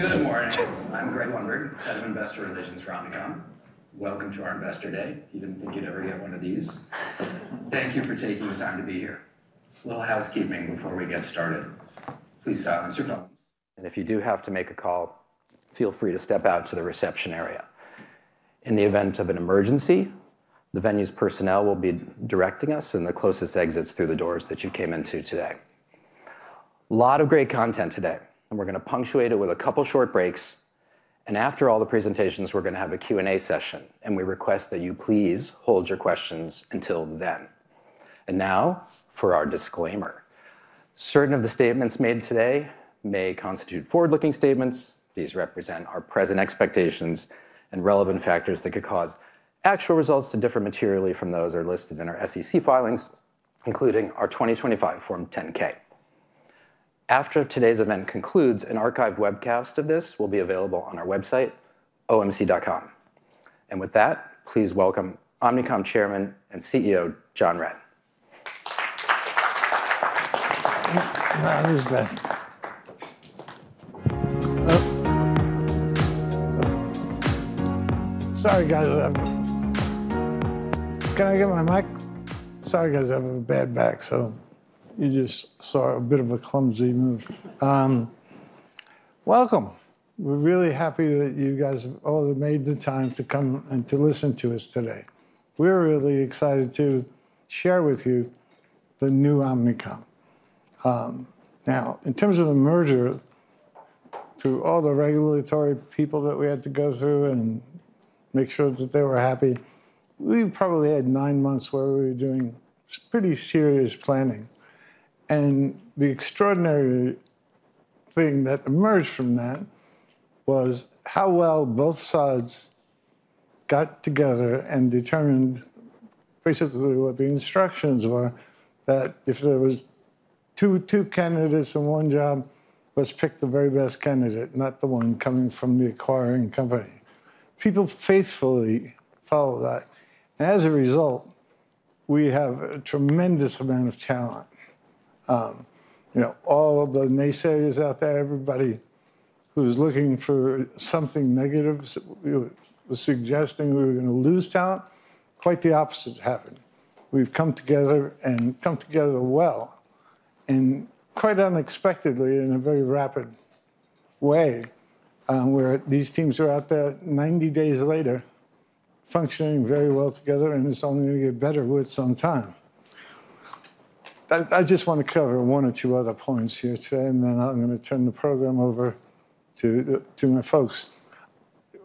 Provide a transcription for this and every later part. Good morning. I'm Greg Lundberg, head of Investor Relations for Omnicom. Welcome to our Investor Day. You didn't think you'd ever get one of these. Thank you for taking the time to be here. A little housekeeping before we get started. Please silence your phones, and if you do have to make a call, feel free to step out to the reception area. In the event of an emergency, the venue's personnel will be directing us in the closest exits through the doors that you came into today. Lot of great content today, and we're gonna punctuate it with a couple short breaks, and after all the presentations, we're gonna have a Q&A session, and we request that you please hold your questions until then. Now for our disclaimer. Certain of the statements made today may constitute forward-looking statements. These represent our present expectations and relevant factors that could cause actual results to differ materially from those that are listed in our SEC filings, including our 2025 Form 10-K. After today's event concludes, an archived webcast of this will be available on our website, omc.com. With that, please welcome Omnicom Chairman and CEO, John Wren. This is bad. Sorry, guys. Can I get my mic? Sorry, guys. I have a bad back, so you just saw a bit of a clumsy move. Welcome. We're really happy that you guys have all made the time to come and to listen to us today. We're really excited to share with you the new Omnicom. Now, in terms of the merger, through all the regulatory people that we had to go through and make sure that they were happy, we probably had nine months where we were doing pretty serious planning. The extraordinary thing that emerged from that was how well both sides got together and determined basically what the instructions were, that if there was two candidates in one job, let's pick the very best candidate, not the one coming from the acquiring company. People faithfully followed that. As a result, we have a tremendous amount of talent. You know, all of the naysayers out there, everybody who's looking for something negative was suggesting we were gonna lose talent, quite the opposite has happened. We've come together and come together well, and quite unexpectedly in a very rapid way, where these teams are out there 90 days later, functioning very well together, and it's only gonna get better with some time. I just wanna cover one or two other points here today, and then I'm gonna turn the program over to my folks.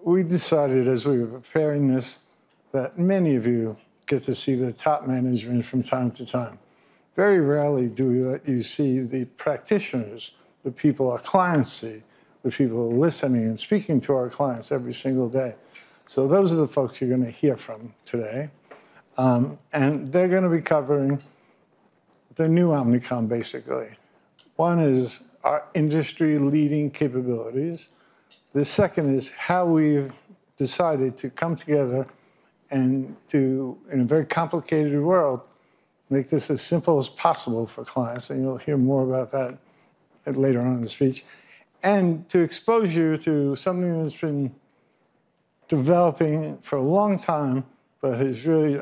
We decided as we were preparing this that many of you get to see the top management from time to time. Very rarely do we let you see the practitioners, the people our clients see, the people who are listening and speaking to our clients every single day. Those are the folks you're gonna hear from today. They're gonna be covering the new Omnicom, basically. One is our industry-leading capabilities. The second is how we've decided to come together and to, in a very complicated world, make this as simple as possible for clients, and you'll hear more about that later on in the speech. To expose you to something that's been developing for a long time, but has really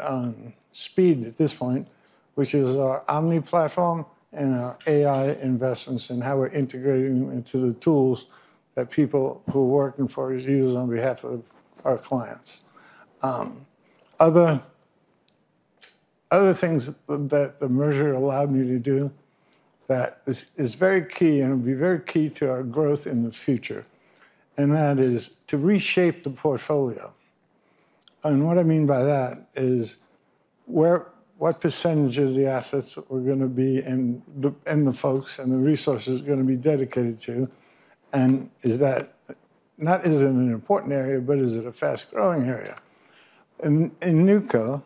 sped up at this point, which is our Omni platform and our AI investments and how we're integrating them into the tools that people who are working for us use on behalf of our clients. Other things that the merger allowed me to do that is very key and will be very key to our growth in the future, and that is to reshape the portfolio. What I mean by that is what percentage of the assets we're gonna be and the folks and the resources are gonna be dedicated to, and is that not an important area, but is it a fast-growing area? In Newco,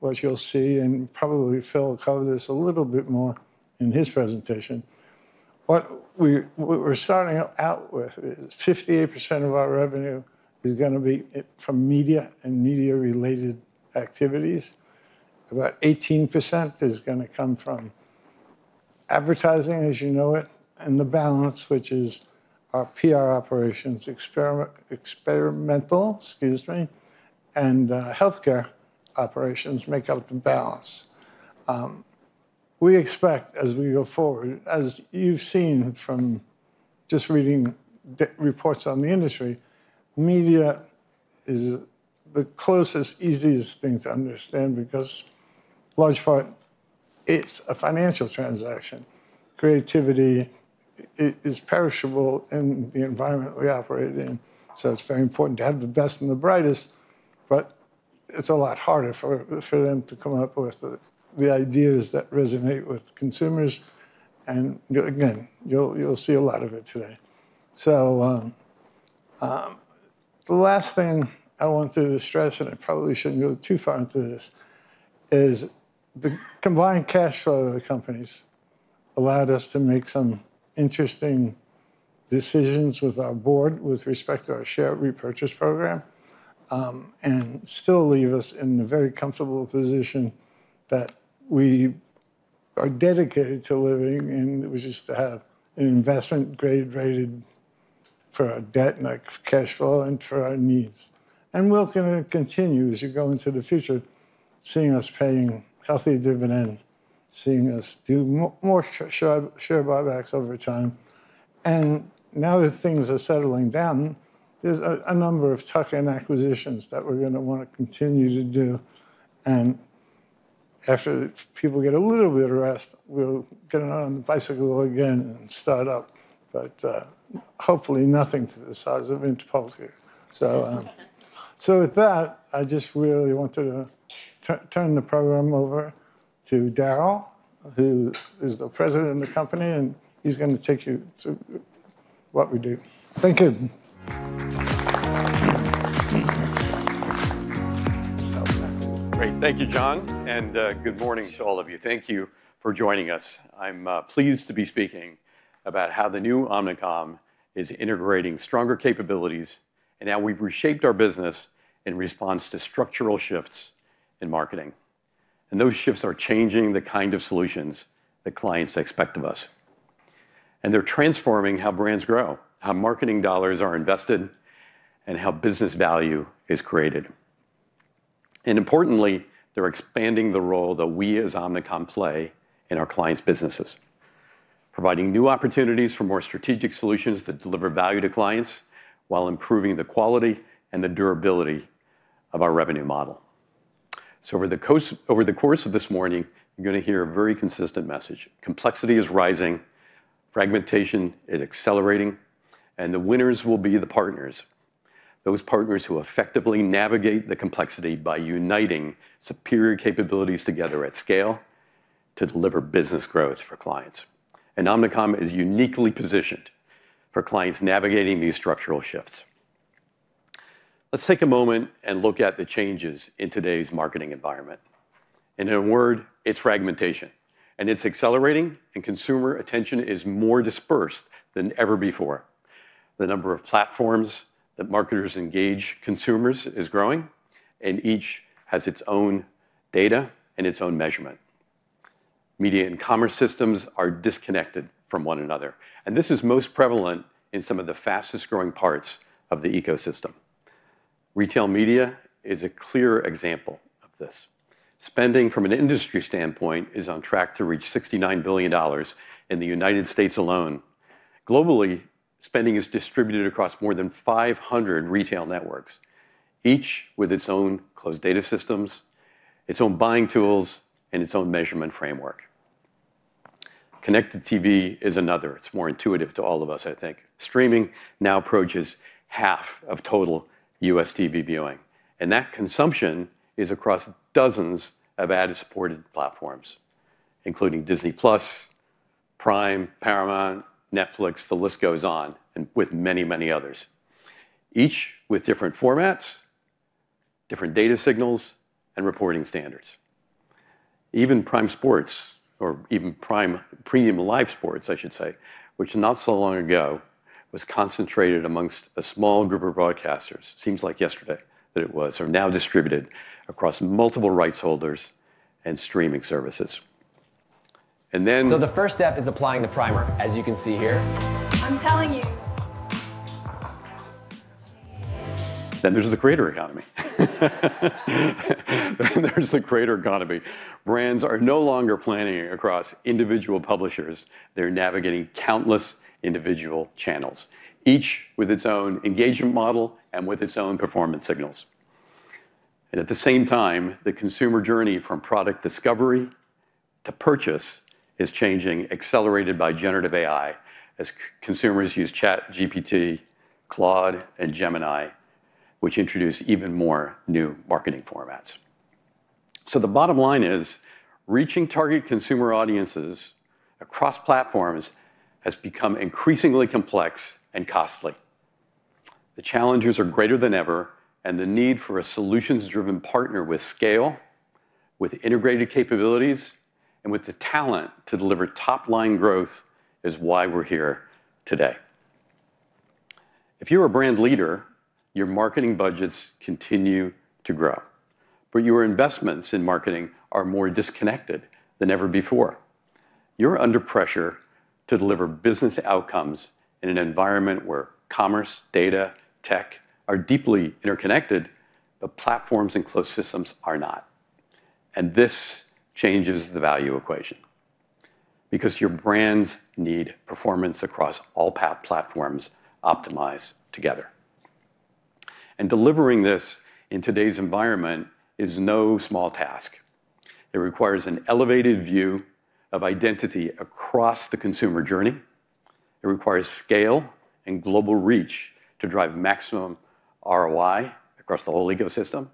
what you'll see, and probably Phil will cover this a little bit more in his presentation, what we're starting out with is 58% of our revenue is gonna be from media and media-related activities. About 18% is gonna come from advertising as you know it, and the balance, which is our PR operations, experimental, and healthcare operations make up the balance. We expect as we go forward, as you've seen from just reading the reports on the industry, media is the closest, easiest thing to understand because a large part, it's a financial transaction. Creativity is perishable in the environment we operate in, so it's very important to have the best and the brightest, but it's a lot harder for them to come up with the ideas that resonate with consumers. Again, you'll see a lot of it today. The last thing I wanted to stress, and I probably shouldn't go too far into this, is the combined cash flow of the companies allowed us to make some interesting decisions with our board with respect to our share repurchase program, and still leave us in the very comfortable position that we are dedicated to living, and it was just to have an investment grade rated for our debt and our cash flow and for our needs. We're gonna continue as you go into the future, seeing us paying healthy dividend, seeing us do more share buybacks over time. Now that things are settling down, there's a number of tuck-in acquisitions that we're gonna wanna continue to do. After people get a little bit of rest, we'll get on the bicycle again and start up. Hopefully nothing to the size of Interpublic. With that, I just really want to turn the program over to Daryl, who is the president of the company, and he's gonna take you to what we do. Thank you. Great. Thank you, John, and good morning to all of you. Thank you for joining us. I'm pleased to be speaking about how the new Omnicom is integrating stronger capabilities and how we've reshaped our business in response to structural shifts in marketing. Those shifts are changing the kind of solutions that clients expect of us. They're transforming how brands grow, how marketing dollars are invested, and how business value is created. Importantly, they're expanding the role that we as Omnicom play in our clients' businesses, providing new opportunities for more strategic solutions that deliver value to clients while improving the quality and the durability of our revenue model. Over the course of this morning, you're gonna hear a very consistent message. Complexity is rising, fragmentation is accelerating, and the winners will be the partners. Those partners who effectively navigate the complexity by uniting superior capabilities together at scale to deliver business growth for clients. Omnicom is uniquely positioned for clients navigating these structural shifts. Let's take a moment and look at the changes in today's marketing environment. In a word, it's fragmentation, and it's accelerating, and consumer attention is more dispersed than ever before. The number of platforms that marketers engage consumers is growing, and each has its own data and its own measurement. Media and commerce systems are disconnected from one another, and this is most prevalent in some of the fastest-growing parts of the ecosystem. Retail Media is a clear example of this. Spending from an industry standpoint is on track to reach $69 billion in the United States alone. Globally, spending is distributed across more than 500 retail networks, each with its own closed data systems, its own buying tools, and its own measurement framework. Connected TV is another. It's more intuitive to all of us, I think. Streaming now approaches half of total U.S. TV viewing, and that consumption is across dozens of ad-supported platforms, including Disney+, Prime, Paramount+, Netflix, the list goes on, and with many, many others. Each with different formats, different data signals, and reporting standards. Even prime sports, or even prime premium live sports, I should say, which not so long ago was concentrated amongst a small group of broadcasters, seems like yesterday that it was, are now distributed across multiple rights holders and streaming services. The first step is applying the primer, as you can see here. I'm telling you. There's the creator economy. Brands are no longer planning across individual publishers. They're navigating countless individual channels, each with its own engagement model and with its own performance signals. At the same time, the consumer journey from product discovery to purchase is changing, accelerated by generative AI as consumers use ChatGPT, Claude, and Gemini, which introduce even more new marketing formats. The bottom line is, reaching target consumer audiences across platforms has become increasingly complex and costly. The challenges are greater than ever, and the need for a solutions-driven partner with scale, with integrated capabilities, and with the talent to deliver top-line growth is why we're here today. If you're a brand leader, your marketing budgets continue to grow. Your investments in marketing are more disconnected than ever before. You're under pressure to deliver business outcomes in an environment where commerce, data, tech are deeply interconnected, but platforms and closed systems are not. This changes the value equation because your brands need performance across all platforms optimized together. Delivering this in today's environment is no small task. It requires an elevated view of identity across the consumer journey. It requires scale and global reach to drive maximum ROI across the whole ecosystem.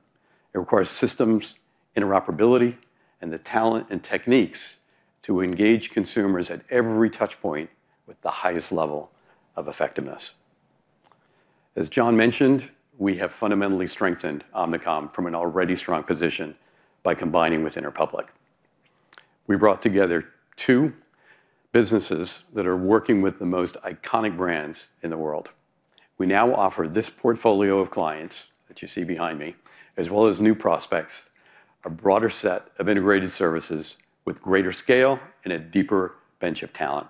It requires systems interoperability and the talent and techniques to engage consumers at every touch point with the highest level of effectiveness. As John mentioned, we have fundamentally strengthened Omnicom from an already strong position by combining with Interpublic. We brought together two businesses that are working with the most iconic brands in the world. We now offer this portfolio of clients, which you see behind me, as well as new prospects, a broader set of integrated services with greater scale and a deeper bench of talent.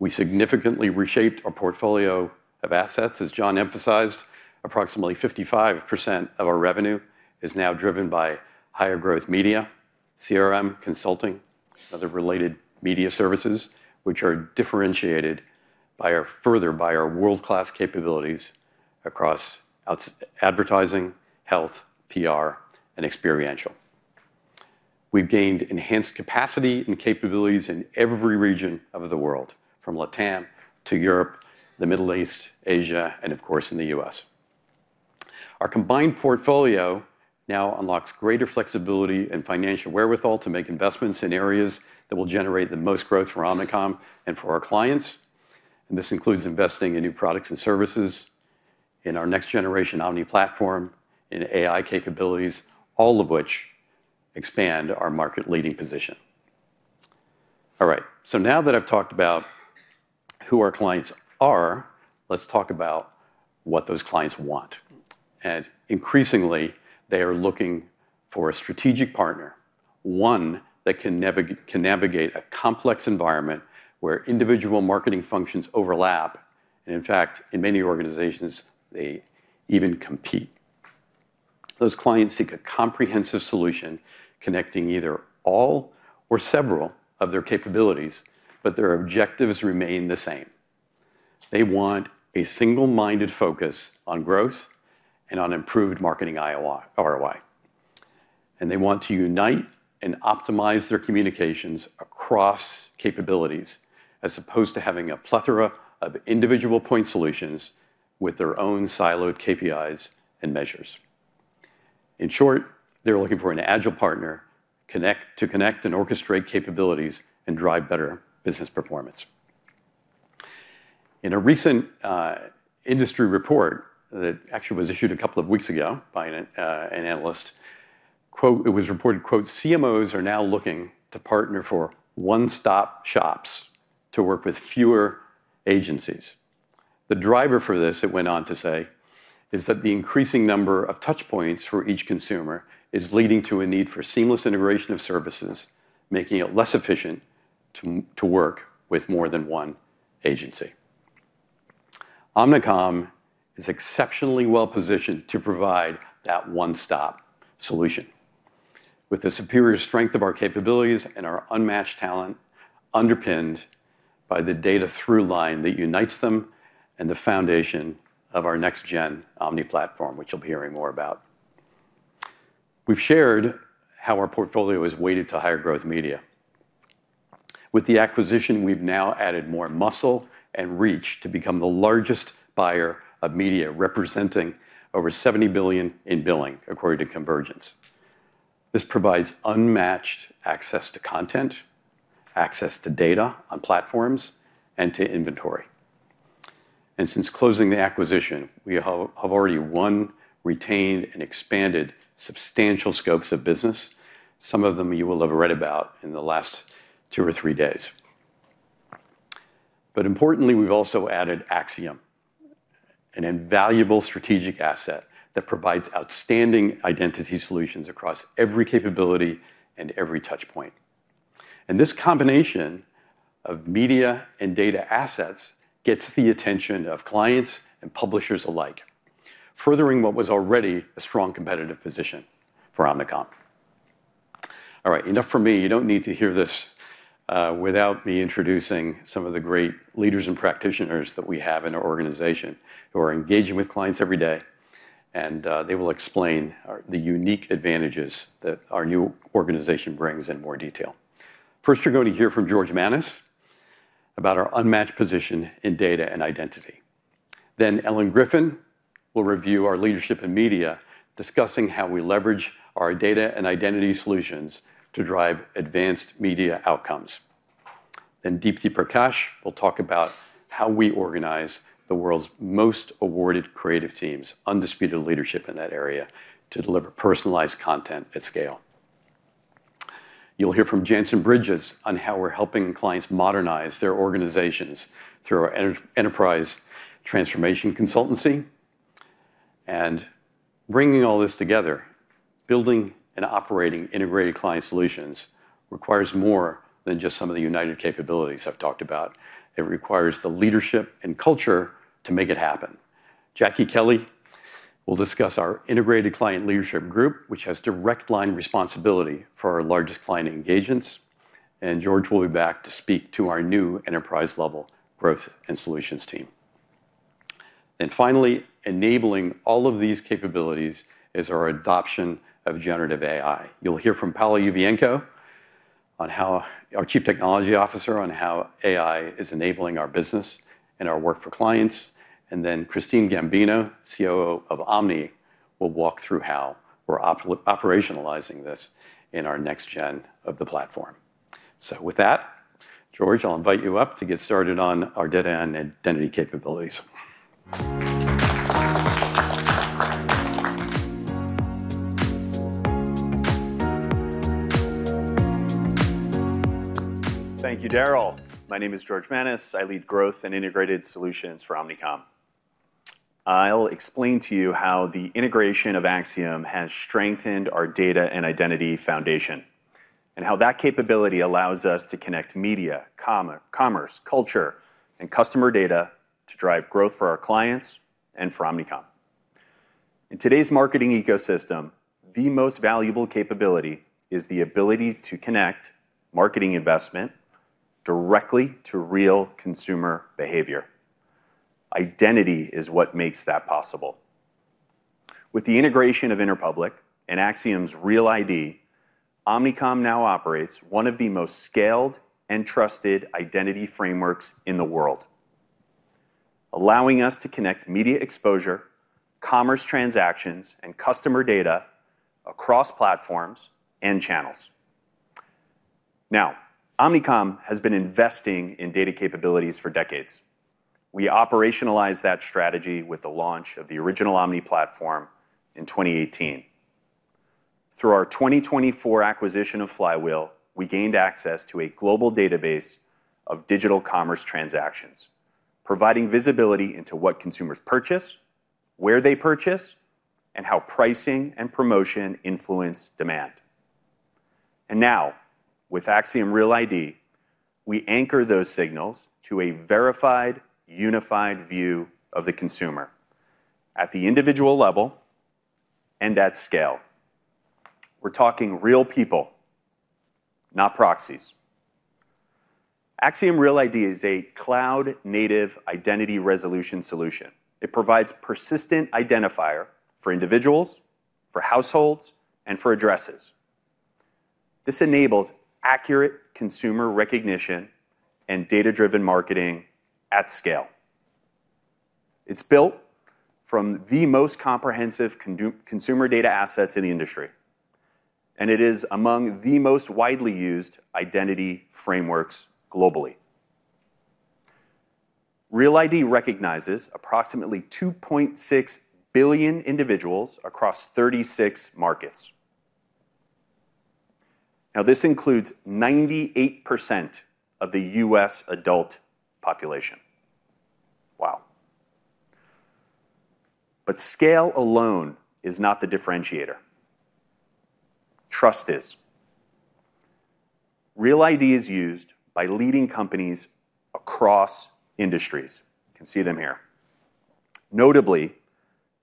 We significantly reshaped our portfolio of assets, as John emphasized. Approximately 55% of our revenue is now driven by higher growth media, CRM consulting, other related media services, which are differentiated further by our world-class capabilities across advertising, health, PR, and experiential. We've gained enhanced capacity and capabilities in every region of the world, from LATAM to Europe, the Middle East, Asia, and of course, in the U.S. Our combined portfolio now unlocks greater flexibility and financial wherewithal to make investments in areas that will generate the most growth for Omnicom and for our clients. This includes investing in new products and services in our next generation Omni platform, in AI capabilities, all of which expand our market-leading position. All right. Now that I've talked about who our clients are, let's talk about what those clients want. Increasingly, they are looking for a strategic partner, one that can navigate a complex environment where individual marketing functions overlap, and in fact, in many organizations, they even compete. Those clients seek a comprehensive solution connecting either all or several of their capabilities, but their objectives remain the same. They want a single-minded focus on growth and on improved marketing ROI. They want to unite and optimize their communications across capabilities, as opposed to having a plethora of individual point solutions with their own siloed KPIs and measures. In short, they're looking for an agile partner to connect and orchestrate capabilities and drive better business performance. In a recent industry report that actually was issued a couple of weeks ago by an analyst, quote, it was reported, quote, "CMOs are now looking to partner for one-stop shops to work with fewer agencies. The driver for this," it went on to say, "is that the increasing number of touchpoints for each consumer is leading to a need for seamless integration of services, making it less efficient to work with more than one agency." Omnicom is exceptionally well-positioned to provide that one-stop solution. With the superior strength of our capabilities and our unmatched talent underpinned by the data through line that unites them and the foundation of our next gen Omni platform, which you'll be hearing more about. We've shared how our portfolio is weighted to higher growth media. With the acquisition, we've now added more muscle and reach to become the largest buyer of media, representing over $70 billion in billing, according to COMvergence. This provides unmatched access to content, access to data on platforms, and to inventory. Since closing the acquisition, we have already won, retained, and expanded substantial scopes of business. Some of them you will have read about in the last two or three days. Importantly, we've also added Acxiom, an invaluable strategic asset that provides outstanding identity solutions across every capability and every touch point. This combination of media and data assets gets the attention of clients and publishers alike, furthering what was already a strong competitive position for Omnicom. All right. Enough from me. You don't need to hear this without me introducing some of the great leaders and practitioners that we have in our organization who are engaging with clients every day, and they will explain the unique advantages that our new organization brings in more detail. First, you're going to hear from George Manas about our unmatched position in data and identity. Ellen Griffin will review our leadership in media, discussing how we leverage our data and identity solutions to drive advanced media outcomes. Deepti Prakash will talk about how we organize the world's most awarded creative teams, undisputed leadership in that area, to deliver personalized content at scale. You'll hear from Jantzen Bridges on how we're helping clients modernize their organizations through our enterprise transformation consultancy. Bringing all this together, building and operating integrated client solutions requires more than just some of the united capabilities I've talked about. It requires the leadership and culture to make it happen. Jacki Kelley will discuss our integrated client leadership group, which has direct line responsibility for our largest client engagements, and George will be back to speak to our new enterprise-level growth and solutions team. Finally, enabling all of these capabilities is our adoption of generative AI. You'll hear from Paolo Yuvienco, our Chief Technology Officer, on how AI is enabling our business and our work for clients. Then Christine Gambino, COO of Omni, will walk through how we're operationalizing this in our next gen of the platform. With that, George, I'll invite you up to get started on our data and identity capabilities. Thank you, Daryl. My name is George Manas. I lead Growth and Integrated Solutions for Omnicom. I'll explain to you how the integration of Acxiom has strengthened our data and identity foundation, and how that capability allows us to connect media, commerce, culture, and customer data to drive growth for our clients and for Omnicom. In today's marketing ecosystem, the most valuable capability is the ability to connect marketing investment directly to real consumer behavior. Identity is what makes that possible. With the integration of Acxiom and Acxiom's Real ID, Omnicom now operates one of the most scaled and trusted identity frameworks in the world, allowing us to connect media exposure, commerce transactions, and customer data across platforms and channels. Now, Omnicom has been investing in data capabilities for decades. We operationalized that strategy with the launch of the original Omni platform in 2018. Through our 2024 acquisition of Flywheel, we gained access to a global database of digital commerce transactions, providing visibility into what consumers purchase, where they purchase, and how pricing and promotion influence demand. Now, with Acxiom Real ID, we anchor those signals to a verified, unified view of the consumer at the individual level and at scale. We're talking real people, not proxies. Acxiom Real ID is a cloud-native identity resolution solution. It provides persistent identifier for individuals, for households, and for addresses. This enables accurate consumer recognition and data-driven marketing at scale. It's built from the most comprehensive consumer data assets in the industry, and it is among the most widely used identity frameworks globally. Real ID recognizes approximately 2.6 billion individuals across 36 markets. Now, this includes 98% of the U.S. adult population. Wow. Scale alone is not the differentiator. Trust is. Real ID is used by leading companies across industries. You can see them here. Notably,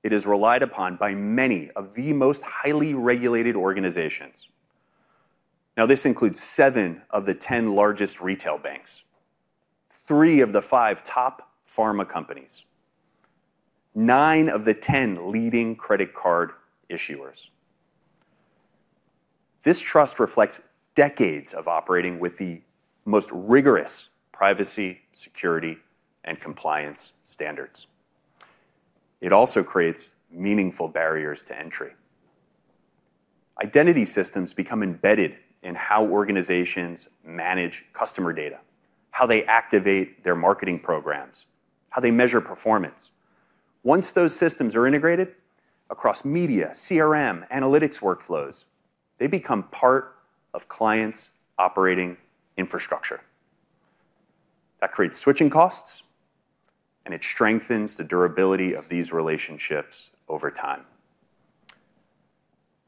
it is relied upon by many of the most highly regulated organizations. Now, this includes seven of the ten largest retail banks, three of the five top pharma companies, nine of the ten leading credit card issuers. This trust reflects decades of operating with the most rigorous privacy, security, and compliance standards. It also creates meaningful barriers to entry. Identity systems become embedded in how organizations manage customer data, how they activate their marketing programs, how they measure performance. Once those systems are integrated across media, CRM, analytics workflows, they become part of clients' operating infrastructure. That creates switching costs, and it strengthens the durability of these relationships over time.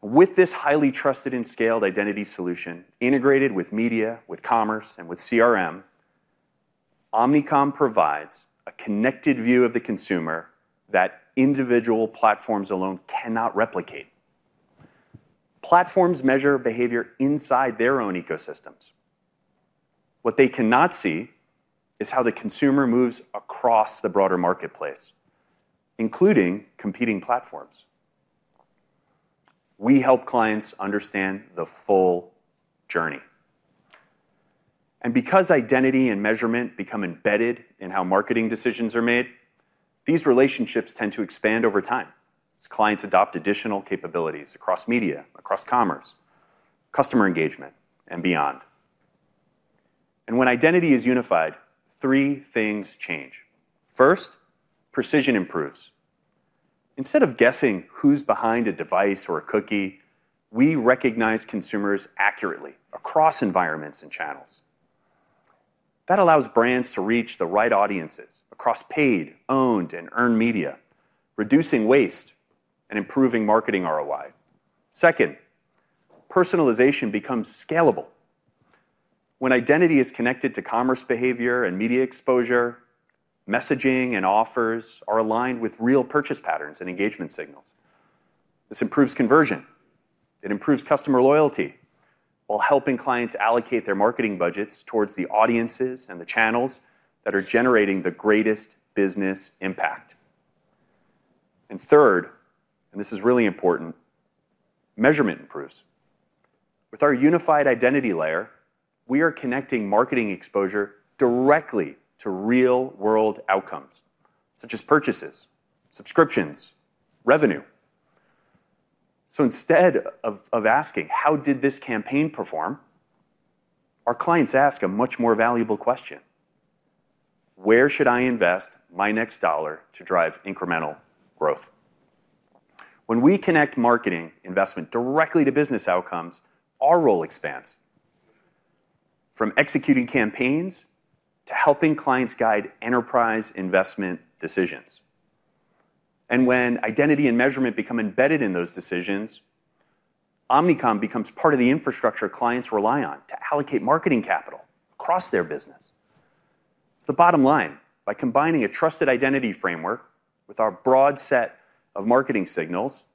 With this highly trusted and scaled identity solution integrated with media, with commerce, and with CRM, Omnicom provides a connected view of the consumer that individual platforms alone cannot replicate. Platforms measure behavior inside their own ecosystems. What they cannot see is how the consumer moves across the broader marketplace, including competing platforms. We help clients understand the full journey. Because identity and measurement become embedded in how marketing decisions are made, these relationships tend to expand over time as clients adopt additional capabilities across media, across commerce, customer engagement, and beyond. When identity is unified, three things change. First, precision improves. Instead of guessing who's behind a device or a cookie, we recognize consumers accurately across environments and channels. That allows brands to reach the right audiences across paid, owned, and earned media, reducing waste and improving marketing ROI. Second, personalization becomes scalable. When identity is connected to commerce behavior and media exposure, messaging and offers are aligned with real purchase patterns and engagement signals. This improves conversion. It improves customer loyalty while helping clients allocate their marketing budgets towards the audiences and the channels that are generating the greatest business impact. Third, and this is really important, measurement improves. With our unified identity layer, we are connecting marketing exposure directly to real-world outcomes, such as purchases, subscriptions, revenue. Instead of asking, "How did this campaign perform?" Our clients ask a much more valuable question. Where should I invest my next dollar to drive incremental growth? When we connect marketing investment directly to business outcomes, our role expands from executing campaigns to helping clients guide enterprise investment decisions. When identity and measurement become embedded in those decisions, Omnicom becomes part of the infrastructure clients rely on to allocate marketing capital across their business. The bottom line, by combining a trusted identity framework with our broad set of marketing signals,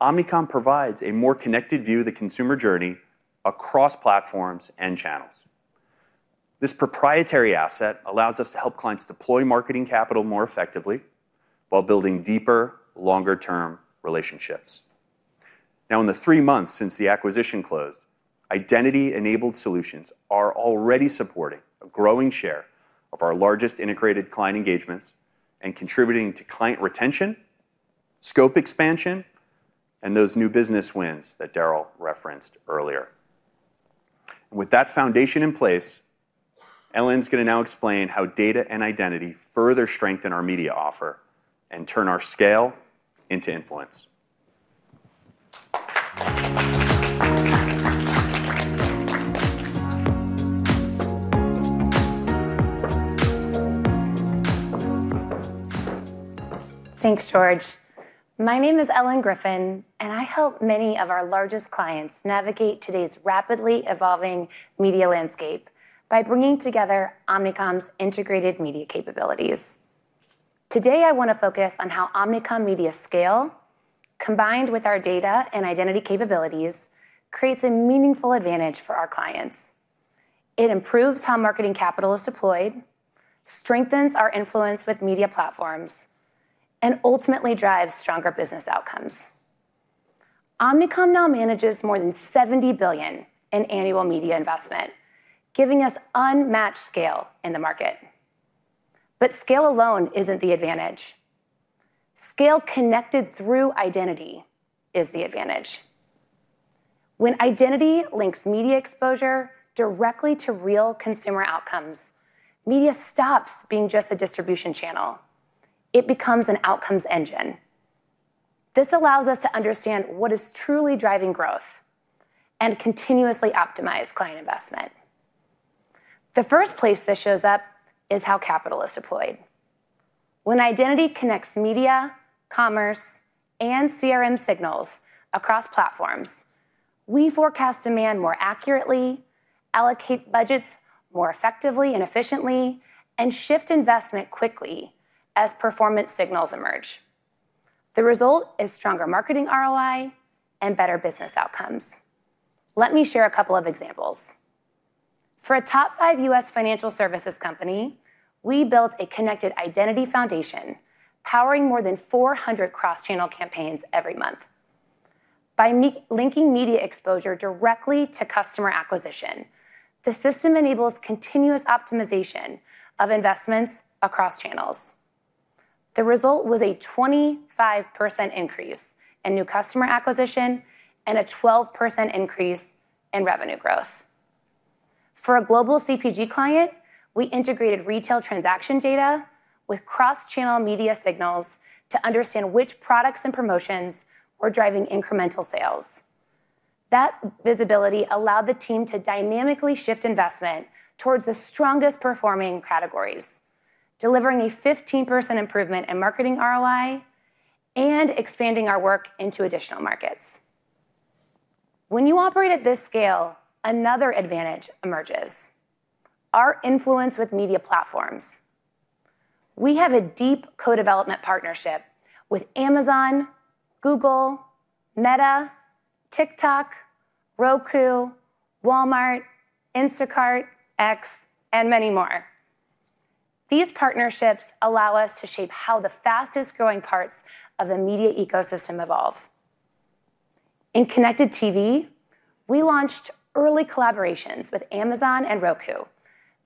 Omnicom provides a more connected view of the consumer journey across platforms and channels. This proprietary asset allows us to help clients deploy marketing capital more effectively while building deeper, longer-term relationships. Now, in the three months since the acquisition closed, identity-enabled solutions are already supporting a growing share of our largest integrated client engagements and contributing to client retention, scope expansion, and those new business wins that Daryl referenced earlier. With that foundation in place, Ellen is gonna now explain how data and identity further strengthen our media offer and turn our scale into influence. Thanks, George. My name is Ellen Griffin, and I help many of our largest clients navigate today's rapidly evolving media landscape by bringing together Omnicom's integrated media capabilities. Today, I wanna focus on how Omnicom media scale, combined with our data and identity capabilities, creates a meaningful advantage for our clients. It improves how marketing capital is deployed, strengthens our influence with media platforms, and ultimately drives stronger business outcomes. Omnicom now manages more than $70 billion in annual media investment, giving us unmatched scale in the market. Scale alone isn't the advantage. Scale connected through identity is the advantage. When identity links media exposure directly to real consumer outcomes, media stops being just a distribution channel. It becomes an outcomes engine. This allows us to understand what is truly driving growth and continuously optimize client investment. The first place this shows up is how capital is deployed. When identity connects media, commerce, and CRM signals across platforms, we forecast demand more accurately, allocate budgets more effectively and efficiently, and shift investment quickly as performance signals emerge. The result is stronger marketing ROI and better business outcomes. Let me share a couple of examples. For a top five U.S. financial services company, we built a connected identity foundation powering more than 400 cross-channel campaigns every month. By linking media exposure directly to customer acquisition, the system enables continuous optimization of investments across channels. The result was a 25% increase in new customer acquisition and a 12% increase in revenue growth. For a global CPG client, we integrated retail transaction data with cross-channel media signals to understand which products and promotions were driving incremental sales. That visibility allowed the team to dynamically shift investment towards the strongest performing categories, delivering a 15% improvement in marketing ROI and expanding our work into additional markets. When you operate at this scale, another advantage emerges, our influence with media platforms. We have a deep co-development partnership with Amazon, Google, Meta, TikTok, Roku, Walmart, Instacart, X, and many more. These partnerships allow us to shape how the fastest-growing parts of the media ecosystem evolve. In connected TV, we launched early collaborations with Amazon and Roku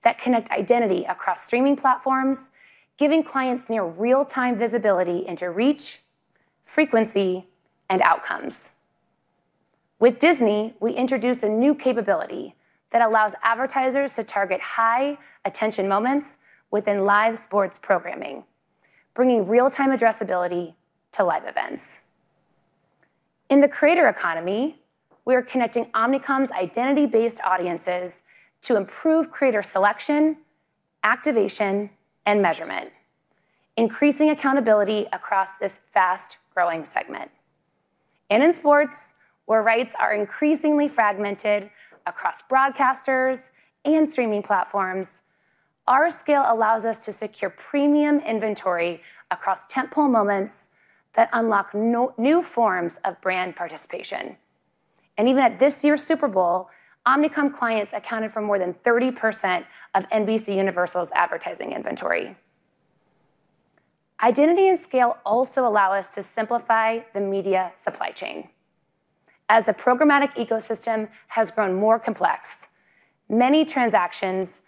that connect identity across streaming platforms, giving clients near real-time visibility into reach, frequency, and outcomes. With Disney, we introduced a new capability that allows advertisers to target high attention moments within live sports programming, bringing real-time addressability to live events. In the creator economy, we are connecting Omnicom's identity-based audiences to improve creator selection, activation, and measurement, increasing accountability across this fast-growing segment. In sports, where rights are increasingly fragmented across broadcasters and streaming platforms, our scale allows us to secure premium inventory across tentpole moments that unlock novel forms of brand participation. Even at this year's Super Bowl, Omnicom clients accounted for more than 30% of NBCUniversal's advertising inventory. Identity and scale also allow us to simplify the media supply chain. As the programmatic ecosystem has grown more complex, many transactions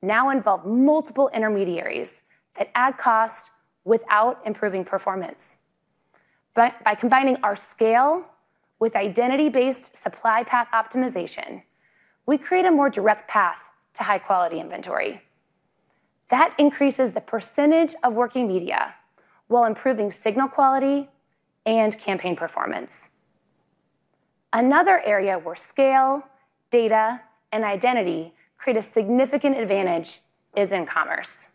now involve multiple intermediaries that add cost without improving performance. By combining our scale with identity-based supply path optimization, we create a more direct path to high-quality inventory. That increases the percentage of working media while improving signal quality and campaign performance. Another area where scale, data, and identity create a significant advantage is in commerce.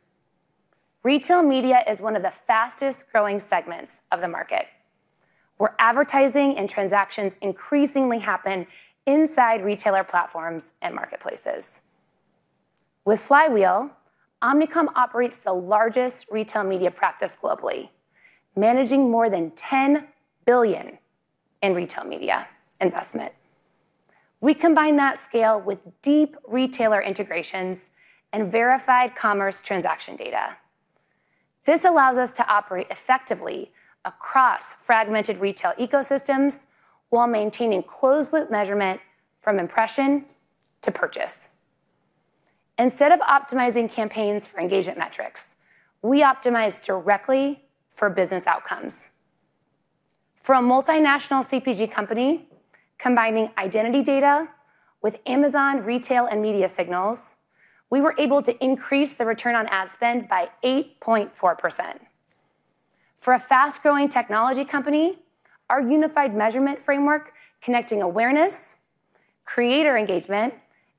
Retail media is one of the fastest-growing segments of the market, where advertising and transactions increasingly happen inside retailer platforms and marketplaces. With Flywheel, Omnicom operates the largest retail media practice globally, managing more than $10 billion in retail media investment. We combine that scale with deep retailer integrations and verified commerce transaction data. This allows us to operate effectively across fragmented retail ecosystems while maintaining closed-loop measurement from impression to purchase. Instead of optimizing campaigns for engagement metrics, we optimize directly for business outcomes. For a multinational CPG company, combining identity data with Amazon retail and media signals, we were able to increase the return on ad spend by 8.4%. For a fast-growing technology company, our unified measurement framework connecting awareness, creator engagement,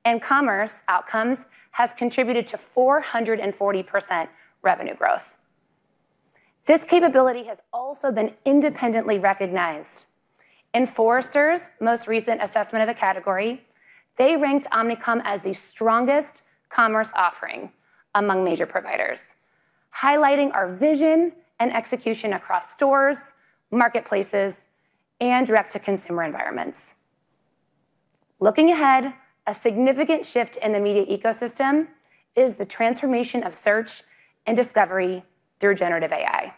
and commerce outcomes has contributed to 440% revenue growth. This capability has also been independently recognized. In Forrester's most recent assessment of the category, they ranked Omnicom as the strongest commerce offering among major providers, highlighting our vision and execution across stores, marketplaces, and direct-to-consumer environments. Looking ahead, a significant shift in the media ecosystem is the transformation of search and discovery through generative AI.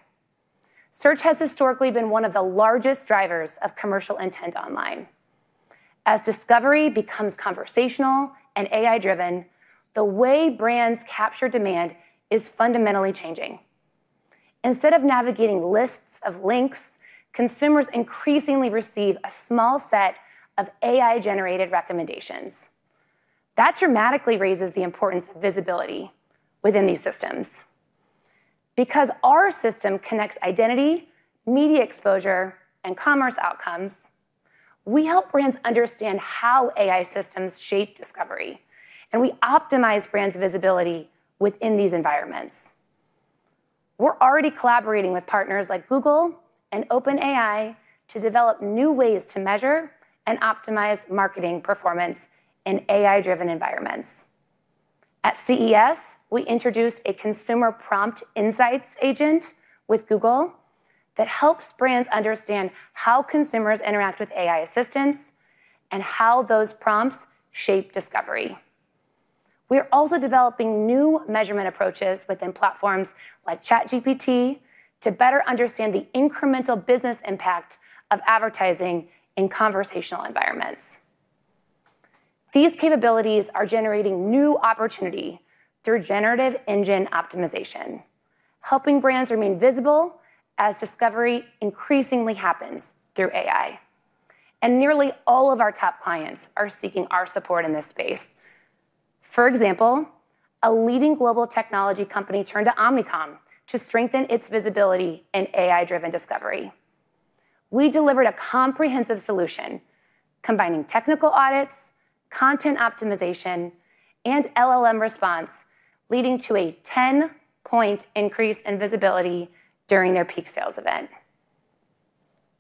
Search has historically been one of the largest drivers of commercial intent online. As discovery becomes conversational and AI-driven, the way brands capture demand is fundamentally changing. Instead of navigating lists of links, consumers increasingly receive a small set of AI-generated recommendations. That dramatically raises the importance of visibility within these systems. Because our system connects identity, media exposure, and commerce outcomes, we help brands understand how AI systems shape discovery, and we optimize brands' visibility within these environments. We're already collaborating with partners like Google and OpenAI to develop new ways to measure and optimize marketing performance in AI-driven environments. At CES, we introduced a consumer prompt insights agent with Google that helps brands understand how consumers interact with AI assistants and how those prompts shape discovery. We are also developing new measurement approaches within platforms like ChatGPT to better understand the incremental business impact of advertising in conversational environments. These capabilities are generating new opportunity through Generative Engine Optimization, helping brands remain visible as discovery increasingly happens through AI. Nearly all of our top clients are seeking our support in this space. For example, a leading global technology company turned to Omnicom to strengthen its visibility in AI-driven discovery. We delivered a comprehensive solution combining technical audits, content optimization, and LLM response, leading to a 10-point increase in visibility during their peak sales event.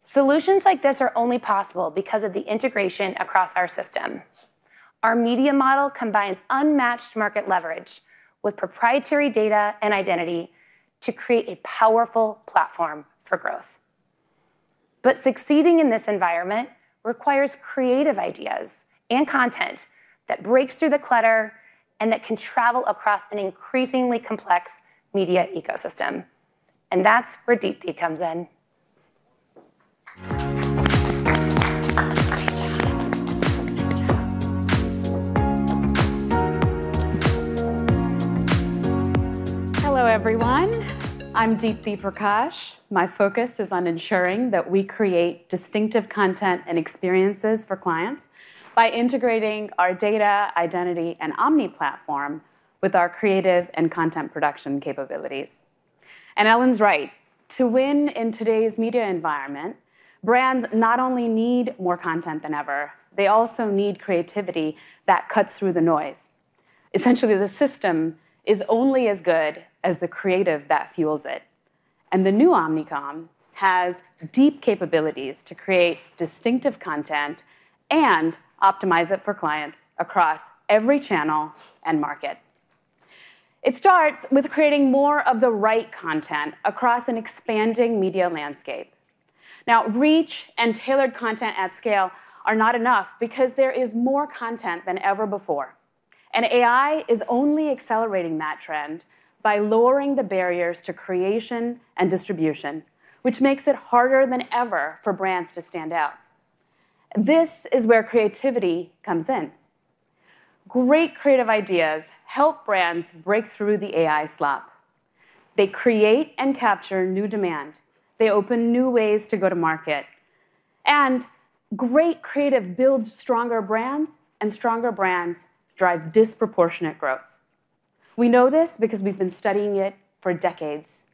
Solutions like this are only possible because of the integration across our system. Our media model combines unmatched market leverage with proprietary data and identity to create a powerful platform for growth. Succeeding in this environment requires creative ideas and content that breaks through the clutter and that can travel across an increasingly complex media ecosystem. That's where Deepti comes in. Hello, everyone. I'm Deepti Prakash. My focus is on ensuring that we create distinctive content and experiences for clients by integrating our data, identity, and Omni platform with our creative and content production capabilities. Ellen's right. To win in today's media environment, brands not only need more content than ever, they also need creativity that cuts through the noise. Essentially, the system is only as good as the creative that fuels it. The new Omnicom has deep capabilities to create distinctive content and optimize it for clients across every channel and market. It starts with creating more of the right content across an expanding media landscape. Now, reach and tailored content at scale are not enough because there is more content than ever before. AI is only accelerating that trend by lowering the barriers to creation and distribution, which makes it harder than ever for brands to stand out. This is where creativity comes in. Great creative ideas help brands break through the AI slop. They create and capture new demand. They open new ways to go to market. Great creative builds stronger brands, and stronger brands drive disproportionate growth. We know this because we've been studying it for decades.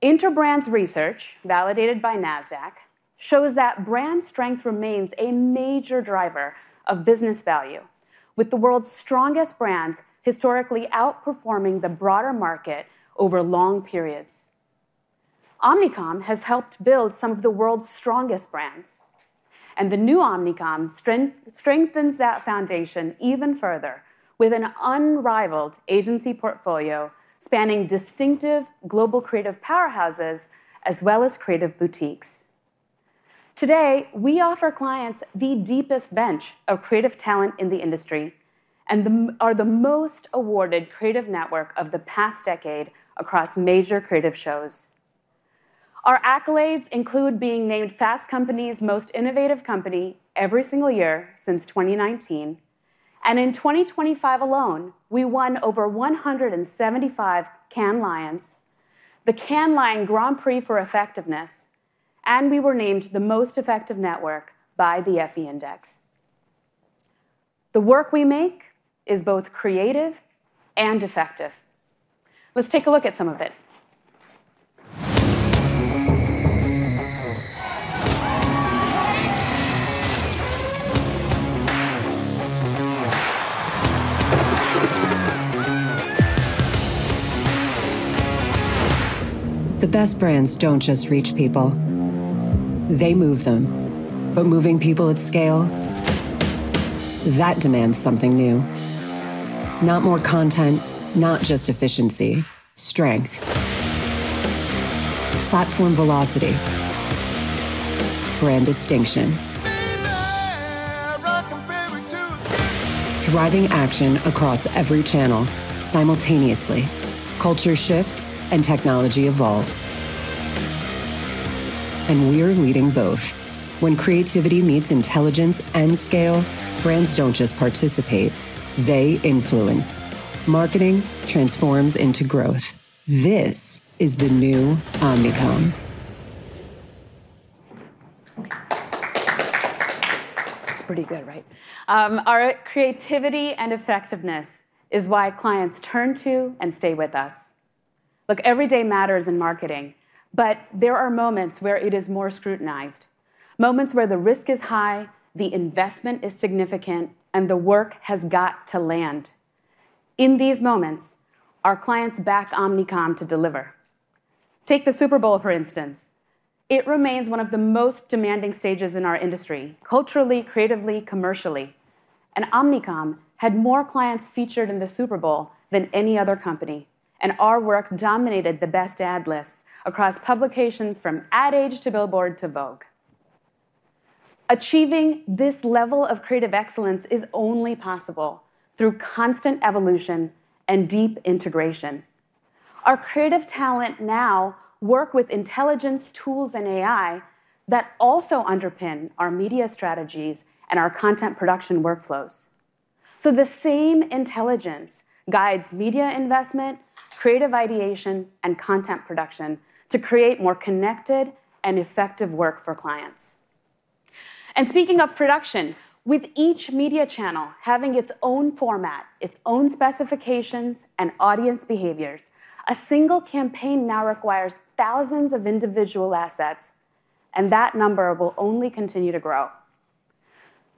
Interbrand's research, validated by Nasdaq, shows that brand strength remains a major driver of business value, with the world's strongest brands historically outperforming the broader market over long periods. Omnicom has helped build some of the world's strongest brands, and the new Omnicom strengthens that foundation even further with an unrivaled agency portfolio spanning distinctive global creative powerhouses as well as creative boutiques. Today, we offer clients the deepest bench of creative talent in the industry and are the most awarded creative network of the past decade across major creative shows. Our accolades include being named Fast Company's Most Innovative Company every single year since 2019, and in 2025 alone, we won over 175 Cannes Lions, the Cannes Lions Grand Prix for Effectiveness, and we were named the most effective network by the Effie Index. The work we make is both creative and effective. Let's take a look at some of it. The best brands don't just reach people, they move them. Moving people at scale, that demands something new. Not more content, not just efficiency. Strength. Platform velocity. Brand distinction. Driving action across every channel simultaneously. Culture shifts and technology evolves. We're leading both. When creativity meets intelligence and scale, brands don't just participate, they influence. Marketing transforms into growth. This is the new Omnicom. That's pretty good, right? Our creativity and effectiveness is why clients turn to and stay with us. Look, every day matters in marketing, but there are moments where it is more scrutinized. Moments where the risk is high, the investment is significant, and the work has got to land. In these moments, our clients back Omnicom to deliver. Take the Super Bowl, for instance. It remains one of the most demanding stages in our industry, culturally, creatively, commercially. Omnicom had more clients featured in the Super Bowl than any other company, and our work dominated the best ad lists across publications from Ad Age to Billboard to Vogue. Achieving this level of creative excellence is only possible through constant evolution and deep integration. Our creative talent now work with intelligence tools and AI that also underpin our media strategies and our content production workflows. The same intelligence guides media investment, creative ideation, and content production to create more connected and effective work for clients. Speaking of production, with each media channel having its own format, its own specifications and audience behaviors, a single campaign now requires thousands of individual assets, and that number will only continue to grow.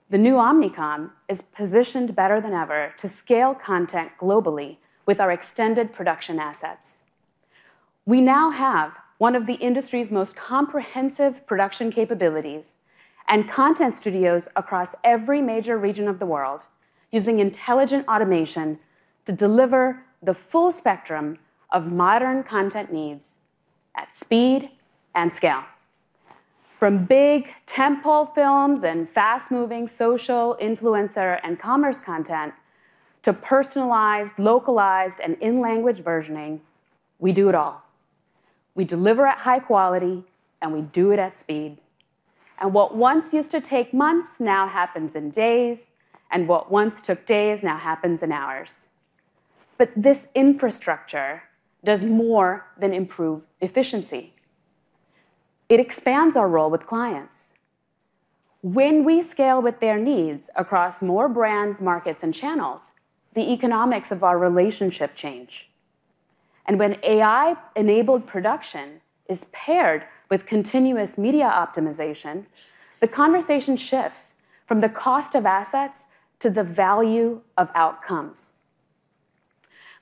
The new Omnicom is positioned better than ever to scale content globally with our extended production assets. We now have one of the industry's most comprehensive production capabilities and content studios across every major region of the world using intelligent automation to deliver the full spectrum of modern content needs at speed and scale. From big tent-pole films and fast-moving social influencer and commerce content to personalized, localized, and in-language versioning, we do it all. We deliver at high quality, and we do it at speed. What once used to take months now happens in days, and what once took days now happens in hours. This infrastructure does more than improve efficiency. It expands our role with clients. When we scale with their needs across more brands, markets, and channels, the economics of our relationship change. When AI-enabled production is paired with continuous media optimization, the conversation shifts from the cost of assets to the value of outcomes.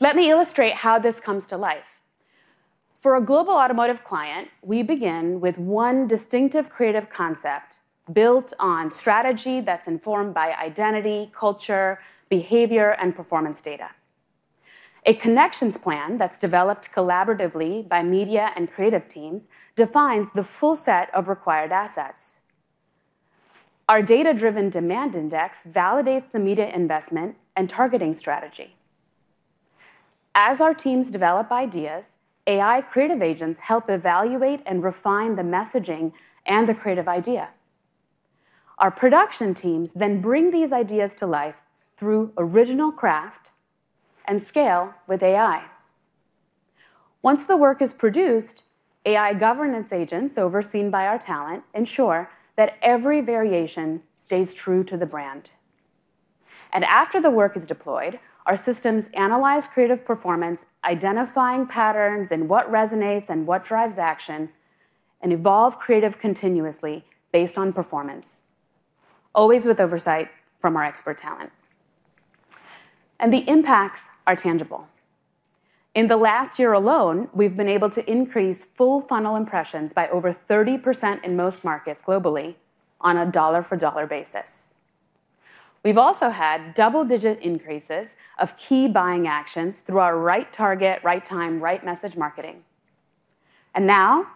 Let me illustrate how this comes to life. For a global automotive client, we begin with one distinctive creative concept built on strategy that's informed by identity, culture, behavior, and performance data. A connections plan that's developed collaboratively by media and creative teams defines the full set of required assets. Our data-driven demand index validates the media investment and targeting strategy. As our teams develop ideas, AI creative agents help evaluate and refine the messaging and the creative idea. Our production teams then bring these ideas to life through original craft and scale with AI. Once the work is produced, AI governance agents, overseen by our talent, ensure that every variation stays true to the brand. After the work is deployed, our systems analyze creative performance, identifying patterns and what resonates and what drives action, and evolve creative continuously based on performance, always with oversight from our expert talent. The impacts are tangible. In the last year alone, we've been able to increase full funnel impressions by over 30% in most markets globally on a dollar-for-dollar basis. We've also had double-digit increases of key buying actions through our right target, right time, right message marketing. Now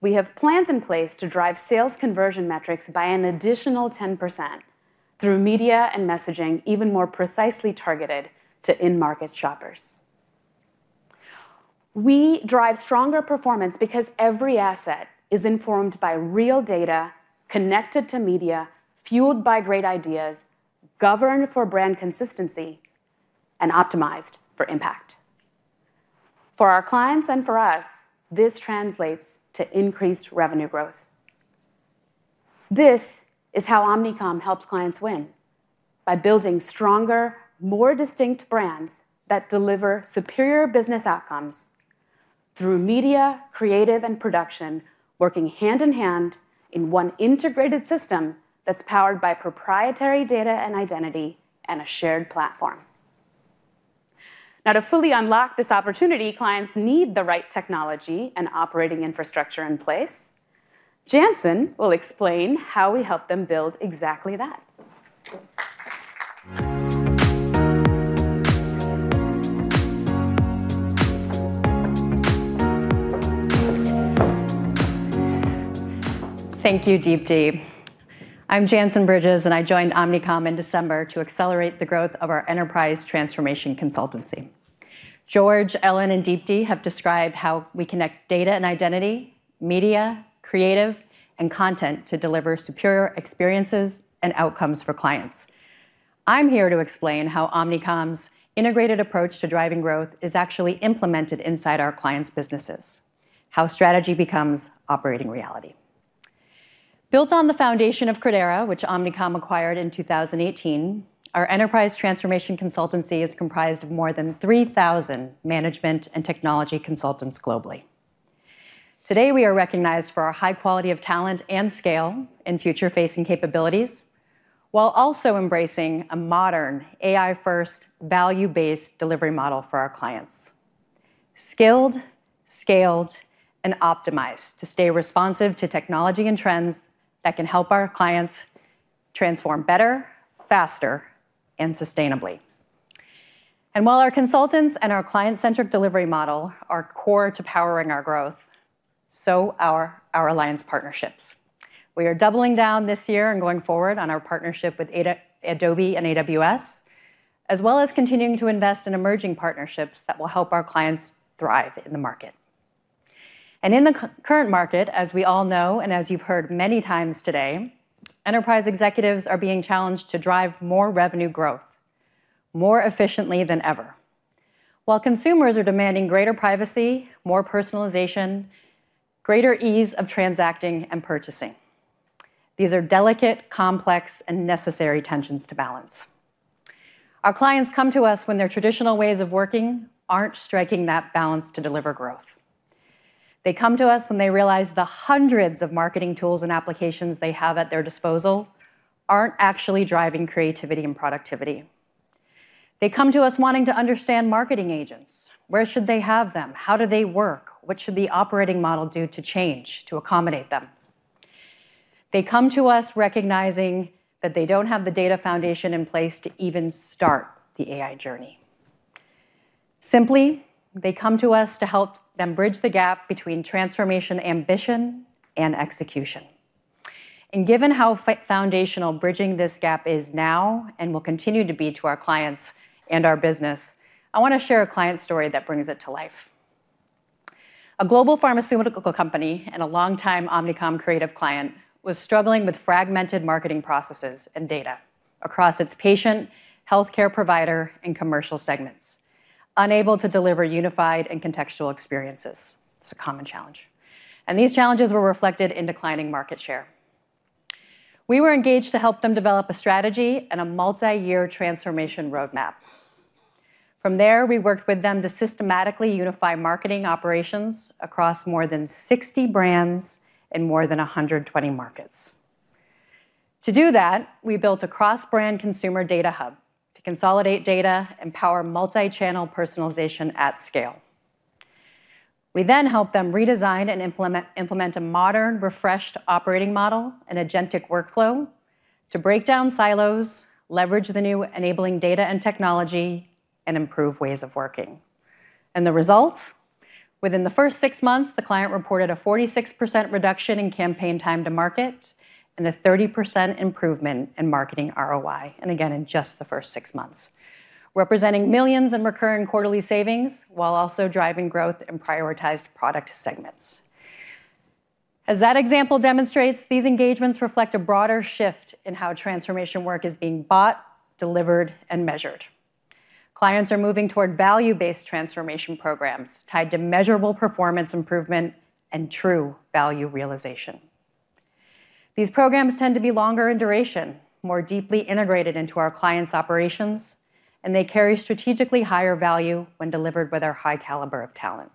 we have plans in place to drive sales conversion metrics by an additional 10% through media and messaging even more precisely targeted to in-market shoppers. We drive stronger performance because every asset is informed by real data, connected to media, fueled by great ideas, governed for brand consistency, and optimized for impact. For our clients and for us, this translates to increased revenue growth. This is how Omnicom helps clients win by building stronger, more distinct brands that deliver superior business outcomes through media, creative, and production working hand in hand in one integrated system that's powered by proprietary data and identity and a shared platform. Now to fully unlock this opportunity, clients need the right technology and operating infrastructure in place. Jantzen will explain how we help them build exactly that. Thank you, Deepti. I'm Jantzen Bridges, and I joined Omnicom in December to accelerate the growth of our enterprise transformation consultancy. George, Ellen, and Deepti have described how we connect data and identity, media, creative, and content to deliver superior experiences and outcomes for clients. I'm here to explain how Omnicom's integrated approach to driving growth is actually implemented inside our clients' businesses. How strategy becomes operating reality. Built on the foundation of Credera, which Omnicom acquired in 2018, our enterprise transformation consultancy is comprised of more than 3,000 management and technology consultants globally. Today, we are recognized for our high quality of talent and scale in future-facing capabilities, while also embracing a modern AI-first value-based delivery model for our clients. Skilled, scaled, and optimized to stay responsive to technology and trends that can help our clients transform better, faster, and sustainably. While our consultants and our client-centric delivery model are core to powering our growth, so are our alliance partnerships. We are doubling down this year and going forward on our partnership with Adobe and AWS, as well as continuing to invest in emerging partnerships that will help our clients thrive in the market. In the current market, as we all know and as you've heard many times today, enterprise executives are being challenged to drive more revenue growth more efficiently than ever. While consumers are demanding greater privacy, more personalization, greater ease of transacting and purchasing. These are delicate, complex and necessary tensions to balance. Our clients come to us when their traditional ways of working aren't striking that balance to deliver growth. They come to us when they realize the hundreds of marketing tools and applications they have at their disposal aren't actually driving creativity and productivity. They come to us wanting to understand marketing agents. Where should they have them? How do they work? What should the operating model do to change to accommodate them? They come to us recognizing that they don't have the data foundation in place to even start the AI journey. Simply, they come to us to help them bridge the gap between transformation ambition and execution. Given how foundational bridging this gap is now and will continue to be to our clients and our business, I wanna share a client story that brings it to life. A global pharmaceutical company and a long-time Omnicom creative client was struggling with fragmented marketing processes and data across its patient, healthcare provider, and commercial segments, unable to deliver unified and contextual experiences. It's a common challenge. These challenges were reflected in declining market share. We were engaged to help them develop a strategy and a multi-year transformation roadmap. From there, we worked with them to systematically unify marketing operations across more than 60 brands in more than 120 markets. To do that, we built a cross-brand consumer data hub to consolidate data and power multi-channel personalization at scale. We then helped them redesign and implement a modern, refreshed operating model and agentic workflow to break down silos, leverage the new enabling data and technology, and improve ways of working. The results. Within the first six months, the client reported a 46% reduction in campaign time to market and a 30% improvement in marketing ROI, and again, in just the first six months, representing millions in recurring quarterly savings while also driving growth in prioritized product segments. As that example demonstrates, these engagements reflect a broader shift in how transformation work is being bought, delivered, and measured. Clients are moving toward value-based transformation programs tied to measurable performance improvement and true value realization. These programs tend to be longer in duration, more deeply integrated into our clients' operations, and they carry strategically higher value when delivered with our high caliber of talent.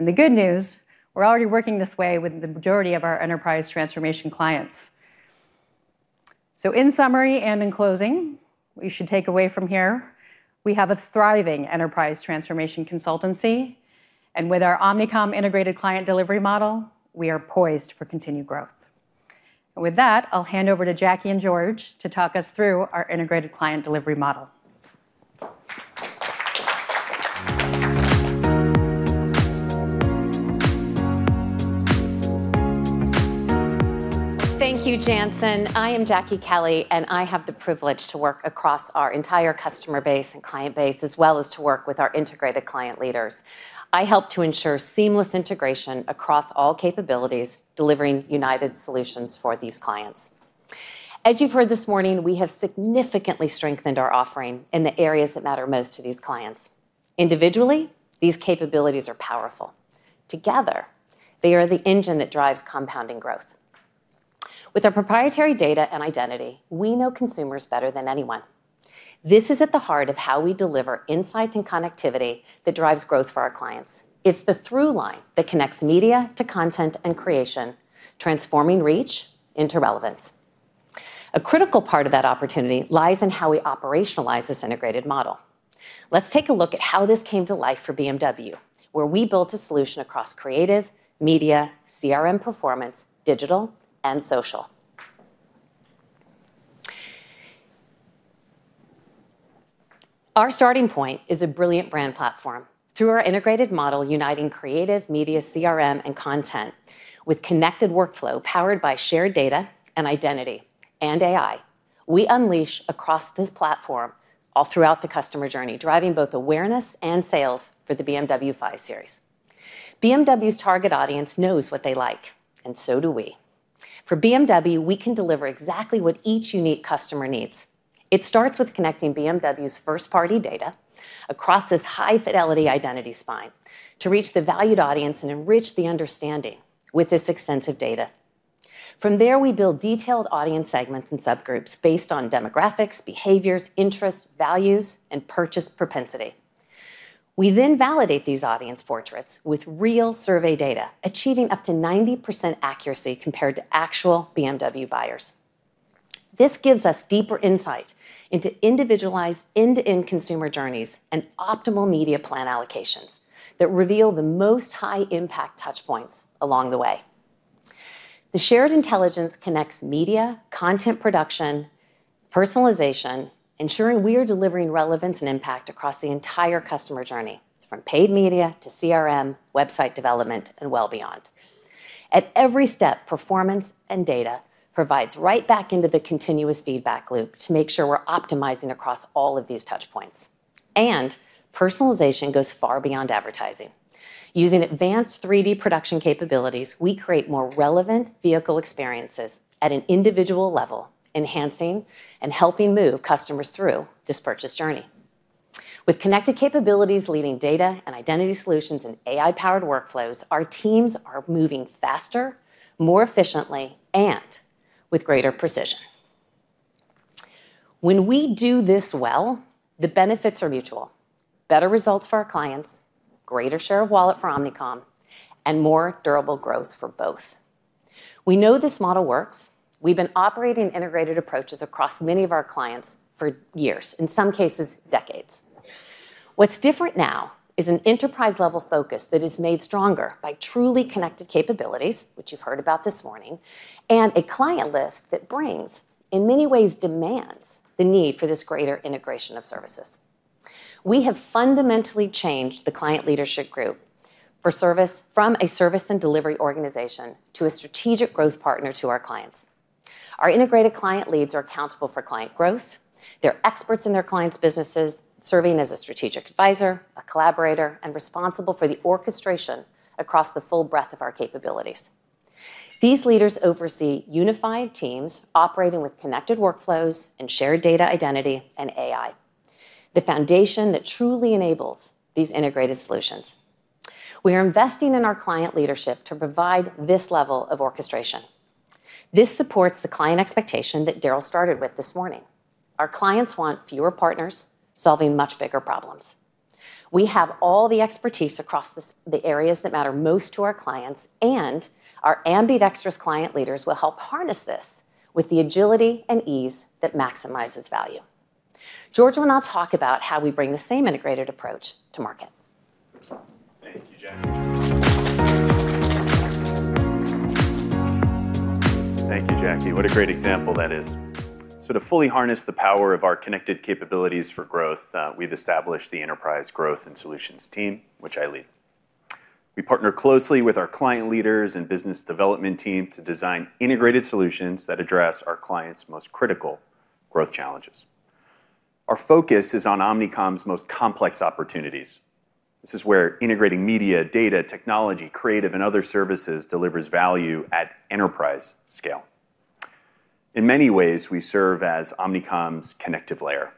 The good news, we're already working this way with the majority of our enterprise transformation clients. In summary and in closing, you should take away from here, we have a thriving enterprise transformation consultancy, and with our Omnicom integrated client delivery model, we are poised for continued growth. With that, I'll hand over to Jacki and George to talk us through our integrated client delivery model. Thank you, Jantzen. I am Jacki Kelley, and I have the privilege to work across our entire customer base and client base, as well as to work with our integrated client leaders. I help to ensure seamless integration across all capabilities, delivering united solutions for these clients. As you've heard this morning, we have significantly strengthened our offering in the areas that matter most to these clients. Individually, these capabilities are powerful. Together, they are the engine that drives compounding growth. With our proprietary data and identity, we know consumers better than anyone. This is at the heart of how we deliver insight and connectivity that drives growth for our clients. It's the through line that connects media to content and creation, transforming reach into relevance. A critical part of that opportunity lies in how we operationalize this integrated model. Let's take a look at how this came to life for BMW, where we built a solution across creative, media, CRM performance, digital, and social. Our starting point is a brilliant brand platform. Through our integrated model uniting creative, media, CRM, and content with connected workflow powered by shared data and identity and AI, we unleash across this platform all throughout the customer journey, driving both awareness and sales for the BMW 5 Series. BMW's target audience knows what they like, and so do we. For BMW, we can deliver exactly what each unique customer needs. It starts with connecting BMW's first-party data across this high-fidelity identity spine to reach the valued audience and enrich the understanding with this extensive data. From there, we build detailed audience segments and subgroups based on demographics, behaviors, interests, values, and purchase propensity. We validate these audience portraits with real survey data, achieving up to 90% accuracy compared to actual BMW buyers. This gives us deeper insight into individualized end-to-end consumer journeys and optimal media plan allocations that reveal the most high impact touchpoints along the way. The shared intelligence connects media, content production, personalization, ensuring we are delivering relevance and impact across the entire customer journey, from paid media to CRM, website development, and well beyond. At every step, performance and data provides right back into the continuous feedback loop to make sure we're optimizing across all of these touchpoints. Personalization goes far beyond advertising. Using advanced 3D production capabilities, we create more relevant vehicle experiences at an individual level, enhancing and helping move customers through this purchase journey. With connected capabilities leading data and identity solutions and AI-powered workflows, our teams are moving faster, more efficiently, and with greater precision. When we do this well, the benefits are mutual. Better results for our clients, greater share of wallet for Omnicom, and more durable growth for both. We know this model works. We've been operating integrated approaches across many of our clients for years, in some cases, decades. What's different now is an enterprise-level focus that is made stronger by truly connected capabilities, which you've heard about this morning, and a client list that brings, in many ways demands, the need for this greater integration of services. We have fundamentally changed the client leadership group from a service and delivery organization to a strategic growth partner to our clients. Our integrated client leads are accountable for client growth. They're experts in their clients' businesses, serving as a strategic advisor, a collaborator, and responsible for the orchestration across the full breadth of our capabilities. These leaders oversee unified teams operating with connected workflows and shared data identity and AI, the foundation that truly enables these integrated solutions. We are investing in our client leadership to provide this level of orchestration. This supports the client expectation that Daryl started with this morning. Our clients want fewer partners solving much bigger problems. We have all the expertise across the areas that matter most to our clients, and our ambidextrous client leaders will help harness this with the agility and ease that maximizes value. George will now talk about how we bring the same integrated approach to market. Thank you, Jacki. What a great example that is. To fully harness the power of our connected capabilities for growth, we've established the Enterprise Growth and Solutions team, which I lead. We partner closely with our client leaders and business development team to design integrated solutions that address our clients' most critical growth challenges. Our focus is on Omnicom's most complex opportunities. This is where integrating media, data, technology, creative, and other services delivers value at enterprise scale. In many ways, we serve as Omnicom's connective layer,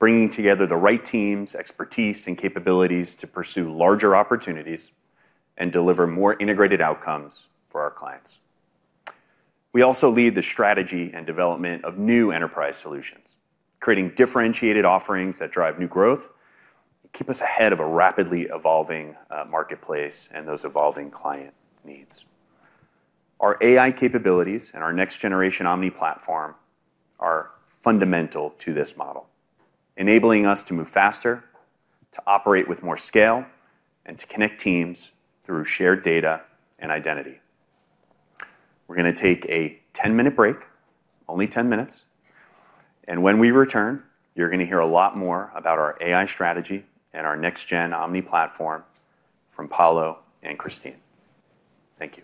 bringing together the right teams, expertise, and capabilities to pursue larger opportunities and deliver more integrated outcomes for our clients. We also lead the strategy and development of new enterprise solutions, creating differentiated offerings that drive new growth, keep us ahead of a rapidly evolving marketplace, and those evolving client needs. Our AI capabilities and our next-generation Omni platform are fundamental to this model, enabling us to move faster, to operate with more scale, and to connect teams through shared data and identity. We're gonna take a 10-minute break, only 10 minutes, and when we return, you're gonna hear a lot more about our AI strategy and our next-gen Omni platform from Paolo and Christine. Thank you.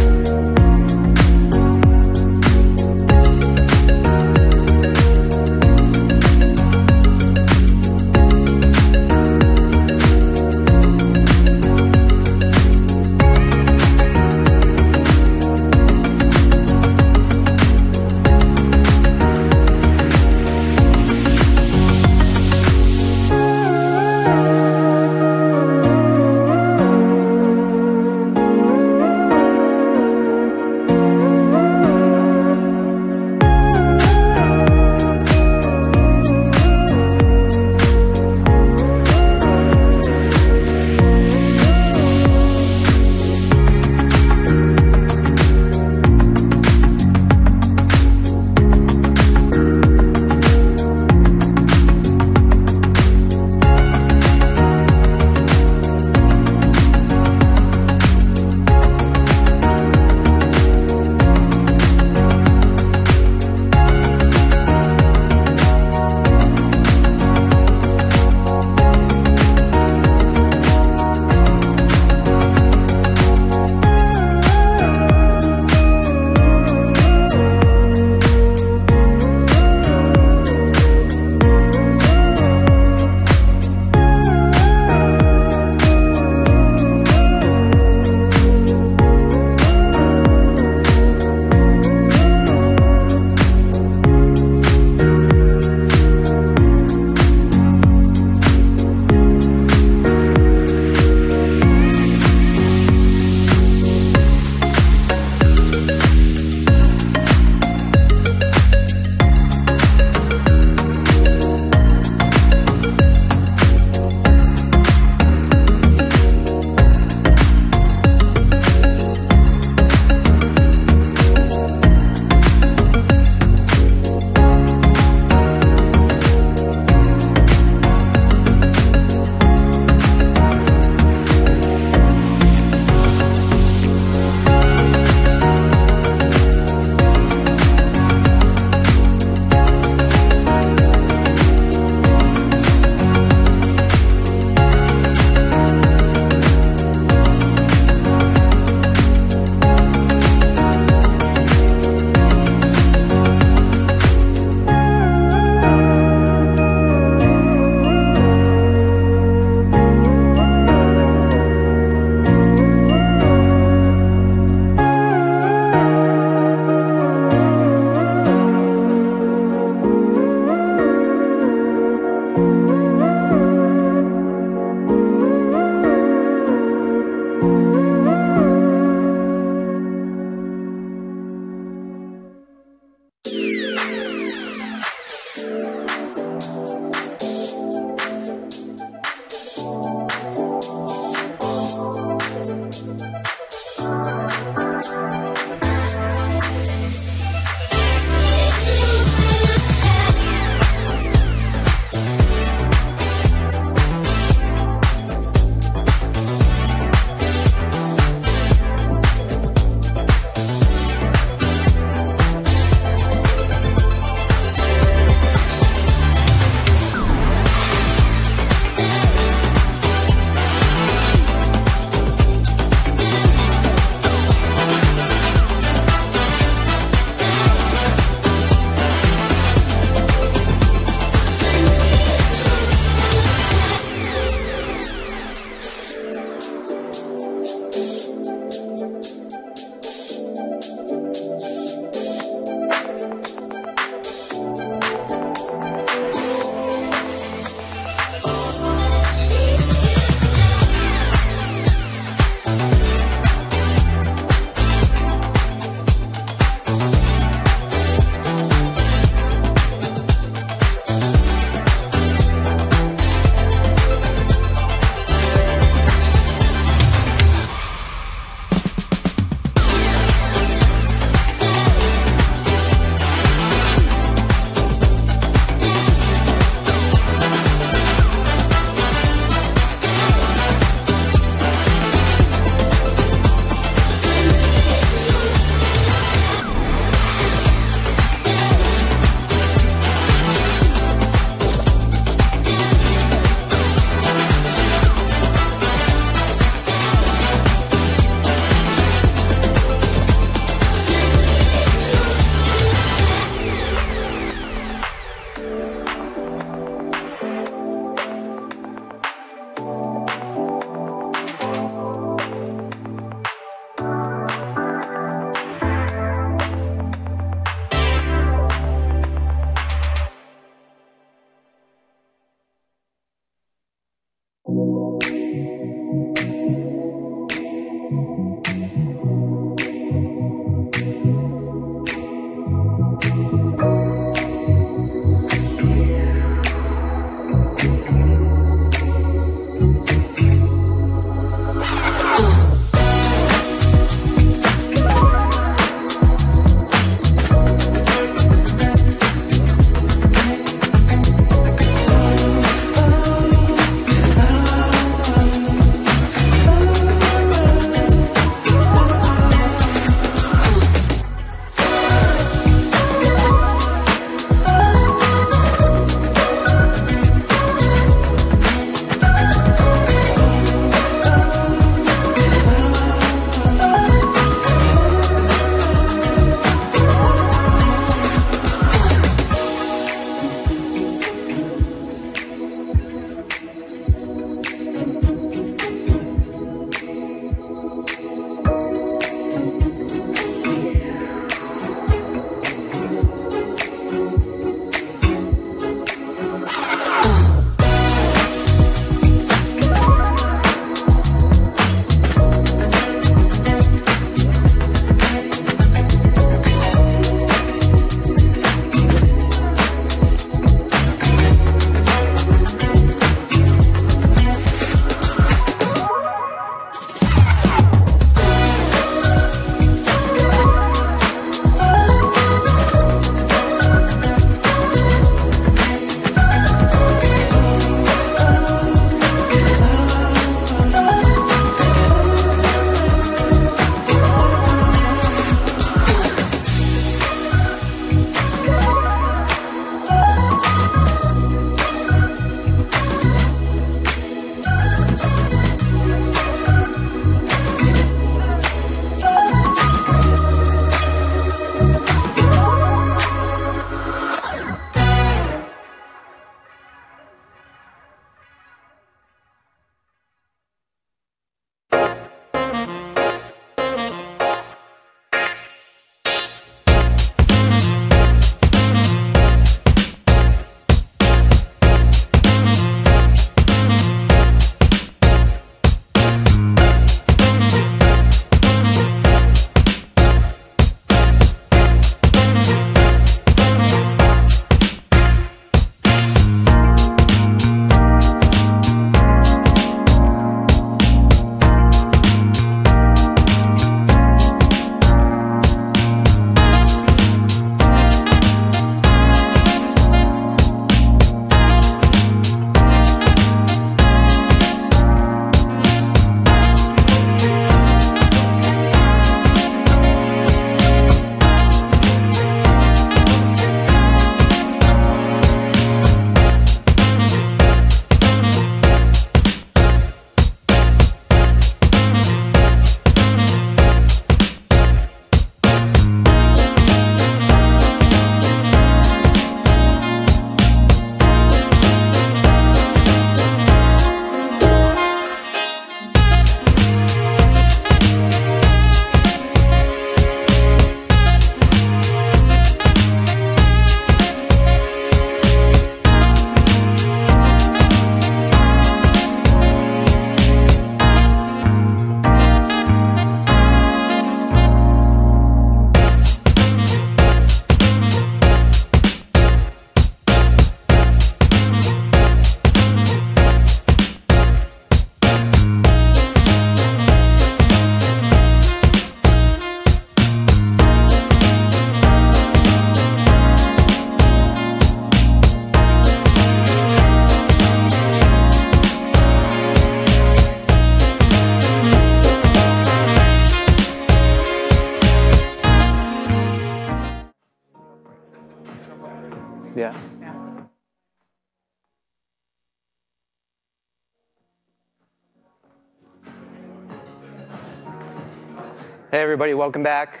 Yeah. Hey everybody, welcome back.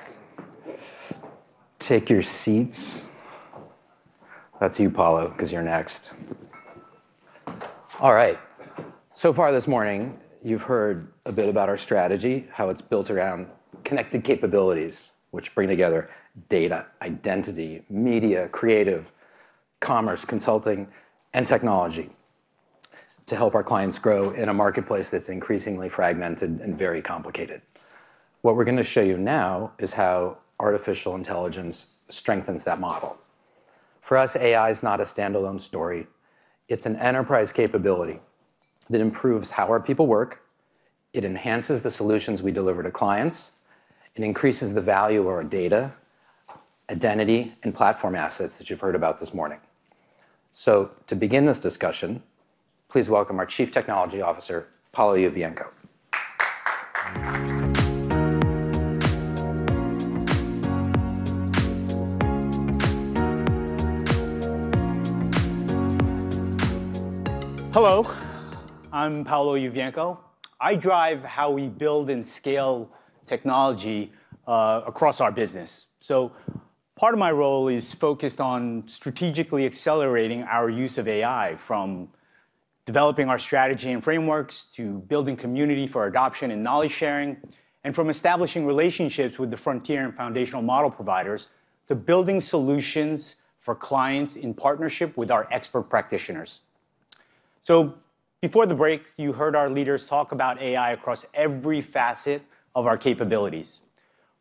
Take your seats. That's you, Paolo, 'cause you're next. All right. So far this morning, you've heard a bit about our strategy, how it's built around connected capabilities, which bring together data, identity, media, creative, commerce, consulting, and technology to help our clients grow in a marketplace that's increasingly fragmented and very complicated. What we're gonna show you now is how artificial intelligence strengthens that model. For us, AI is not a standalone story. It's an enterprise capability that improves how our people work. It enhances the solutions we deliver to clients and increases the value of our data, identity, and platform assets that you've heard about this morning. To begin this discussion, please welcome our Chief Technology Officer, Paolo Yuvienco. Hello, I'm Paolo Yuvienco. I drive how we build and scale technology across our business. Part of my role is focused on strategically accelerating our use of AI, from developing our strategy and frameworks to building community for adoption and knowledge sharing, and from establishing relationships with the frontier and foundational model providers to building solutions for clients in partnership with our expert practitioners. Before the break, you heard our leaders talk about AI across every facet of our capabilities.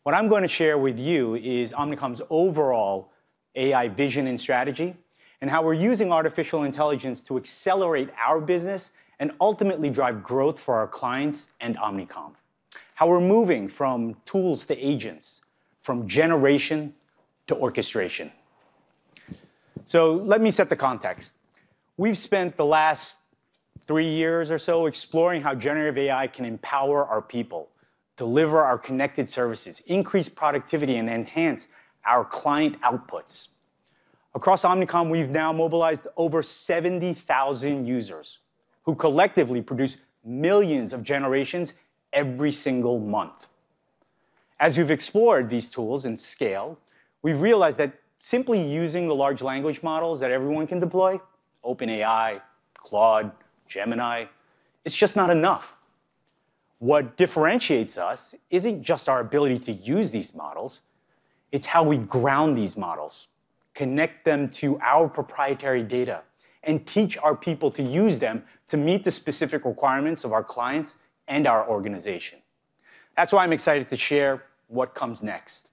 What I'm gonna share with you is Omnicom's overall AI vision and strategy and how we're using artificial intelligence to accelerate our business and ultimately drive growth for our clients and Omnicom. How we're moving from tools to agents, from generation to orchestration. Let me set the context. We've spent the last three years or so exploring how generative AI can empower our people, deliver our connected services, increase productivity, and enhance our client outputs. Across Omnicom, we've now mobilized over 70,000 users who collectively produce millions of generations every single month. As we've explored these tools at scale, we've realized that simply using the large language models that everyone can deploy, OpenAI, Claude, Gemini, it's just not enough. What differentiates us isn't just our ability to use these models, it's how we ground these models, connect them to our proprietary data, and teach our people to use them to meet the specific requirements of our clients and our organization. That's why I'm excited to share what comes next.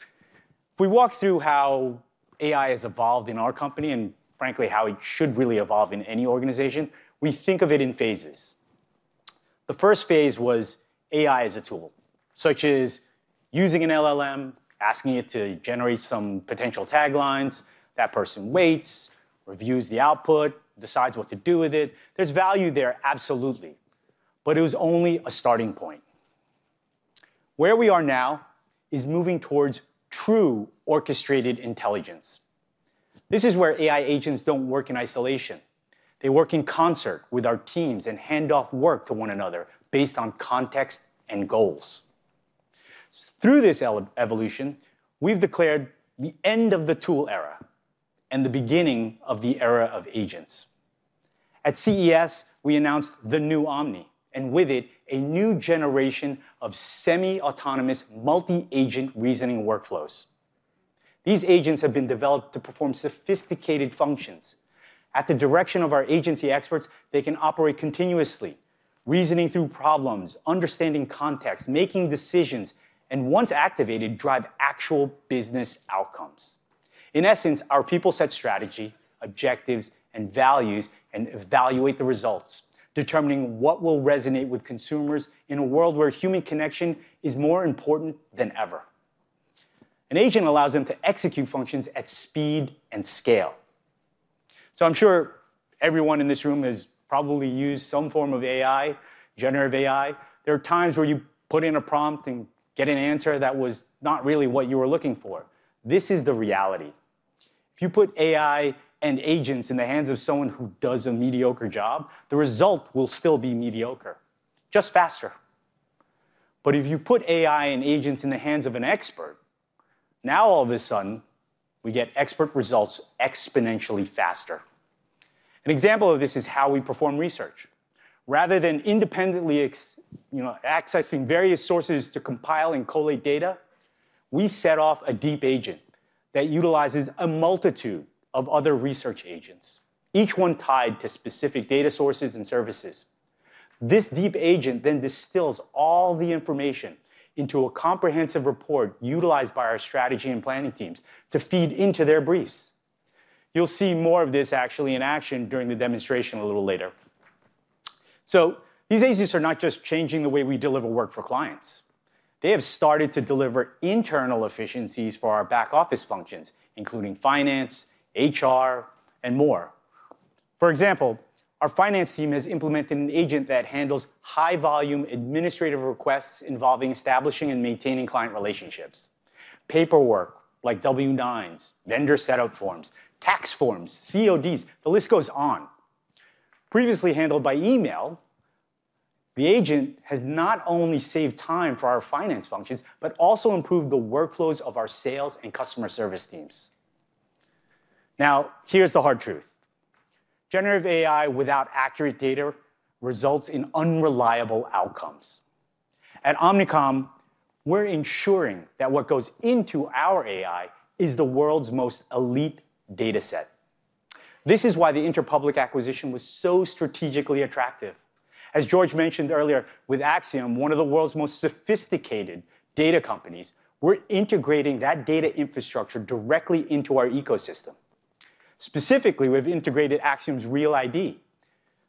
If we walk through how AI has evolved in our company, and frankly how it should really evolve in any organization, we think of it in phases. The first phase was AI as a tool, such as using an LLM, asking it to generate some potential taglines, that person waits, reviews the output, decides what to do with it. There's value there, absolutely, but it was only a starting point. Where we are now is moving towards true orchestrated intelligence. This is where AI agents don't work in isolation. They work in concert with our teams and hand off work to one another based on context and goals. Through this evolution, we've declared the end of the tool era and the beginning of the era of agents. At CES, we announced the new Omni, and with it, a new generation of semi-autonomous multi-agent reasoning workflows. These agents have been developed to perform sophisticated functions. At the direction of our agency experts, they can operate continuously, reasoning through problems, understanding context, making decisions, and once activated, drive actual business outcomes. In essence, our people set strategy, objectives, and values and evaluate the results, determining what will resonate with consumers in a world where human connection is more important than ever. An agent allows them to execute functions at speed and scale. I'm sure everyone in this room has probably used some form of AI, generative AI. There are times where you put in a prompt and get an answer that was not really what you were looking for. This is the reality. If you put AI and agents in the hands of someone who does a mediocre job, the result will still be mediocre, just faster. If you put AI and agents in the hands of an expert, now all of a sudden, we get expert results exponentially faster. An example of this is how we perform research. Rather than independently you know, accessing various sources to compile and collate data, we set off a deep agent that utilizes a multitude of other research agents, each one tied to specific data sources and services. This deep agent then distills all the information into a comprehensive report utilized by our strategy and planning teams to feed into their briefs. You'll see more of this actually in action during the demonstration a little later. These agents are not just changing the way we deliver work for clients. They have started to deliver internal efficiencies for our back-office functions, including finance, HR, and more. For example, our finance team has implemented an agent that handles high volume administrative requests involving establishing and maintaining client relationships, paperwork like W-9s, vendor setup forms, tax forms, COIs, the list goes on. Previously handled by email, the agent has not only saved time for our finance functions, but also improved the workflows of our sales and customer service teams. Now, here's the hard truth. Generative AI without accurate data results in unreliable outcomes. At Omnicom, we're ensuring that what goes into our AI is the world's most elite dataset. This is why the Interpublic acquisition was so strategically attractive. As George mentioned earlier, with Acxiom, one of the world's most sophisticated data companies, we're integrating that data infrastructure directly into our ecosystem. Specifically, we've integrated Acxiom's Real ID,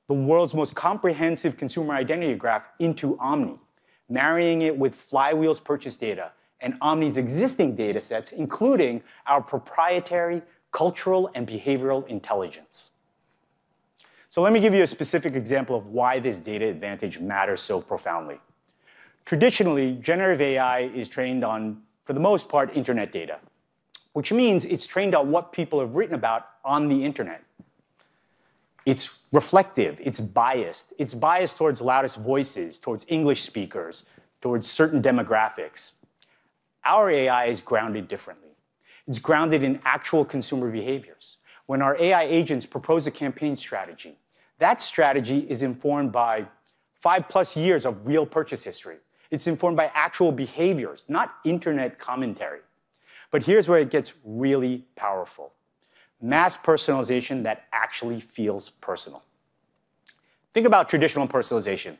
the world's most comprehensive consumer identity graph, into Omni, marrying it with Flywheel's purchase data and Omni's existing datasets, including our proprietary cultural and behavioral intelligence. Let me give you a specific example of why this data advantage matters so profoundly. Traditionally, generative AI is trained on, for the most part, internet data, which means it's trained on what people have written about on the internet. It's reflective, it's biased. It's biased towards loudest voices, towards English speakers, towards certain demographics. Our AI is grounded differently. It's grounded in actual consumer behaviors. When our AI agents propose a campaign strategy, that strategy is informed by 5+ years of real purchase history. It's informed by actual behaviors, not internet commentary. Here's where it gets really powerful. Mass personalization that actually feels personal. Think about traditional personalization.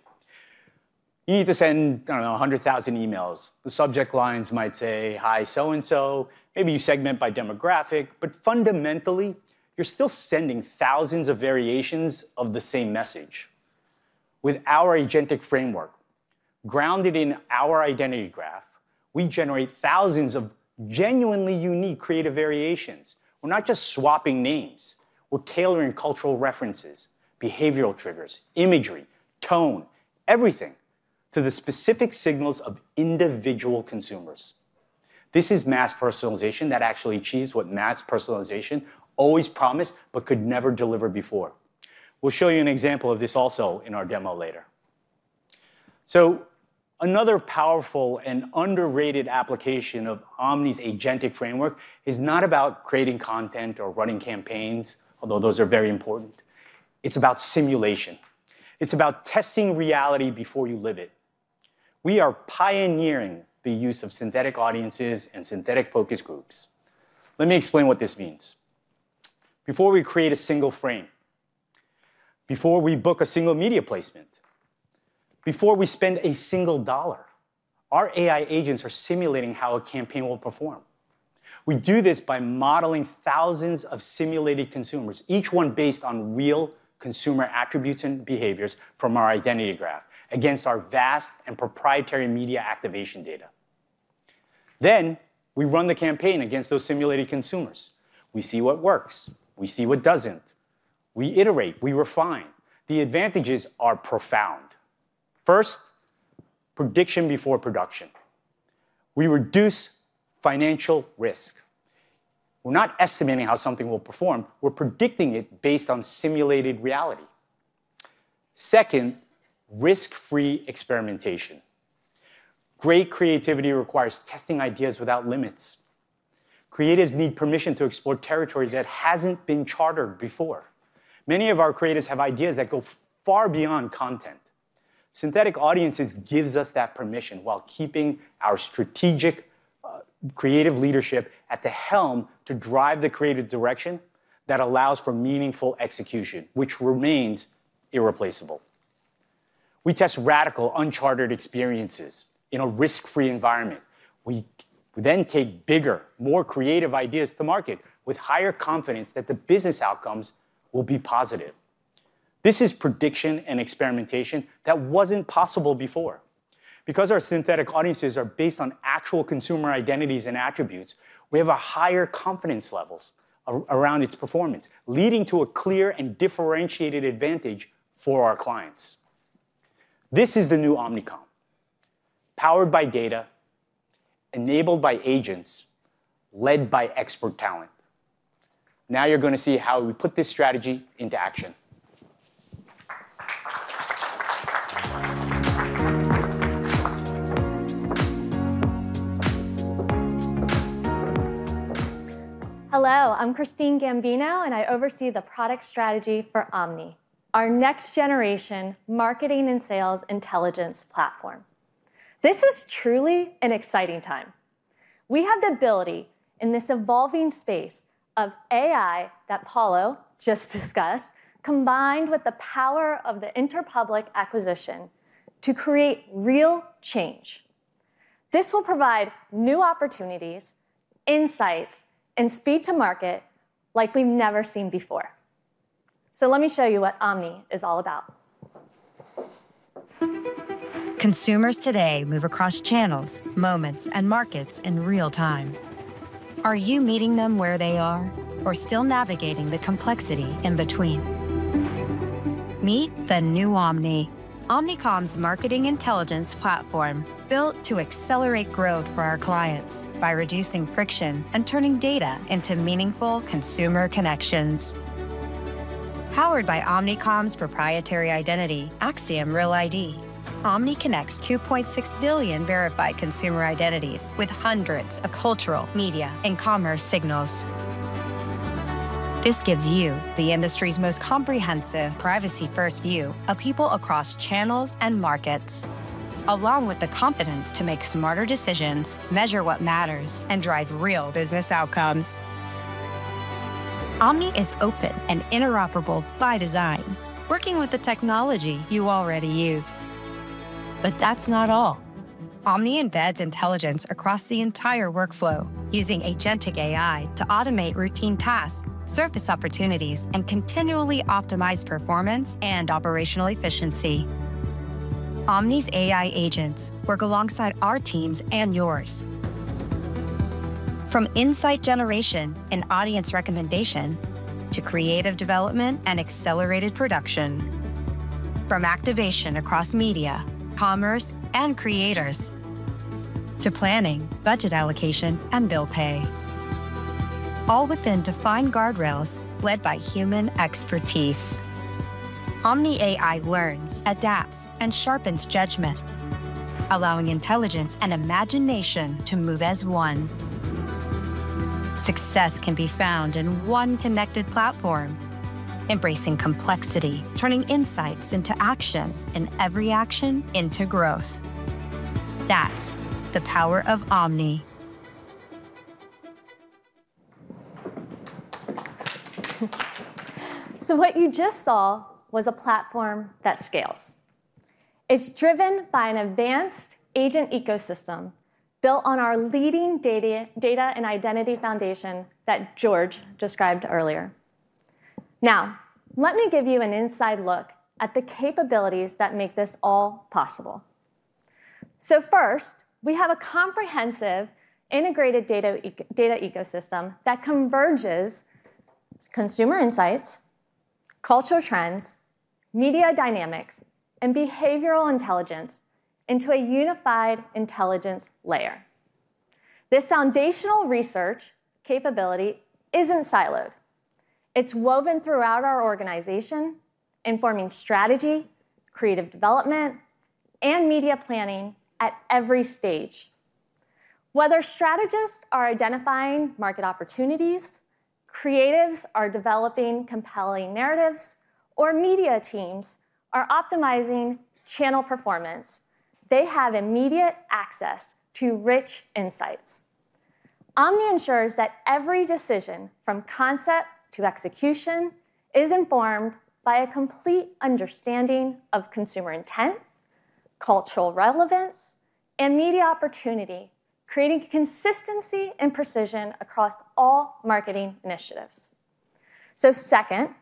You need to send, I don't know, 100,000 emails. The subject lines might say, "Hi, so and so." Maybe you segment by demographic, but fundamentally, you're still sending thousands of variations of the same message. With our agentic framework, grounded in our identity graph, we generate thousands of genuinely unique creative variations. We're not just swapping names, we're tailoring cultural references, behavioral triggers, imagery, tone, everything to the specific signals of individual consumers. This is mass personalization that actually achieves what mass personalization always promised but could never deliver before. We'll show you an example of this also in our demo later. Another powerful and underrated application of Omni's agentic framework is not about creating content or running campaigns, although those are very important. It's about simulation. It's about testing reality before you live it. We are pioneering the use of synthetic audiences and synthetic focus groups. Let me explain what this means. Before we create a single frame, before we book a single media placement, before we spend a single dollar, our AI agents are simulating how a campaign will perform. We do this by modeling thousands of simulated consumers, each one based on real consumer attributes and behaviors from our identity graph against our vast and proprietary media activation data. Then we run the campaign against those simulated consumers. We see what works, we see what doesn't. We iterate, we refine. The advantages are profound. First, prediction before production. We reduce financial risk. We're not estimating how something will perform, we're predicting it based on simulated reality. Second, risk-free experimentation. Great creativity requires testing ideas without limits. Creatives need permission to explore territory that hasn't been chartered before. Many of our creatives have ideas that go far beyond content. Synthetic audiences gives us that permission while keeping our strategic, creative leadership at the helm to drive the creative direction that allows for meaningful execution, which remains irreplaceable. We test radical uncharted experiences in a risk-free environment. We then take bigger, more creative ideas to market with higher confidence that the business outcomes will be positive. This is prediction and experimentation that wasn't possible before. Because our synthetic audiences are based on actual consumer identities and attributes, we have higher confidence levels around its performance, leading to a clear and differentiated advantage for our clients. This is the new Omnicom. Powered by data, enabled by agents, led by expert talent. Now you're gonna see how we put this strategy into action. Hello, I'm Christine Gambino, and I oversee the product strategy for Omni, our next generation marketing and sales intelligence platform. This is truly an exciting time. We have the ability in this evolving space of AI that Paolo just discussed, combined with the power of the Interpublic acquisition to create real change. This will provide new opportunities, insights, and speed to market like we've never seen before. Let me show you what Omni is all about. Consumers today move across channels, moments, and markets in real-time. Are you meeting them where they are or still navigating the complexity in between? Meet the new Omni. Omnicom's marketing intelligence platform built to accelerate growth for our clients by reducing friction and turning data into meaningful consumer connections. Powered by Omnicom's proprietary identity, Acxiom Real ID, Omni connects 2.6 billion verified consumer identities with hundreds of cultural, media, and commerce signals. This gives you the industry's most comprehensive privacy-first view of people across channels and markets, along with the confidence to make smarter decisions, measure what matters, and drive real business outcomes. Omni is open and interoperable by design, working with the technology you already use. That's not all. Omni embeds intelligence across the entire workflow using Agentic AI to automate routine tasks, surface opportunities, and continually optimize performance and operational efficiency. Omni's AI agents work alongside our teams and yours. From insight generation and audience recommendation to creative development and accelerated production. From activation across media, commerce, and creators to planning, budget allocation, and bill pay. All within defined guardrails led by human expertise. Omni AI learns, adapts, and sharpens judgment, allowing intelligence and imagination to move as one. Success can be found in one connected platform embracing complexity, turning insights into action, and every action into growth. That's the power of Omni. What you just saw was a platform that scales. It's driven by an advanced agent ecosystem built on our leading data and identity foundation that George described earlier. Now, let me give you an inside look at the capabilities that make this all possible. First, we have a comprehensive integrated data ecosystem that converges consumer insights, cultural trends, media dynamics, and behavioral intelligence into a unified intelligence layer. This foundational research capability isn't siloed. It's woven throughout our organization, informing strategy, creative development, and media planning at every stage. Whether strategists are identifying market opportunities, creatives are developing compelling narratives, or media teams are optimizing channel performance, they have immediate access to rich insights. Omni ensures that every decision, from concept to execution, is informed by a complete understanding of consumer intent, cultural relevance, and media opportunity, creating consistency and precision across all marketing initiatives. Second,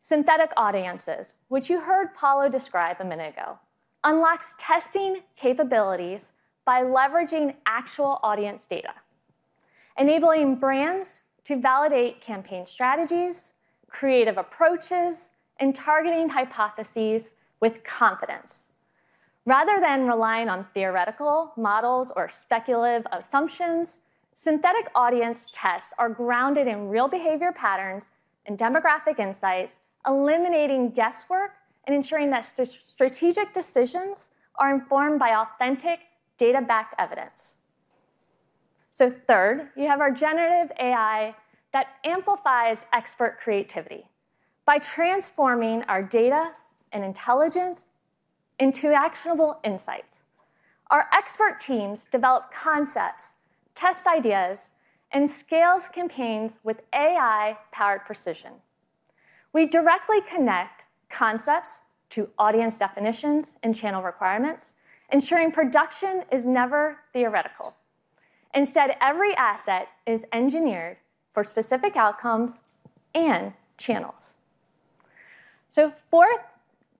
synthetic audiences, which you heard Paolo describe a minute ago, unlocks testing capabilities by leveraging actual audience data, enabling brands to validate campaign strategies, creative approaches, and targeting hypotheses with confidence. Rather than relying on theoretical models or speculative assumptions, synthetic audience tests are grounded in real behavior patterns and demographic insights, eliminating guesswork and ensuring that strategic decisions are informed by authentic data-backed evidence. Third, you have our generative AI that amplifies expert creativity by transforming our data and intelligence into actionable insights. Our expert teams develop concepts, test ideas, and scales campaigns with AI-powered precision. We directly connect concepts to audience definitions and channel requirements, ensuring production is never theoretical. Instead, every asset is engineered for specific outcomes and channels. Fourth,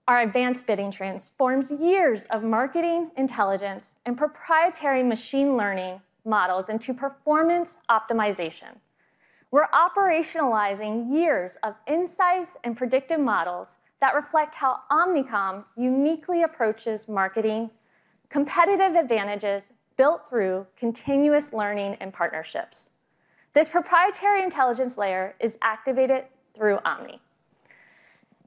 our advanced bidding transforms years of marketing intelligence and proprietary machine learning models into performance optimization. We're operationalizing years of insights and predictive models that reflect how Omnicom uniquely approaches marketing competitive advantages built through continuous learning and partnerships. This proprietary intelligence layer is activated through Omni,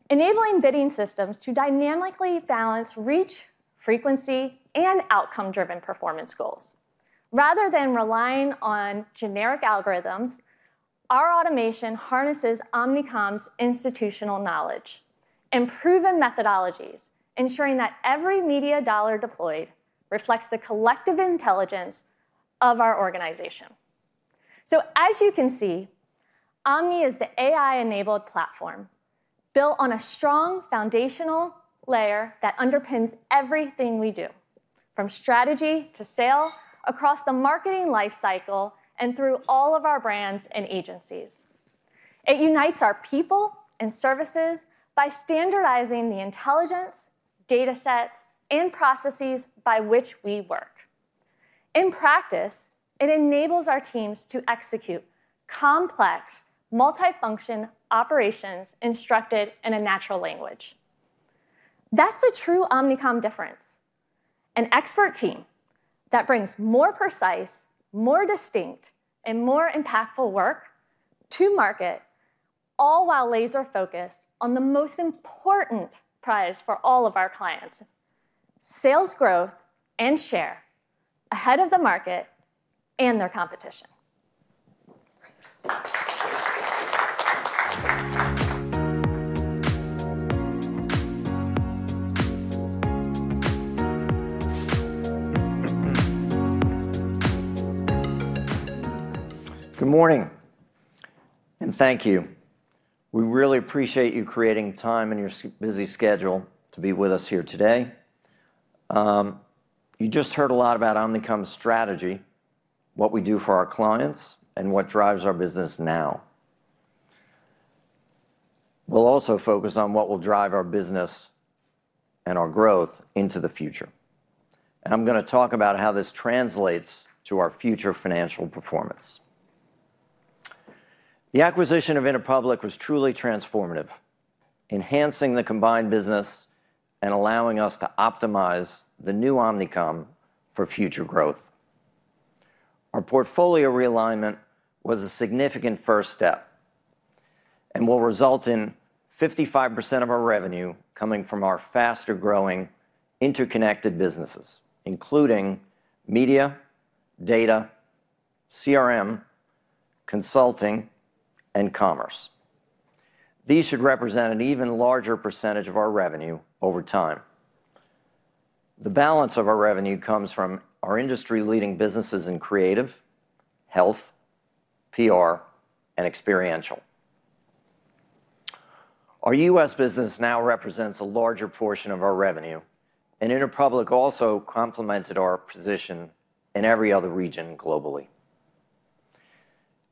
enabling bidding systems to dynamically balance reach, frequency, and outcome-driven performance goals. Rather than relying on generic algorithms, our automation harnesses Omnicom's institutional knowledge and proven methodologies, ensuring that every media dollar deployed reflects the collective intelligence of our organization. As you can see, Omni is the AI-enabled platform built on a strong foundational layer that underpins everything we do, from strategy to sale, across the marketing life cycle, and through all of our brands and agencies. It unites our people and services by standardizing the intelligence, datasets, and processes by which we work. In practice, it enables our teams to execute complex multifunction operations instructed in a natural language. That's the true Omnicom difference, an expert team that brings more precise, more distinct, and more impactful work to market, all while laser-focused on the most important prize for all of our clients, sales growth and share ahead of the market and their competition. Good morning, and thank you. We really appreciate you creating time in your busy schedule to be with us here today. You just heard a lot about Omnicom's strategy, what we do for our clients, and what drives our business now. We'll also focus on what will drive our business and our growth into the future. I'm gonna talk about how this translates to our future financial performance. The acquisition of Interpublic Group was truly transformative, enhancing the combined business and allowing us to optimize the new Omnicom for future growth. Our portfolio realignment was a significant first step and will result in 55% of our revenue coming from our faster-growing interconnected businesses, including media, data, CRM, consulting, and commerce. These should represent an even larger percentage of our revenue over time. The balance of our revenue comes from our industry-leading businesses in creative, health, PR, and experiential. Our U.S. business now represents a larger portion of our revenue, and Interpublic also complemented our position in every other region globally.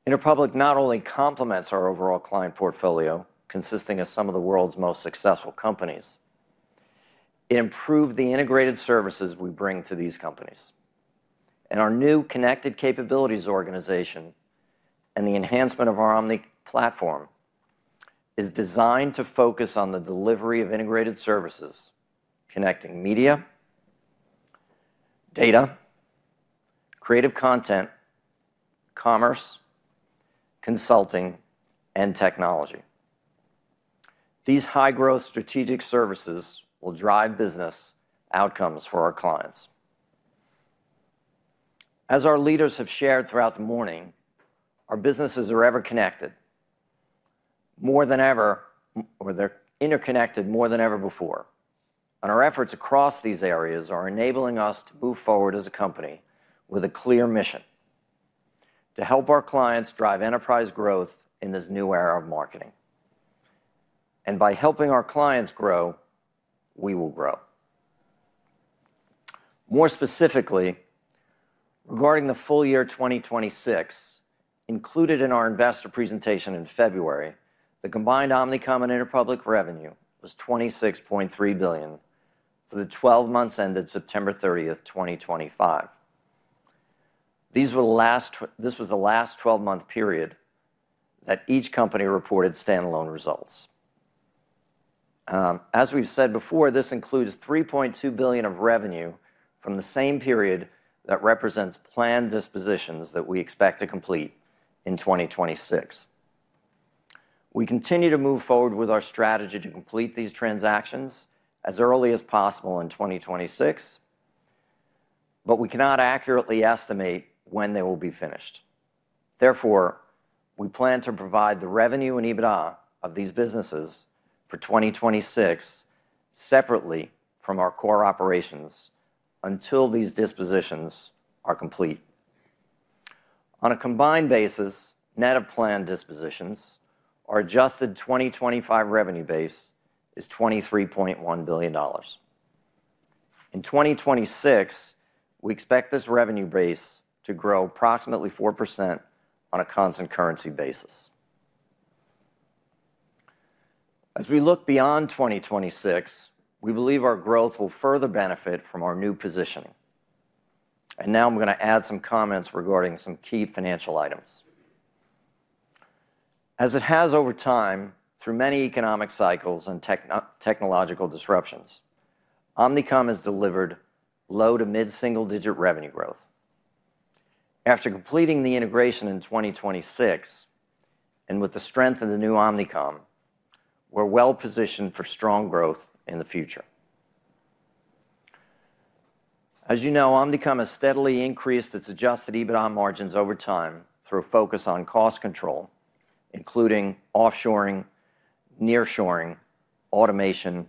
Interpublic not only complements our overall client portfolio, consisting of some of the world's most successful companies, it improved the integrated services we bring to these companies. Our new connected capabilities organization and the enhancement of our Omni platform is designed to focus on the delivery of integrated services, connecting media, data, creative content, commerce, consulting, and technology. These high-growth strategic services will drive business outcomes for our clients. As our leaders have shared throughout the morning, our businesses are ever connected. More than ever, or they're interconnected more than ever before, and our efforts across these areas are enabling us to move forward as a company with a clear mission to help our clients drive enterprise growth in this new era of marketing. By helping our clients grow, we will grow. More specifically, regarding the full year 2026, included in our investor presentation in February, the combined Omnicom and Interpublic revenue was $26.3 billion for the twelve months ended September 30th, 2025. This was the last twelve-month period that each company reported standalone results. As we've said before, this includes $3.2 billion of revenue from the same period that represents planned dispositions that we expect to complete in 2026. We continue to move forward with our strategy to complete these transactions as early as possible in 2026, but we cannot accurately estimate when they will be finished. Therefore, we plan to provide the revenue and EBITDA of these businesses for 2026 separately from our core operations until these dispositions are complete. On a combined basis, net of planned dispositions, our adjusted 2025 revenue base is $23.1 billion. In 2026, we expect this revenue base to grow approximately 4% on a constant currency basis. As we look beyond 2026, we believe our growth will further benefit from our new positioning. Now I'm gonna add some comments regarding some key financial items. As it has over time, through many economic cycles and technological disruptions, Omnicom has delivered low- to mid-single-digit revenue growth. After completing the integration in 2026, and with the strength of the new Omnicom, we're well-positioned for strong growth in the future. As you know, Omnicom has steadily increased its Adjusted EBITDA margins over time through a focus on cost control, including offshoring, nearshoring, automation,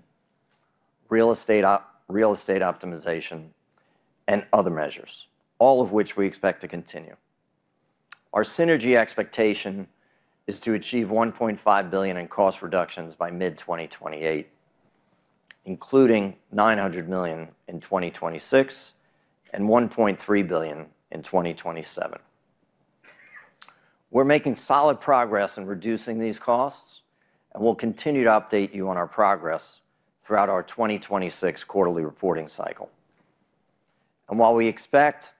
real estate optimization, and other measures, all of which we expect to continue. Our synergy expectation is to achieve $1.5 billion in cost reductions by mid-2028, including $900 million in 2026 and $1.3 billion in 2027. We're making solid progress in reducing these costs, and we'll continue to update you on our progress throughout our 2026 quarterly reporting cycle. While we expect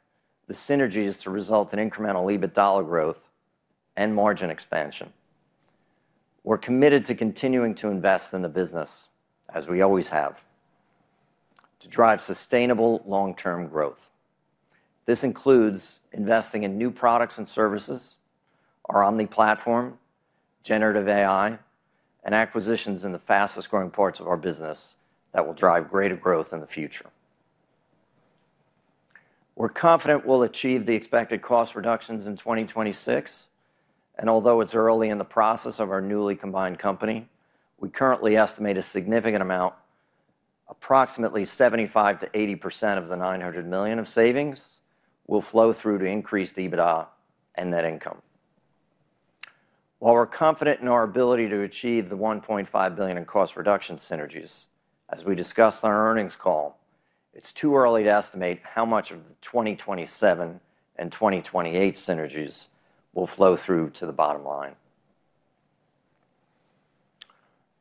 the synergies to result in incremental EBIT dollar growth and margin expansion, we're committed to continuing to invest in the business, as we always have, to drive sustainable long-term growth. This includes investing in new products and services, our Omni platform, generative AI, and acquisitions in the fastest-growing parts of our business that will drive greater growth in the future. We're confident we'll achieve the expected cost reductions in 2026, and although it's early in the process of our newly combined company, we currently estimate a significant amount, approximately 75%-80% of the $900 million of savings, will flow through to increased EBITDA and net income. While we're confident in our ability to achieve the $1.5 billion in cost reduction synergies, as we discussed on our earnings call, it's too early to estimate how much of the 2027 and 2028 synergies will flow through to the bottom line.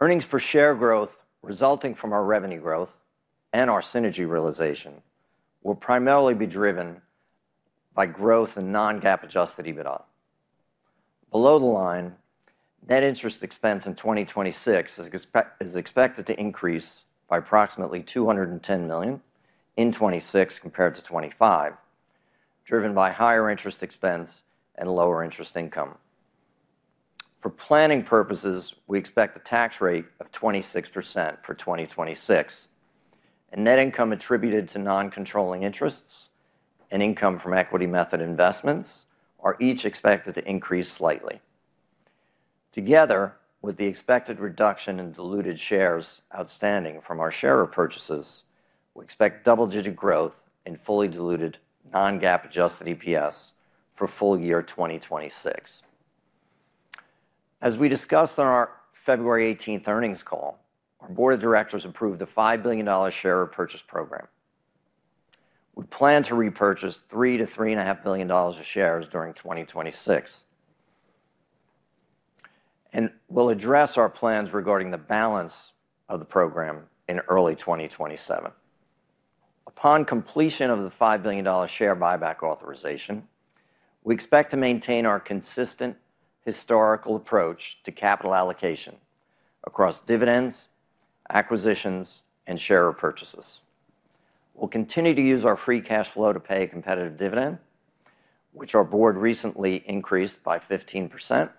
Earnings per share growth resulting from our revenue growth and our synergy realization will primarily be driven by growth in non-GAAP Adjusted EBITDA. Below the line, net interest expense in 2026 is expected to increase by approximately $210 million in 2026 compared to 2025. Driven by higher interest expense and lower interest income. For planning purposes, we expect a tax rate of 26% for 2026. Net income attributed to non-controlling interests and income from equity method investments are each expected to increase slightly. Together with the expected reduction in diluted shares outstanding from our share repurchases, we expect double-digit growth in fully diluted non-GAAP adjusted EPS for full year 2026. As we discussed on our February 18 earnings call, our board of directors approved a $5 billion share repurchase program. We plan to repurchase $3 billion-$3.5 billion of shares during 2026. We'll address our plans regarding the balance of the program in early 2027. Upon completion of the $5 billion share buyback authorization, we expect to maintain our consistent historical approach to capital allocation across dividends, acquisitions, and share repurchases. We'll continue to use our free cash flow to pay a competitive dividend, which our board recently increased by 15%,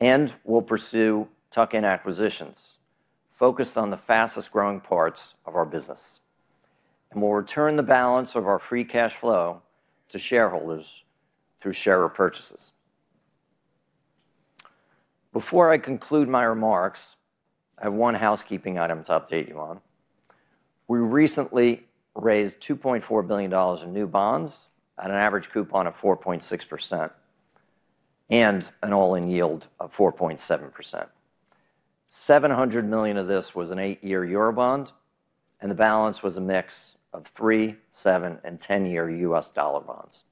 and we'll pursue tuck-in acquisitions focused on the fastest-growing parts of our business. We'll return the balance of our free cash flow to shareholders through share repurchases. Before I conclude my remarks, I have one housekeeping item to update you on. We recently raised $2.4 billion in new bonds at an average coupon of 4.6% and an all-in yield of 4.7%. 700 million of this was an eight-year Eurobond, and the balance was a mix of 3-, 7-, and 10-year U.S. dollar bonds.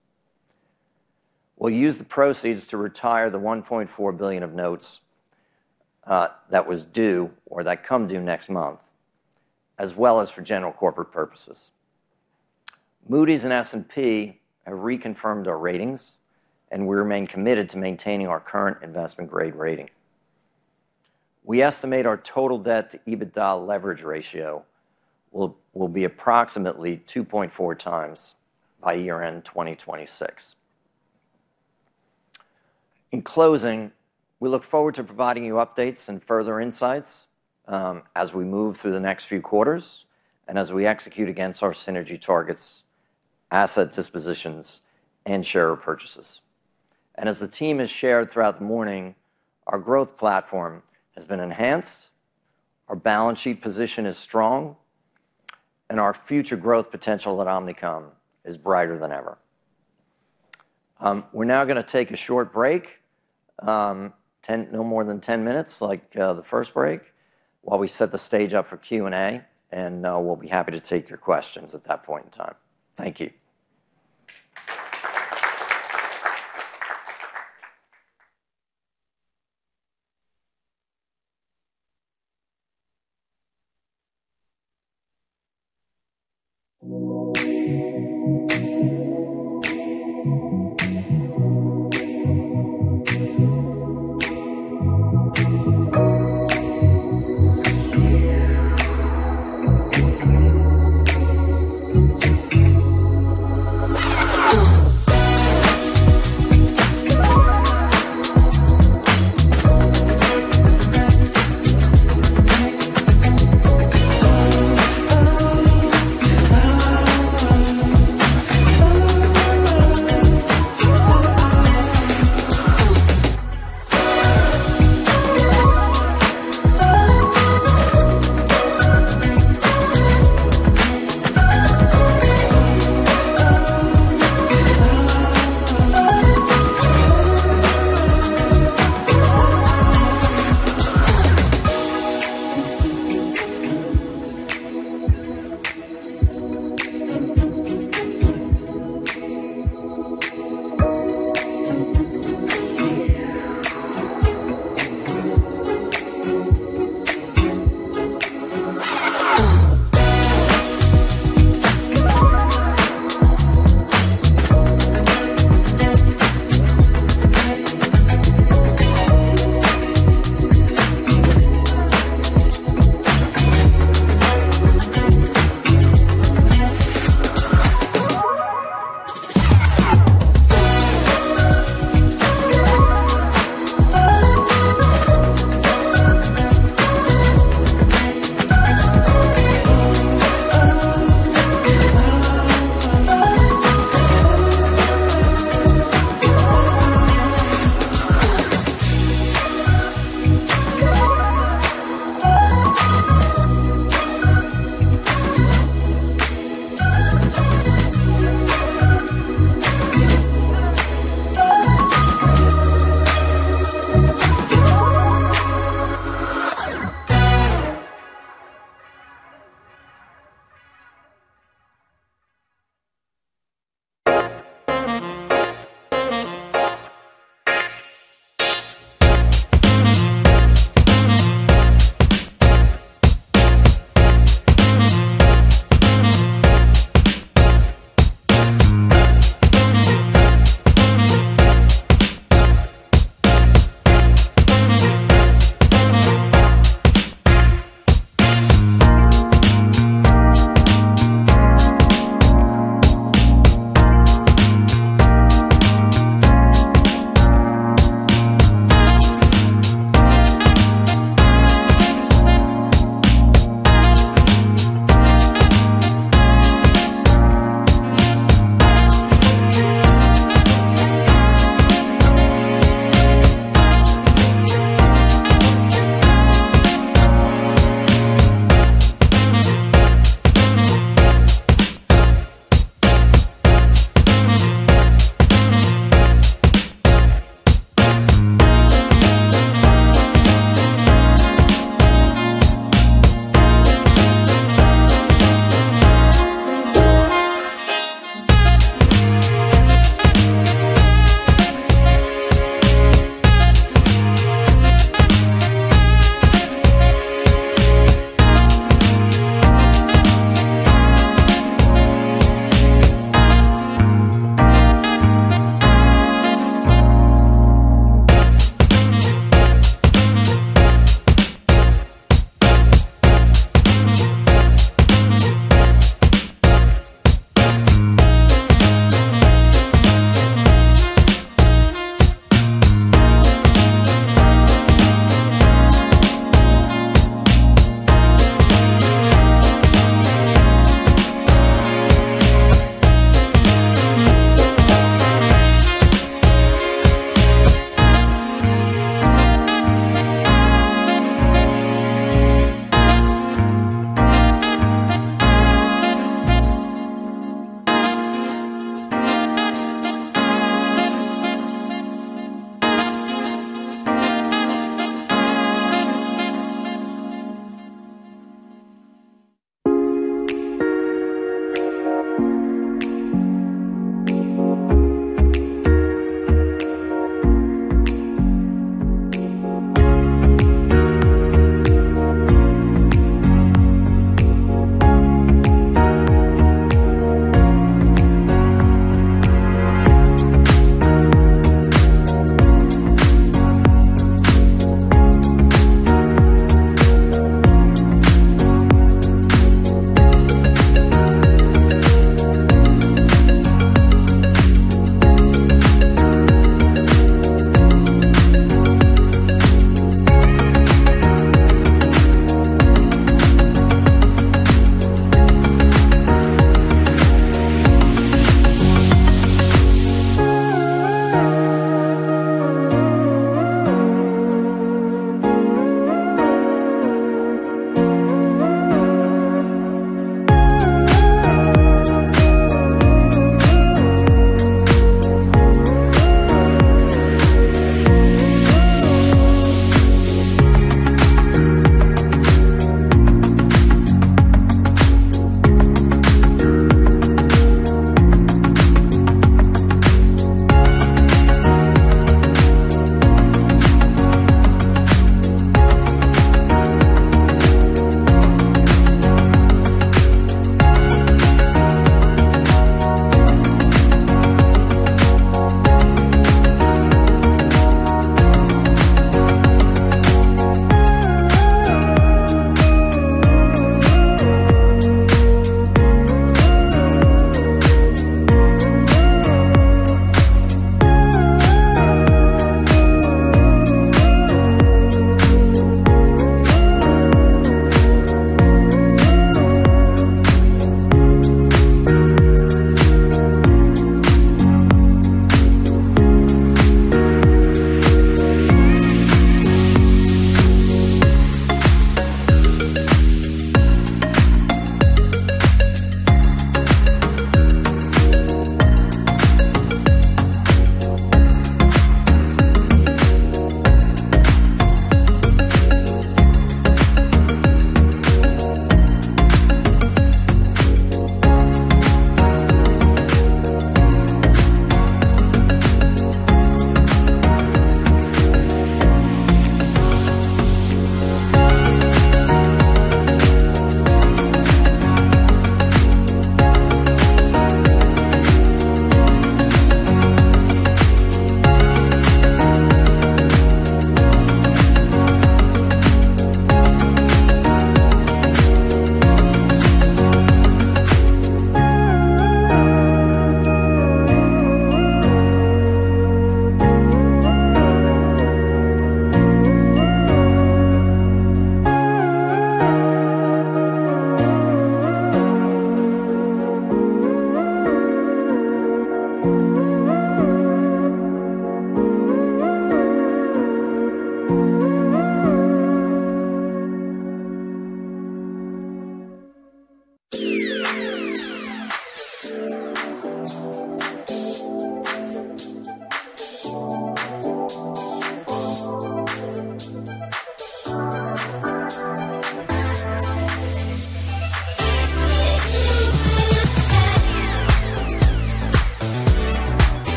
We'll use the proceeds to retire the $1.4 billion of notes that was due or that come due next month, as well as for general corporate purposes. Moody's and S&P have reconfirmed our ratings, and we remain committed to maintaining our current investment-grade rating. We estimate our total debt-to-EBITDA leverage ratio will be approximately 2.4x by year-end 2026. In closing, we look forward to providing you updates and further insights as we move through the next few quarters and as we execute against our synergy targets, asset dispositions, and share repurchases. As the team has shared throughout the morning, our growth platform has been enhanced, our balance sheet position is strong, and our future growth potential at Omnicom is brighter than ever. We're now gonna take a short break, no more than 10 minutes, like the first break, while we set the stage up for Q&A, and we'll be happy to take your questions at that point in time. Thank you.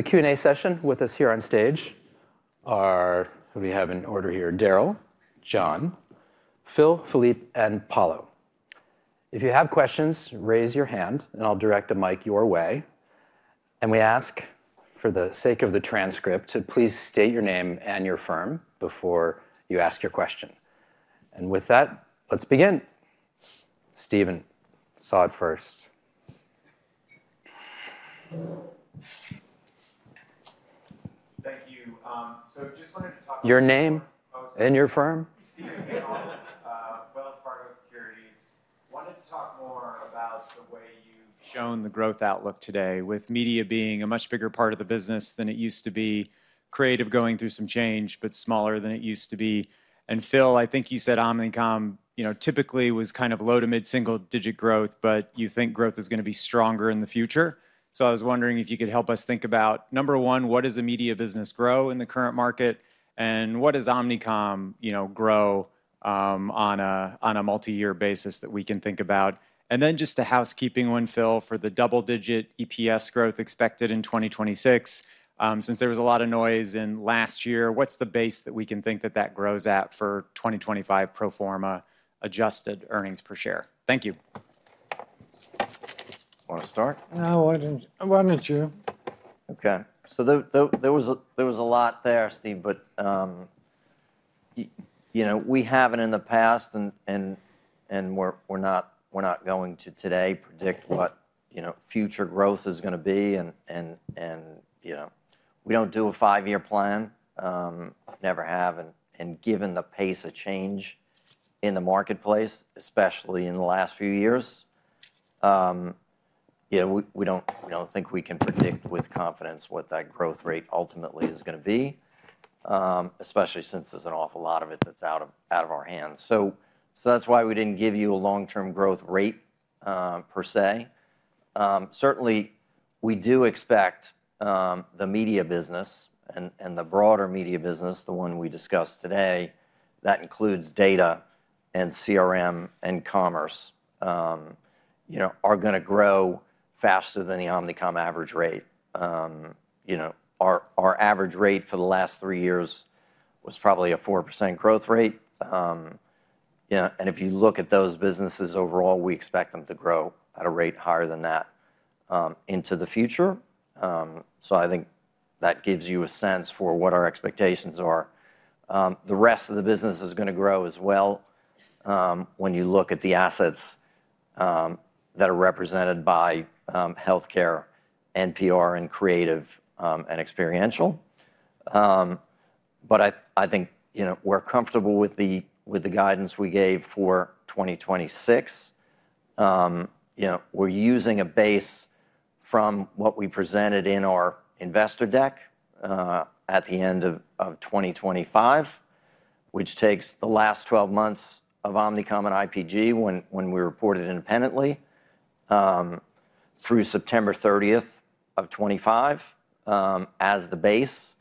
Back. For the Q&A session, with us here on stage are, who do we have in order here, Daryl, John, Phil, Philippe, and Paolo. If you have questions, raise your hand, and I'll direct a mic your way. We ask, for the sake of the transcript, to please state your name and your firm before you ask your question. With that, let's begin. Steven saw it first. Your name and your firm. Wells Fargo Securities. Wanted to talk more about the way you've shown the growth outlook today, with media being a much bigger part of the business than it used to be, creative going through some change, but smaller than it used to be. Phil, I think you said Omnicom, you know, typically was kind of low to mid-single digit growth, but you think growth is gonna be stronger in the future. I was wondering if you could help us think about, number one, what does the media business grow in the current market? And what does Omnicom, you know, grow, on a multi-year basis that we can think about? Just a housekeeping one, Phil, for the double-digit EPS growth expected in 2026, since there was a lot of noise in last year, what's the base that we can think that that grows at for 2025 pro forma adjusted earnings per share? Thank you. Wanna start? Why don't you? Okay. There was a lot there, Steve, but you know, we haven't in the past and we're not going to today predict what future growth is gonna be. You know, we don't do a five-year plan, never have. Given the pace of change in the marketplace, especially in the last few years, you know, we don't think we can predict with confidence what that growth rate ultimately is gonna be. Especially since there's an awful lot of it that's out of our hands. That's why we didn't give you a long-term growth rate per se. Certainly we do expect the media business and the broader media business, the one we discussed today, that includes data and CRM and commerce, you know, are gonna grow faster than the Omnicom average rate. You know, our average rate for the last three years was probably a 4% growth rate. You know, and if you look at those businesses overall, we expect them to grow at a rate higher than that into the future. I think that gives you a sense for what our expectations are. The rest of the business is gonna grow as well, when you look at the assets that are represented by healthcare, and PR, and creative, and experiential. I think, you know, we're comfortable with the guidance we gave for 2026. You know, we're using a base from what we presented in our investor deck at the end of 2025, which takes the last 12 months of Omnicom and IPG when we reported independently through September 30th of 2025 as the base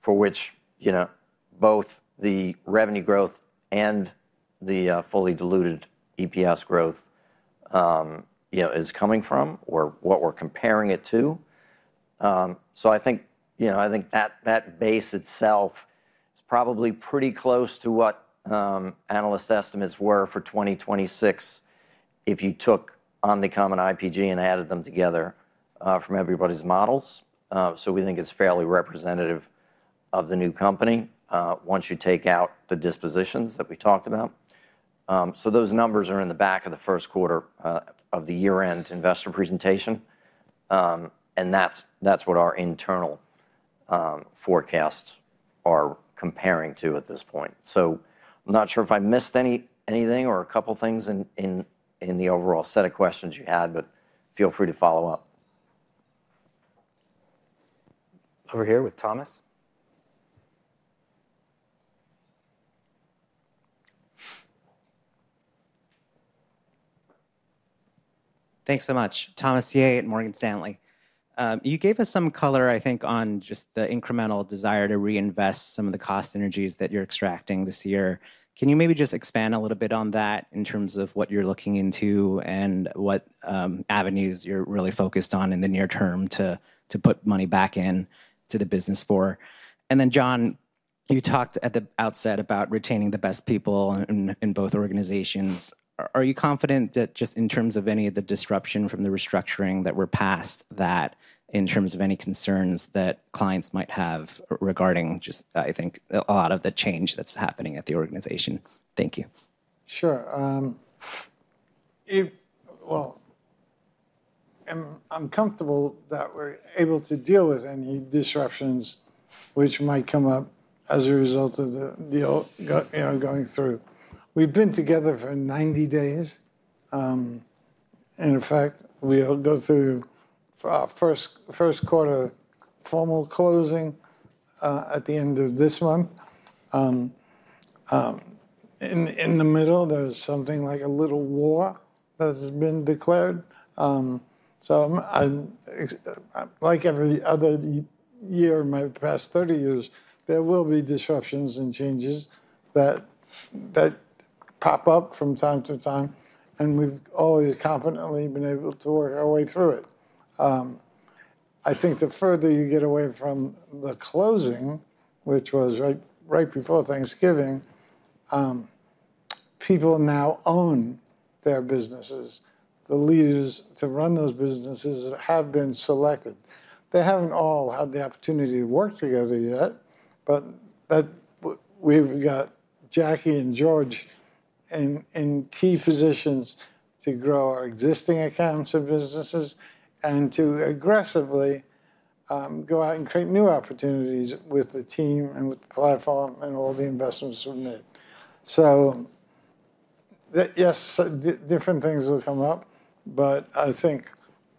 for which, you know, both the revenue growth and the fully diluted EPS growth is coming from or what we're comparing it to. I think, you know, I think that base itself is probably pretty close to what analyst estimates were for 2026 if you took Omnicom and IPG and added them together, from everybody's models. We think it's fairly representative of the new company, once you take out the dispositions that we talked about. Those numbers are in the back of the first quarter and year-end investor presentation, and that's what our internal forecasts are comparing to at this point. I'm not sure if I missed anything or a couple of things in the overall set of questions you had, but feel free to follow up. Over here with Thomas. Thanks so much. Thomas Yeh at Morgan Stanley. You gave us some color, I think, on just the incremental desire to reinvest some of the cost synergies that you're extracting this year. Can you maybe just expand a little bit on that in terms of what you're looking into and what avenues you're really focused on in the near term to put money back into the business for? John, you talked at the outset about retaining the best people in both organizations. Are you confident that just in terms of any of the disruption from the restructuring that we're past that in terms of any concerns that clients might have regarding just, I think, a lot of the change that's happening at the organization? Thank you. Sure. Well, I'm comfortable that we're able to deal with any disruptions which might come up as a result of the deal going through, you know. We've been together for 90 days, and in fact, we'll go through our first quarter formal closing at the end of this month. In the middle, there's something like a little war that has been declared. So I'm like every other year in my past 30 years, there will be disruptions and changes that pop up from time to time, and we've always confidently been able to work our way through it. I think the further you get away from the closing, which was right before Thanksgiving, people now own their businesses. The leaders to run those businesses have been selected. They haven't all had the opportunity to work together yet, but we've got Jacki and George in key positions to grow our existing accounts and businesses and to aggressively go out and create new opportunities with the team and with the platform and all the investments we've made. Yes, different things will come up, but I think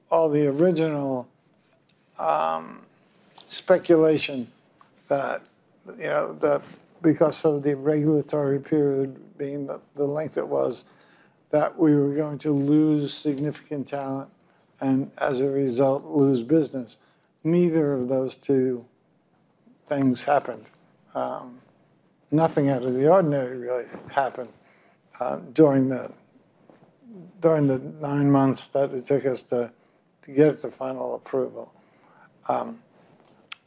all the original speculation that, you know, that because of the regulatory period being the length it was, that we were going to lose significant talent and as a result, lose business. Neither of those two things happened. Nothing out of the ordinary really happened during the nine months that it took us to get the final approval.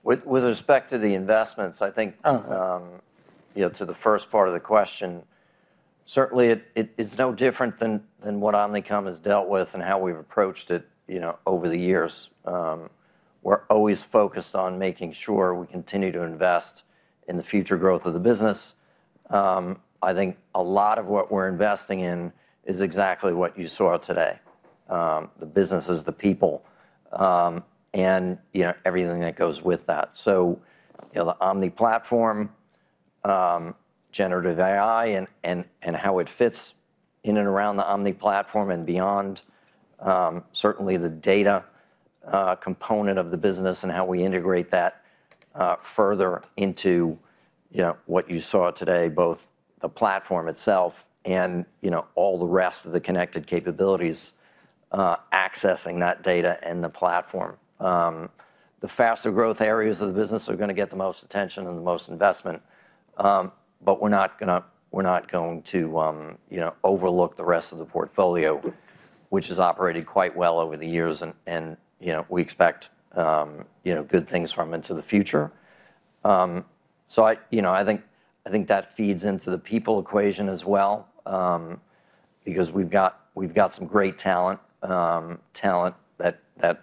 With respect to the investments, I think. You know, to the first part of the question, certainly it's no different than what Omnicom has dealt with and how we've approached it, you know, over the years. We're always focused on making sure we continue to invest in the future growth of the business. I think a lot of what we're investing in is exactly what you saw today, the businesses, the people, and, you know, everything that goes with that. You know, the Omni platform, generative AI and how it fits in and around the Omni platform and beyond, certainly the data component of the business and how we integrate that further into, you know, what you saw today, both the platform itself and, you know, all the rest of the connected capabilities, accessing that data and the platform. The faster growth areas of the business are gonna get the most attention and the most investment, but we're not going to, you know, overlook the rest of the portfolio, which has operated quite well over the years and, you know, we expect, you know, good things from into the future. I, you know, I think that feeds into the people equation as well, because we've got some great talent that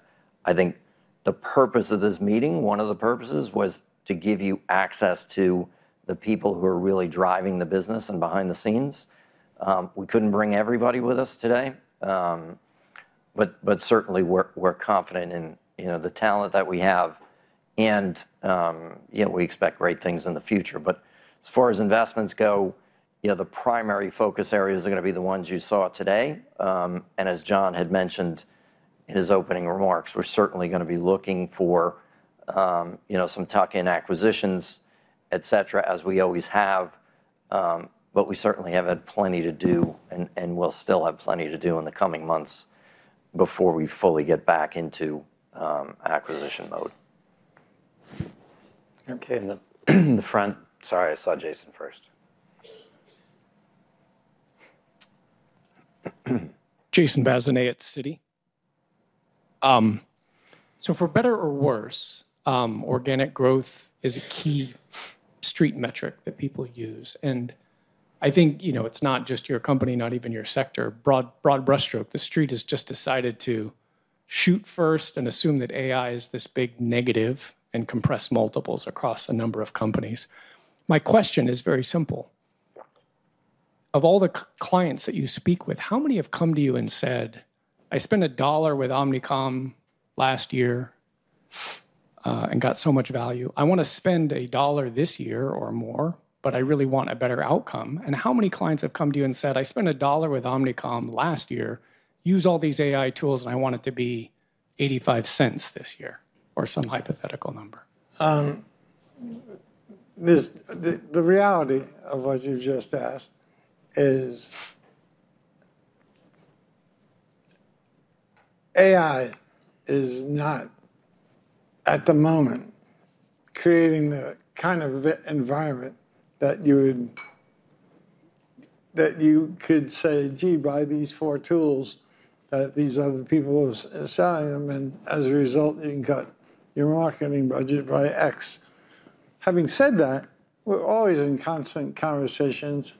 I think the purpose of this meeting, one of the purposes, was to give you access to the people who are really driving the business and behind the scenes. We couldn't bring everybody with us today, but certainly we're confident in, you know, the talent that we have and, you know, we expect great things in the future. As far as investments go, you know, the primary focus areas are gonna be the ones you saw today. As John had mentioned in his opening remarks, we're certainly gonna be looking for, you know, some tuck-in acquisitions, et cetera, as we always have, but we certainly have had plenty to do and, we'll still have plenty to do in the coming months before we fully get back into acquisition mode. Okay. In the front. Sorry, I saw Jason first. Jason Bazinet at Citi. So for better or worse, organic growth is a key street metric that people use. I think, you know, it's not just your company, not even your sector. Broad brushstroke, the street has just decided to shoot first and assume that AI is this big negative and compress multiples across a number of companies. My question is very simple. Of all the clients that you speak with, how many have come to you and said, "I spent a dollar with Omnicom last year and got so much value. I wanna spend a dollar this year or more, but I really want a better outcome." How many clients have come to you and said, "I spent a dollar with Omnicom last year, used all these AI tools, and I want it to be $0.85 this year," or some hypothetical number? The reality of what you just asked is AI is not, at the moment, creating the kind of environment that you could say, "Gee, buy these four tools that these other people are selling them, and as a result, you can cut your marketing budget by X." Having said that, we're always in constant conversations.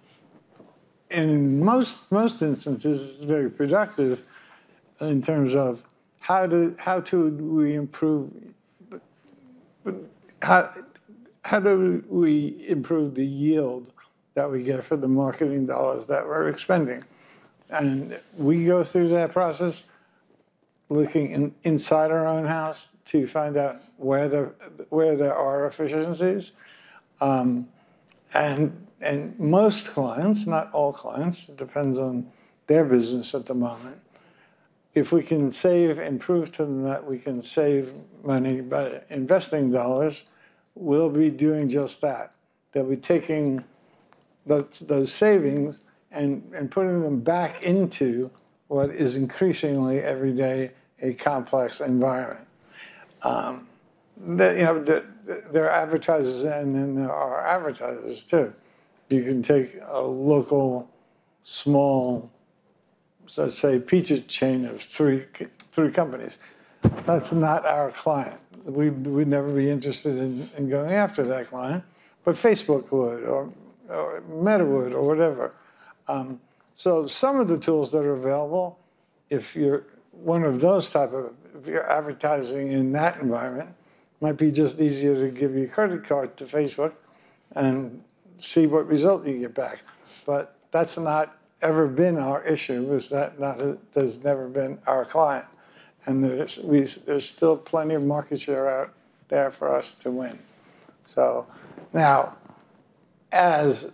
In most instances, it's very productive in terms of how do we improve the yield that we get for the marketing dollars that we're expending. We go through that process looking inside our own house to find out where there are efficiencies. Most clients, not all clients, it depends on their business at the moment, if we can save and prove to them that we can save money by investing dollars, we'll be doing just that. They'll be taking those savings and putting them back into what is increasingly every day a complex environment. You know, there are advertisers and then there are advertisers too. You can take a local, small, let's say, pizza chain of three companies. That's not our client. We'd never be interested in going after that client, but Facebook would or Meta would or whatever. Some of the tools that are available, if you're one of those types of, if you're advertising in that environment, might be just easier to give your credit card to Facebook and see what result you get back. That's not ever been our issue. Has never been our client. There's still plenty of markets that are out there for us to win. Now, as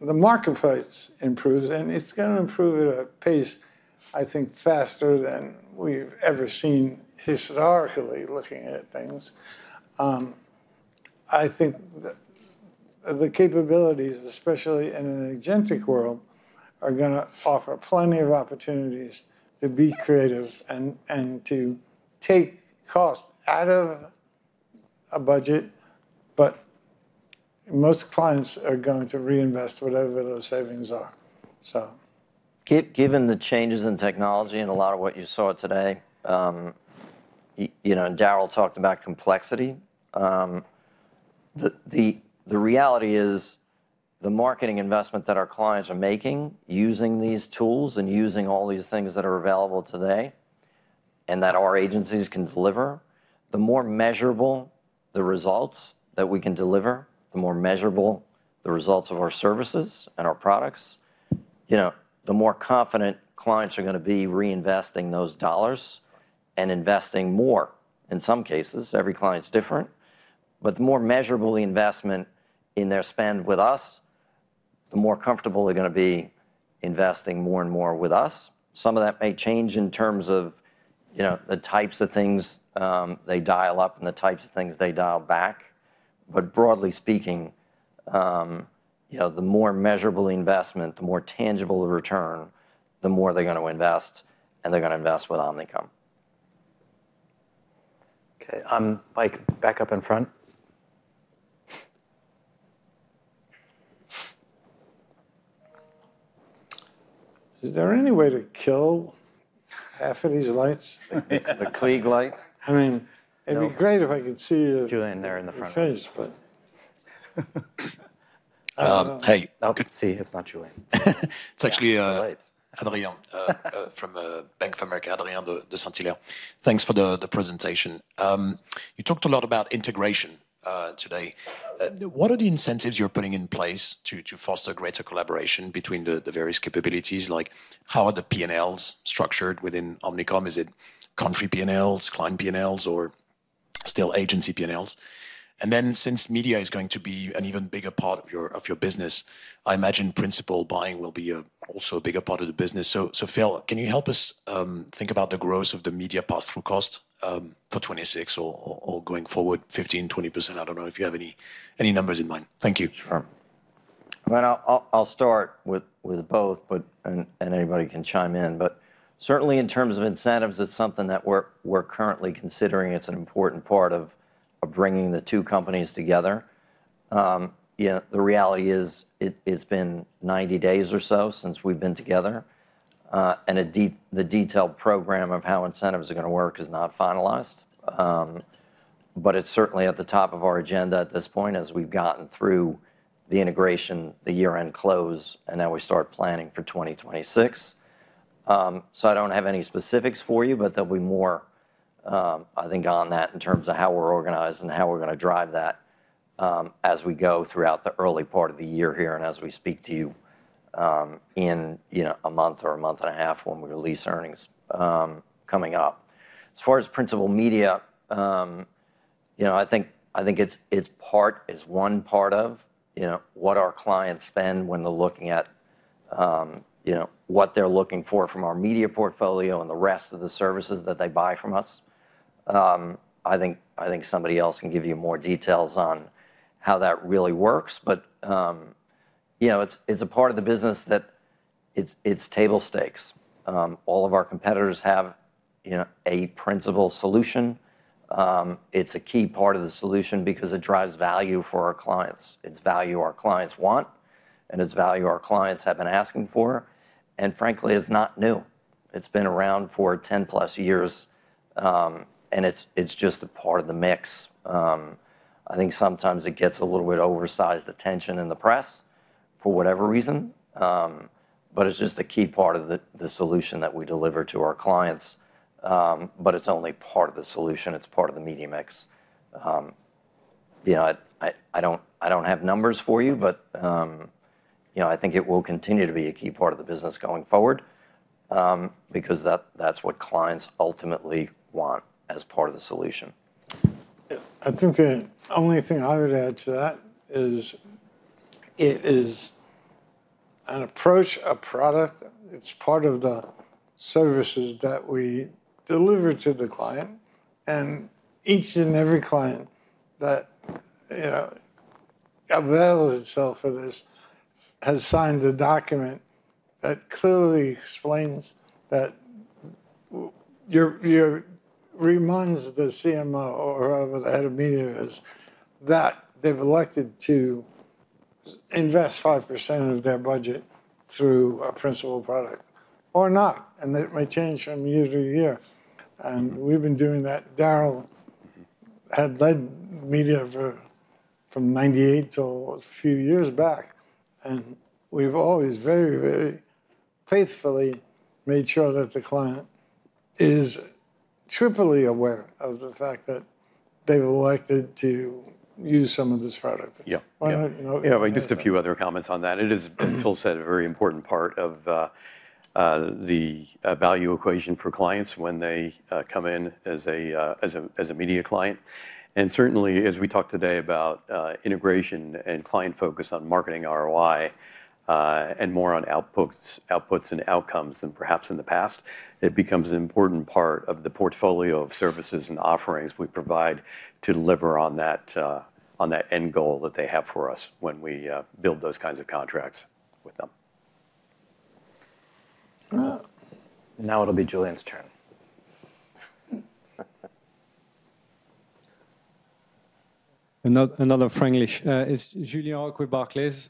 the marketplace improves, and it's gonna improve at a pace, I think, faster than we've ever seen historically looking at things, I think the capabilities, especially in an agentic world, are gonna offer plenty of opportunities to be creative and to take cost out of a budget, but most clients are going to reinvest whatever those savings are. Given the changes in technology and a lot of what you saw today, you know, and Daryl talked about complexity, the reality is the marketing investment that our clients are making using these tools and using all these things that are available today and that our agencies can deliver, the more measurable the results that we can deliver, the more measurable the results of our services and our products. You know, the more confident clients are gonna be reinvesting those dollars and investing more. In some cases, every client's different, but the more measurable the investment in their spend with us, the more comfortable they're gonna be investing more and more with us. Some of that may change in terms of, you know, the types of things they dial up and the types of things they dial back. Broadly speaking, you know, the more measurable the investment, the more tangible the return, the more they're gonna invest, and they're gonna invest with Omnicom. Okay. Mike, back up in front. Is there any way to kill half of these lights? The Klieg lights? I mean, it'd be great if I could see your. Julien there in the front. Face, but. Hey. Oh, see, it's not Julien. It's actually. from Bank of America. Thanks for the presentation. You talked a lot about integration today. What are the incentives you're putting in place to foster greater collaboration between the various capabilities? Like, how are the P&Ls structured within Omnicom? Is it country P&Ls, client P&Ls, or still agency P&Ls? And then since media is going to be an even bigger part of your business, I imagine principal buying will also be a bigger part of the business. So Phil, can you help us think about the growth of the media pass-through cost for 2026 or going forward 15%-20%? I don't know if you have any numbers in mind. Thank you. Sure. Well, I'll start with both, but anybody can chime in. Certainly in terms of incentives, it's something that we're currently considering. It's an important part of bringing the two companies together. You know, the reality is it's been 90 days or so since we've been together. The detailed program of how incentives are gonna work is not finalized. It's certainly at the top of our agenda at this point as we've gotten through the integration, the year-end close, and now we start planning for 2026. I don't have any specifics for you, but there'll be more, I think on that in terms of how we're organized and how we're gonna drive that, as we go throughout the early part of the year here and as we speak to you, in, you know, a month or a month and a half when we release earnings, coming up. As far as principal buying, you know, I think it's one part of, you know, what our clients spend when they're looking at, you know, what they're looking for from our media portfolio and the rest of the services that they buy from us. I think somebody else can give you more details on how that really works. You know, it's a part of the business that it's table stakes. All of our competitors have, you know, a principal solution. It's a key part of the solution because it drives value for our clients. It's value our clients want, and it's value our clients have been asking for. Frankly, it's not new. It's been around for 10+ years, and it's just a part of the mix. I think sometimes it gets a little bit oversized attention in the press for whatever reason, but it's just a key part of the solution that we deliver to our clients. It's only part of the solution. It's part of the media mix. You know, I don't have numbers for you, but, you know, I think it will continue to be a key part of the business going forward, because that's what clients ultimately want as part of the solution. Yeah. I think the only thing I would add to that is it is an approach, a product, it's part of the services that we deliver to the client. Each and every client that, you know, avails itself of this has signed a document that clearly explains that reminds the CMO or whoever the head of media is, that they've elected to invest 5% of their budget through a principal product or not, and it may change from year to year. We've been doing that. Daryl had led media from 1998 till a few years back, and we've always very, very faithfully made sure that the client is triply aware of the fact that they've elected to use some of this product. Yeah. Yeah. Why don't you – If I can add just a few other comments on that. It is, as Phil said, a very important part of the value equation for clients when they come in as a media client. Certainly, as we talked today about integration and client focus on marketing ROI, and more on outputs and outcomes than perhaps in the past, it becomes an important part of the portfolio of services and offerings we provide to deliver on that end goal that they have for us when we build those kinds of contracts with them. Now it'll be Julien's turn. Another [Frenchman]. It's Julien Roch with Barclays.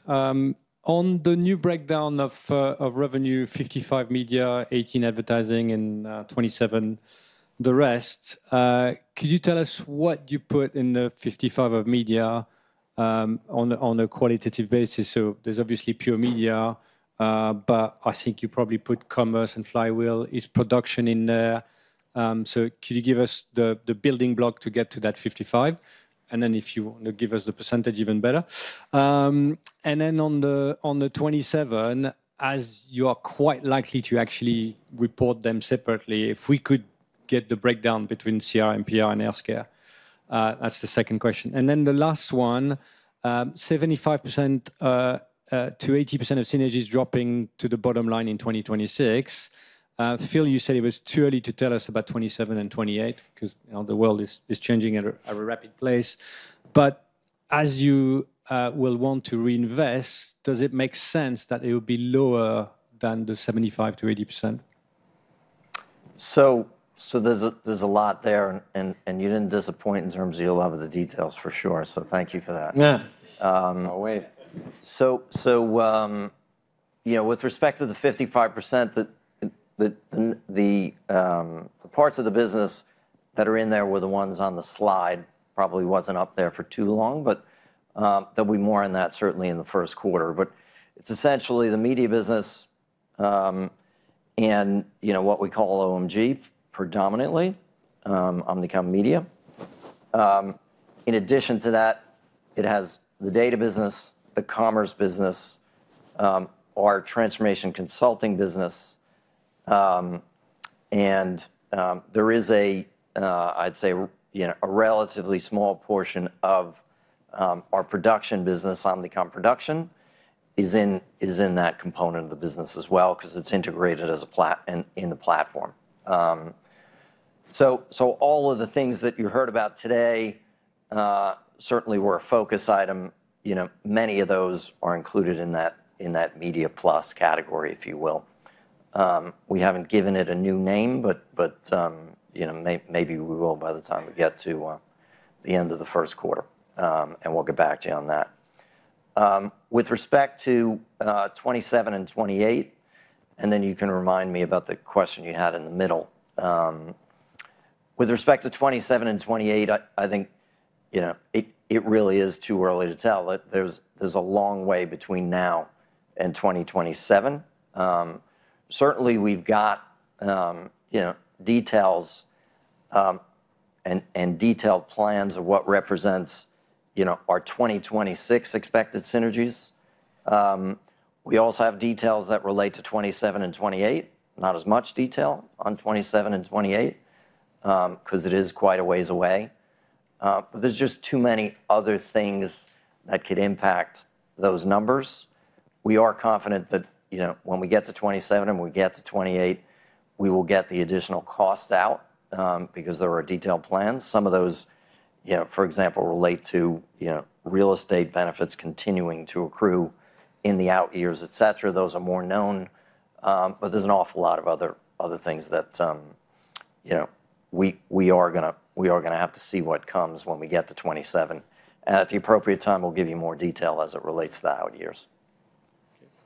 On the new breakdown of revenue, 55% media, 18% advertising, and 27% the rest, could you tell us what you put in the 55% of media on a qualitative basis? There's obviously pure media, but I think you probably put commerce and Flywheel. Is production in there? Could you give us the building block to get to that 55%? If you want to give us the percentage, even better. On the 27%, as you are quite likely to actually report them separately, if we could get the breakdown between CR and PR and healthcare. That's the second question. The last one, 75%-80% of synergies dropping to the bottom line in 2026. Phil, you said it was too early to tell us about 2027 and 2028 because, you know, the world is changing at a rapid pace. As you will want to reinvest, does it make sense that it would be lower than the 75%-80%? There's a lot there, and you didn't disappoint in terms of you love the details for sure, so thank you for that. Yeah. You know, with respect to the 55% that the parts of the business that are in there were the ones on the slide probably wasn't up there for too long. There'll be more on that certainly in the first quarter. It's essentially the media business, and you know, what we call OMG predominantly, Omnicom Media. In addition to that, it has the data business, the commerce business, our transformation consulting business. There is, I'd say, you know, a relatively small portion of our production business, Omnicom Production is in that component of the business as well 'cause it's integrated as a platform. All of the things that you heard about today certainly were a focus item. You know, many of those are included in that media plus category, if you will. We haven't given it a new name, but you know, maybe we will by the time we get to the end of the first quarter, and we'll get back to you on that. With respect to 2027 and 2028, and then you can remind me about the question you had in the middle. With respect to 2027 and 2028, I think, you know, it really is too early to tell. There's a long way between now and 2027. Certainly we've got, you know, details and detailed plans of what represents, you know, our 2026 expected synergies. We also have details that relate to 2027 and 2028. Not as much detail on 2027 and 2028, 'cause it is quite a ways away. But there's just too many other things that could impact those numbers. We are confident that, you know, when we get to 2027 and we get to 2028, we will get the additional costs out, because there are detailed plans. Some of those, you know, for example, relate to, you know, real estate benefits continuing to accrue in the out years, et cetera. Those are more known, but there's an awful lot of other things that, you know, we are gonna have to see what comes when we get to 2027. At the appropriate time, we'll give you more detail as it relates to the out years.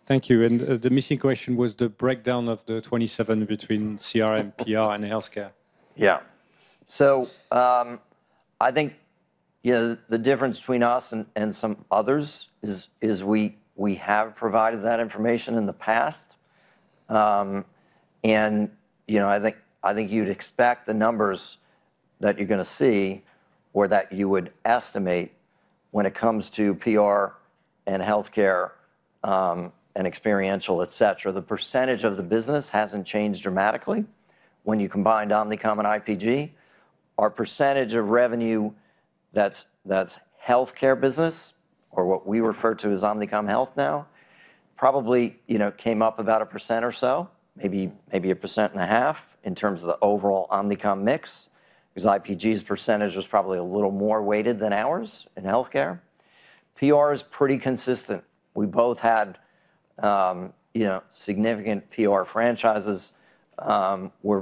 Thank you. The missing question was the breakdown of the 2027 between CRM, PR, and healthcare. Yeah. I think, you know, the difference between us and some others is we have provided that information in the past. You know, I think you'd expect the numbers that you're gonna see or that you would estimate when it comes to PR and healthcare, and experiential, et cetera. The percentage of the business hasn't changed dramatically when you combined Omnicom and IPG. Our percentage of revenue that's healthcare business or what we refer to as Omnicom Health now, probably, you know, came up about 1% or so, maybe 1.5% in terms of the overall Omnicom mix, because IPG's percentage was probably a little more weighted than ours in healthcare. PR is pretty consistent. We both had, you know, significant PR franchises. We're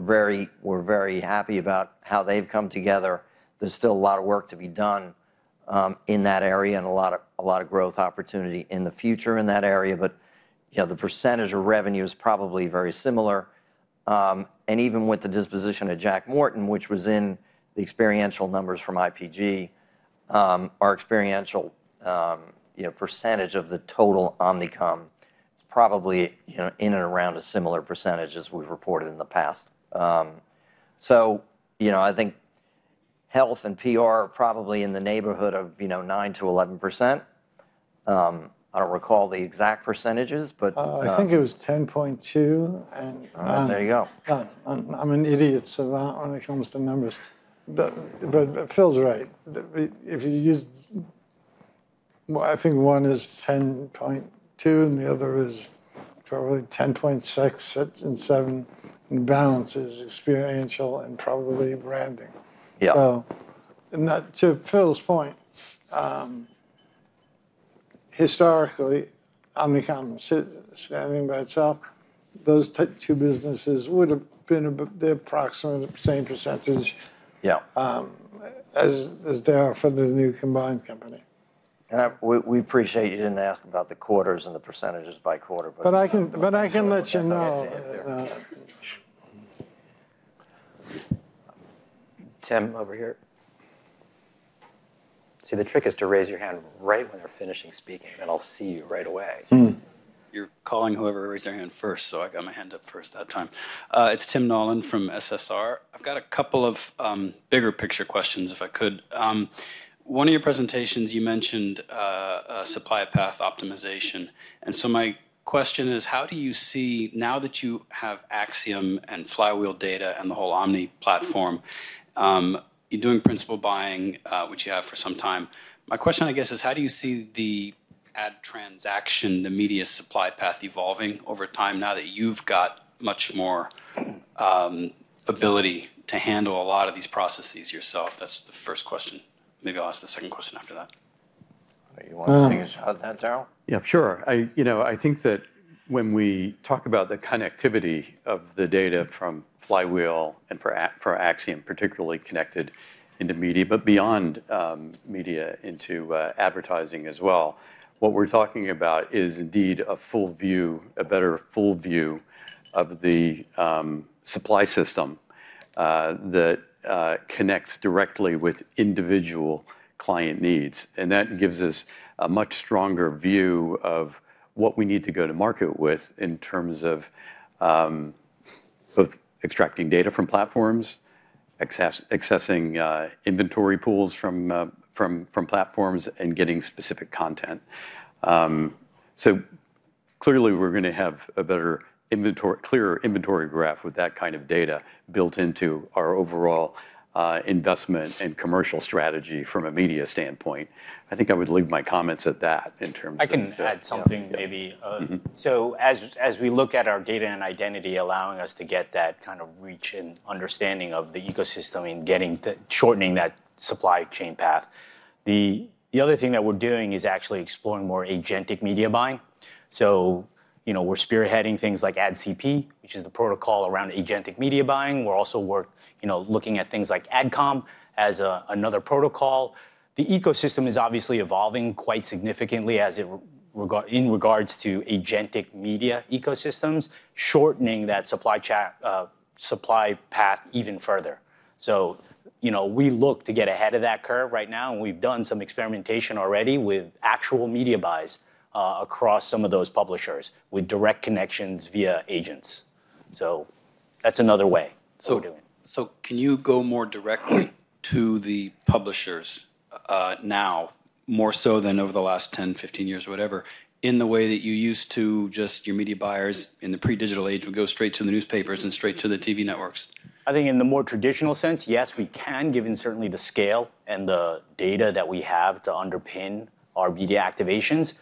very happy about how they've come together. There's still a lot of work to be done in that area and a lot of growth opportunity in the future in that area. You know, the percentage of revenue is probably very similar. Even with the disposition of Jack Morton, which was in the experiential numbers from IPG, our experiential percentage of the total Omnicom is probably, you know, in and around a similar percentage as we've reported in the past. You know, I think health and PR are probably in the neighborhood of 9%-11%. I don't recall the exact percentages, but I think it was 10.2%, and There you go. I'm an idiot, so when it comes to numbers. Phil's right. If you use. Well, I think one is 10.2%, and the other is probably 10.6% and 7% balances experiential and probably branding. Yeah. To Phil's point, historically, Omnicom standing by itself, those two businesses would have been the approximate same percentage- Yeah As they are for the new combined company. We appreciate you didn't ask about the quarters and the percentages by quarter, but. I can let you know that. Tim, over here. See, the trick is to raise your hand right when they're finishing speaking, then I'll see you right away. Mm-hmm. You're calling whoever raised their hand first, so I got my hand up first that time. It's Tim Nollen from SSR. I've got a couple of bigger picture questions, if I could. One of your presentations, you mentioned supply path optimization. My question is: how do you see, now that you have Acxiom and Flywheel data and the whole Omni platform, you're doing principal buying, which you have for some time. My question, I guess, is how do you see the ad transaction, the media supply path evolving over time now that you've got much more ability to handle a lot of these processes yourself? That's the first question. Maybe I'll ask the second question after that. You wanna take a shot at that, Daryl? Yeah, sure. You know, I think that when we talk about the connectivity of the data from Flywheel and for Acxiom, particularly connected into media, but beyond media into advertising as well, what we're talking about is indeed a full view, a better full view of the supply system that connects directly with individual client needs. That gives us a much stronger view of what we need to go to market with in terms of both extracting data from platforms, accessing inventory pools from platforms, and getting specific content. Clearly we're gonna have a better inventory clearer inventory graph with that kind of data built into our overall investment and commercial strategy from a media standpoint. I think I would leave my comments at that in terms of- I can add something maybe. Mm-hmm. As we look at our data and identity allowing us to get that kind of reach and understanding of the ecosystem and getting the shortening that supply path, the other thing that we're doing is actually exploring more agentic media buying. You know, we're spearheading things like AdCP, which is the protocol around agentic media buying. We're also, you know, looking at things like Adcom As another protocol. The ecosystem is obviously evolving quite significantly in regards to agentic media ecosystems, shortening that supply path even further. You know, we look to get ahead of that curve right now, and we've done some experimentation already with actual media buys across some of those publishers with direct connections via agents. That's another way we're doing it. Can you go more directly to the publishers, now, more so than over the last 10, 15 years, whatever, in the way that you used to just your media buyers in the pre-digital age would go straight to the newspapers and straight to the TV networks? I think in the more traditional sense, yes, we can, given certainly the scale and the data that we have to underpin our media activations.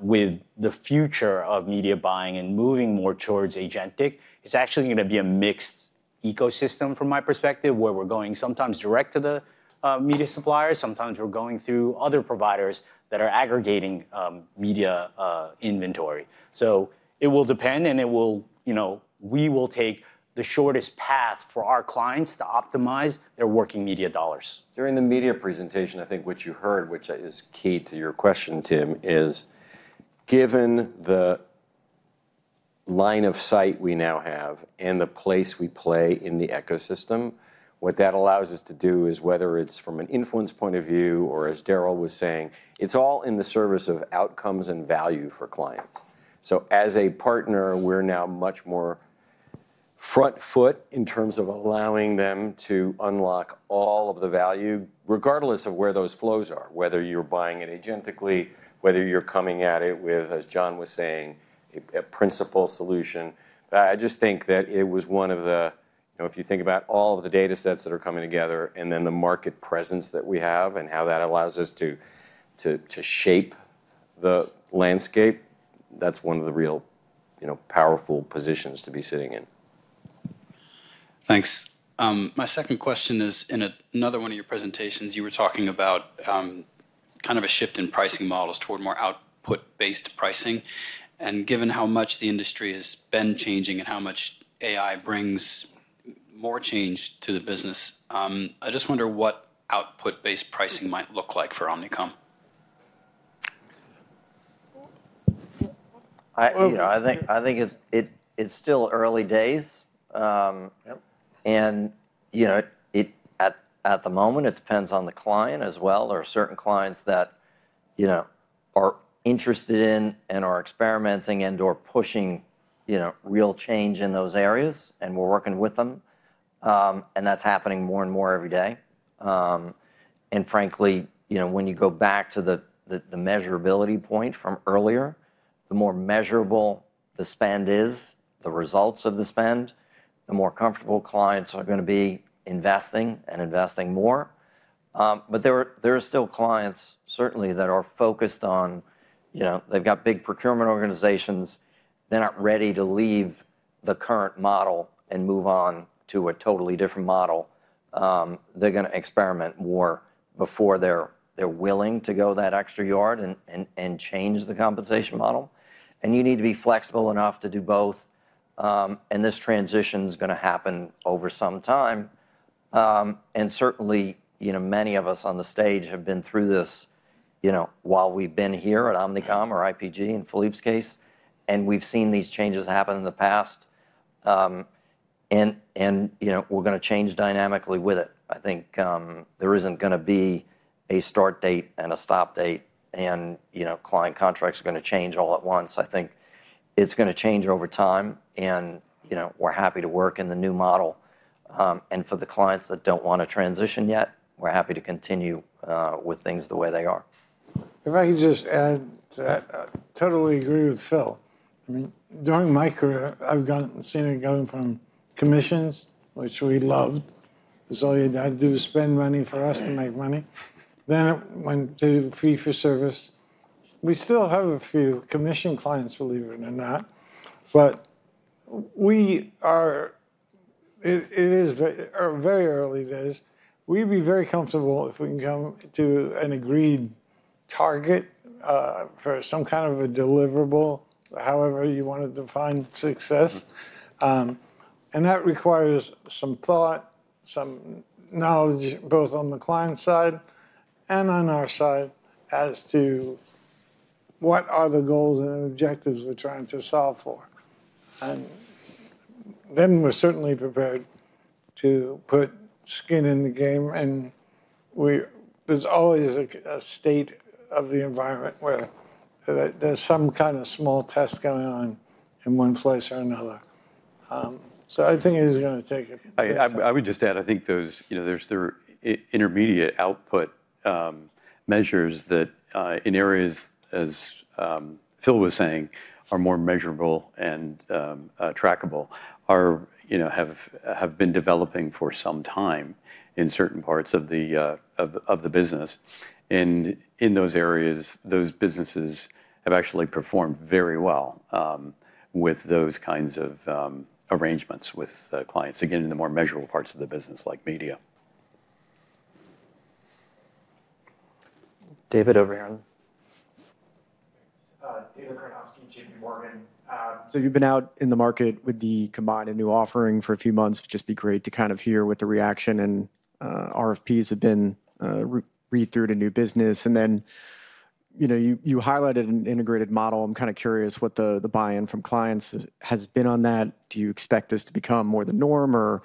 With the future of media buying and moving more towards agentic, it's actually gonna be a mixed ecosystem from my perspective, where we're going sometimes direct to the media suppliers, sometimes we're going through other providers that are aggregating media inventory. It will depend, and it will you know, we will take the shortest path for our clients to optimize their working media dollars. During the media presentation, I think what you heard, which is key to your question, Tim, is given the line of sight we now have and the place we play in the ecosystem, what that allows us to do is whether it's from an influence point of view or, as Daryl was saying, it's all in the service of outcomes and value for clients. As a partner, we're now much more front foot in terms of allowing them to unlock all of the value, regardless of where those flows are, whether you're buying it agentically, whether you're coming at it with, as John was saying, a principal solution. I just think that it was one of the. You know, if you think about all of the datasets that are coming together and then the market presence that we have and how that allows us to shape the landscape, that's one of the real, you know, powerful positions to be sitting in. Thanks. My second question is in another one of your presentations, you were talking about kind of a shift in pricing models toward more output-based pricing. Given how much the industry has been changing and how much AI brings more change to the business, I just wonder what output-based pricing might look like for Omnicom. You know, I think it's still early days. Yep. You know, at the moment, it depends on the client as well. There are certain clients that, you know, are interested in and are experimenting and/or pushing, you know, real change in those areas, and we're working with them. That's happening more and more every day. Frankly, you know, when you go back to the measurability point from earlier, the more measurable the spend is, the results of the spend, the more comfortable clients are gonna be investing and investing more. There are still clients certainly that are focused on, you know, they've got big procurement organizations. They're not ready to leave the current model and move on to a totally different model. They're gonna experiment more before they're willing to go that extra yard and change the compensation model. You need to be flexible enough to do both, and this transition's gonna happen over some time. Certainly, you know, many of us on the stage have been through this, you know, while we've been here at Omnicom or IPG in Philippe's case, and we've seen these changes happen in the past. You know, we're gonna change dynamically with it. I think, there isn't gonna be a start date and a stop date, and, you know, client contracts are gonna change all at once. I think it's gonna change over time and, you know, we're happy to work in the new model. For the clients that don't wanna transition yet, we're happy to continue with things the way they are. If I could just add to that. I totally agree with Phil. I mean, during my career, I've seen it going from commissions, which we loved, 'cause all you had to do was spend money for us to make money, then it went to fee for service. We still have a few commission clients, believe it or not. But we are. It is very early days. We'd be very comfortable if we can come to an agreed target for some kind of a deliverable, however you wanna define success. That requires some thought, some knowledge, both on the client side and on our side as to what are the goals and objectives we're trying to solve for. Then we're certainly prepared to put skin in the game. There's always a state of the environment where there's some kind of small test going on in one place or another. I think it is gonna take a – I would just add, I think there's, you know, there's the intermediate output measures that in areas, as Phil was saying, are more measurable and trackable, you know, have been developing for some time in certain parts of the business. In those areas, those businesses have actually performed very well with those kinds of arrangements with clients, again, in the more measurable parts of the business le media. David, over here. Thanks. David Karnovsky, JPMorgan. So you've been out in the market with the combined and new offering for a few months. It'd just be great to kind of hear what the reaction and RFPs have been redrawn to new business. You know, you highlighted an integrated model. I'm kinda curious what the buy-in from clients has been on that. Do you expect this to become more the norm or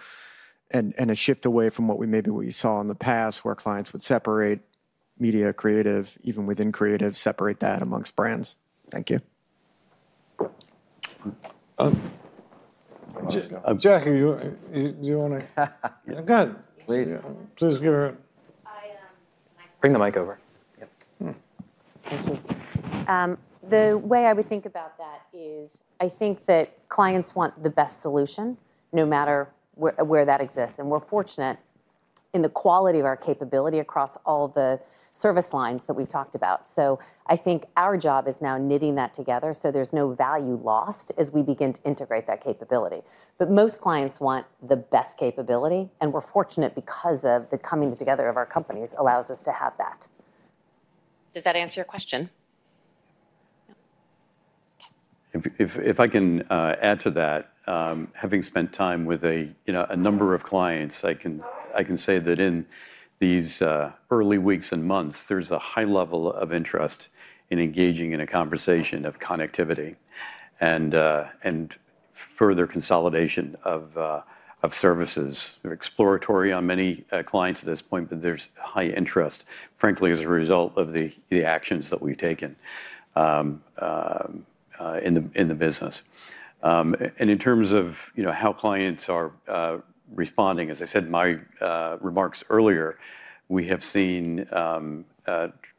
and a shift away from what we maybe saw in the past where clients would separate media creative, even within creative, separate that among brands? Thank you. Jacki, you wanna go ahead. Please. Please give her. Bring the mic over. Yep. Thank you. The way I would think about that is I think that clients want the best solution no matter where that exists. We're fortunate in the quality of our capability across all the service lines that we've talked about. I think our job is now knitting that together so there's no value lost as we begin to integrate that capability. Most clients want the best capability, and we're fortunate because of the coming together of our companies allows us to have that. Does that answer your question? If I can add to that, having spent time with, you know, a number of clients, I can say that in these early weeks and months, there's a high level of interest in engaging in a conversation of connectivity and further consolidation of services. Exploratory on many clients at this point, but there's high interest, frankly, as a result of the actions that we've taken in the business. In terms of, you know, how clients are responding, as I said in my remarks earlier, we have seen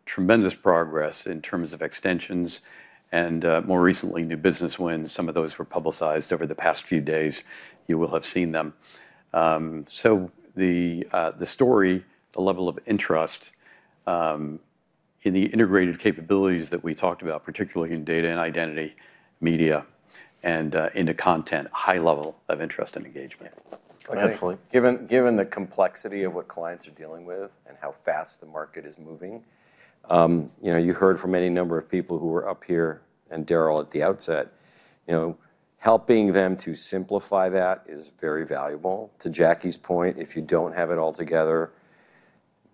tremendous progress in terms of extensions and, more recently, new business wins. Some of those were publicized over the past few days. You will have seen them. The level of interest in the integrated capabilities that we talked about, particularly in data and identity, media, and into content. High level of interest and engagement. Go ahead, Phil. Given the complexity of what clients are dealing with and how fast the market is moving, you know, you heard from any number of people who were up here and Daryl at the outset, you know, helping them to simplify that is very valuable. To Jacki's point, if you don't have it all together,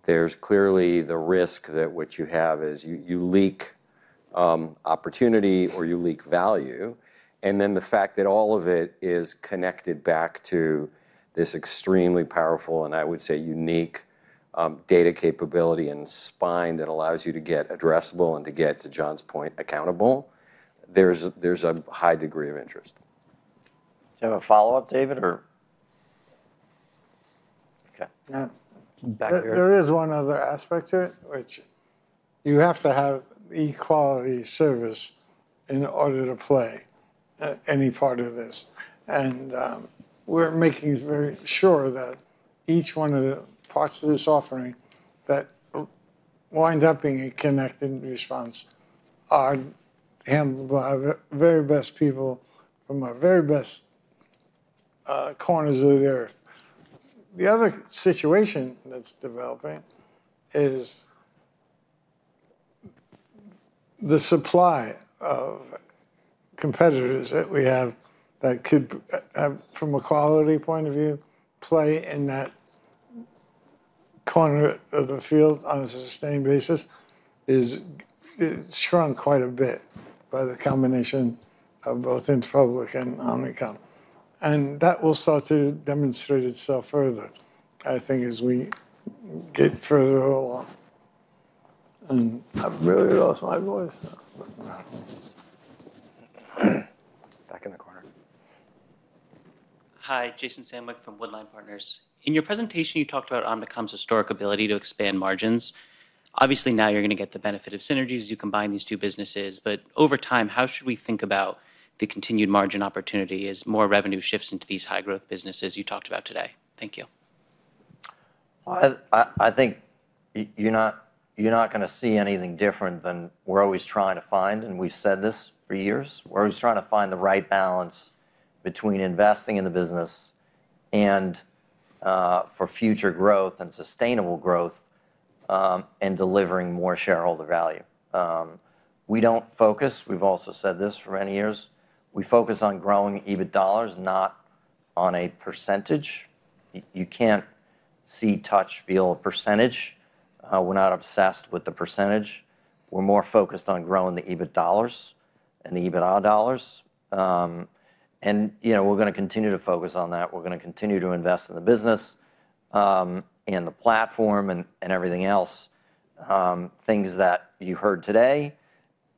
there's clearly the risk that what you have is you leak opportunity or you leak value. The fact that all of it is connected back to this extremely powerful, and I would say unique, data capability and spine that allows you to get addressable and to get, to John's point, accountable, there's a high degree of interest. Do you have a follow-up, David, or? There is one other aspect to it, which you have to have quality service in order to play at any part of this. We're making very sure that each one of the parts of this offering that wind up being a connected response are handled by our very best people from our very best corners of the earth. The other situation that's developing is the supply of competitors that we have that could, from a quality point of view, play in that corner of the field on a sustained basis is shrunk quite a bit by the combination of both Interpublic and Omnicom. That will start to demonstrate itself further, I think, as we get further along. I've really lost my voice now. Back in the corner. Hi, Jason Samwick from Woodline Partners. In your presentation, you talked about Omnicom's historic ability to expand margins. Obviously, now you're gonna get the benefit of synergies as you combine these two businesses. Over time, how should we think about the continued margin opportunity as more revenue shifts into these high-growth businesses you talked about today? Thank you. Well, I think you're not gonna see anything different than we're always trying to find, and we've said this for years. We're always trying to find the right balance between investing in the business and for future growth and sustainable growth, and delivering more shareholder value. We don't focus, we've also said this for many years. We focus on growing EBIT dollars, not on a percentage. You can't see, touch, feel a percentage. We're not obsessed with the percentage. We're more focused on growing the EBIT dollars and the EBITDA dollars. You know, we're gonna continue to focus on that. We're gonna continue to invest in the business in the platform, and everything else, things that you heard today.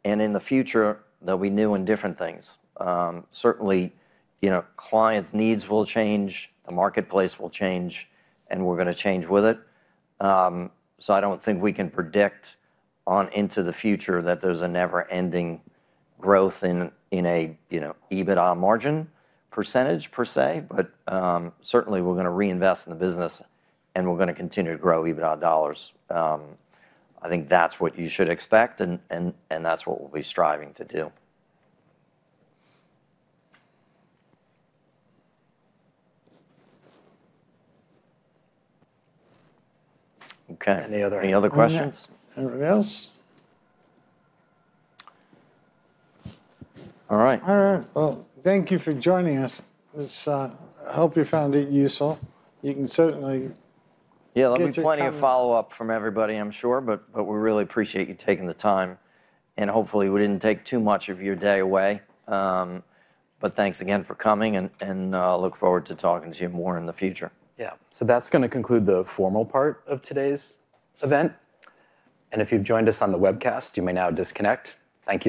In the future, there'll be new and different things. Certainly, you know, clients' needs will change, the marketplace will change, and we're gonna change with it. I don't think we can predict on into the future that there's a never-ending growth in a, you know, EBITDA margin percentage per se. Certainly we're gonna reinvest in the business, and we're gonna continue to grow EBITDA dollars. I think that's what you should expect and that's what we'll be striving to do. Okay. Any other questions? Any other on that? Anybody else? All right. All right. Well, thank you for joining us. This, I hope you found it useful. Yeah, there'll be plenty of follow-up from everybody, I'm sure. We really appreciate you taking the time, and hopefully, we didn't take too much of your day away. Thanks again for coming and look forward to talking to you more in the future. Yeah. That's gonna conclude the formal part of today's event. If you've joined us on the webcast, you may now disconnect. Thank you.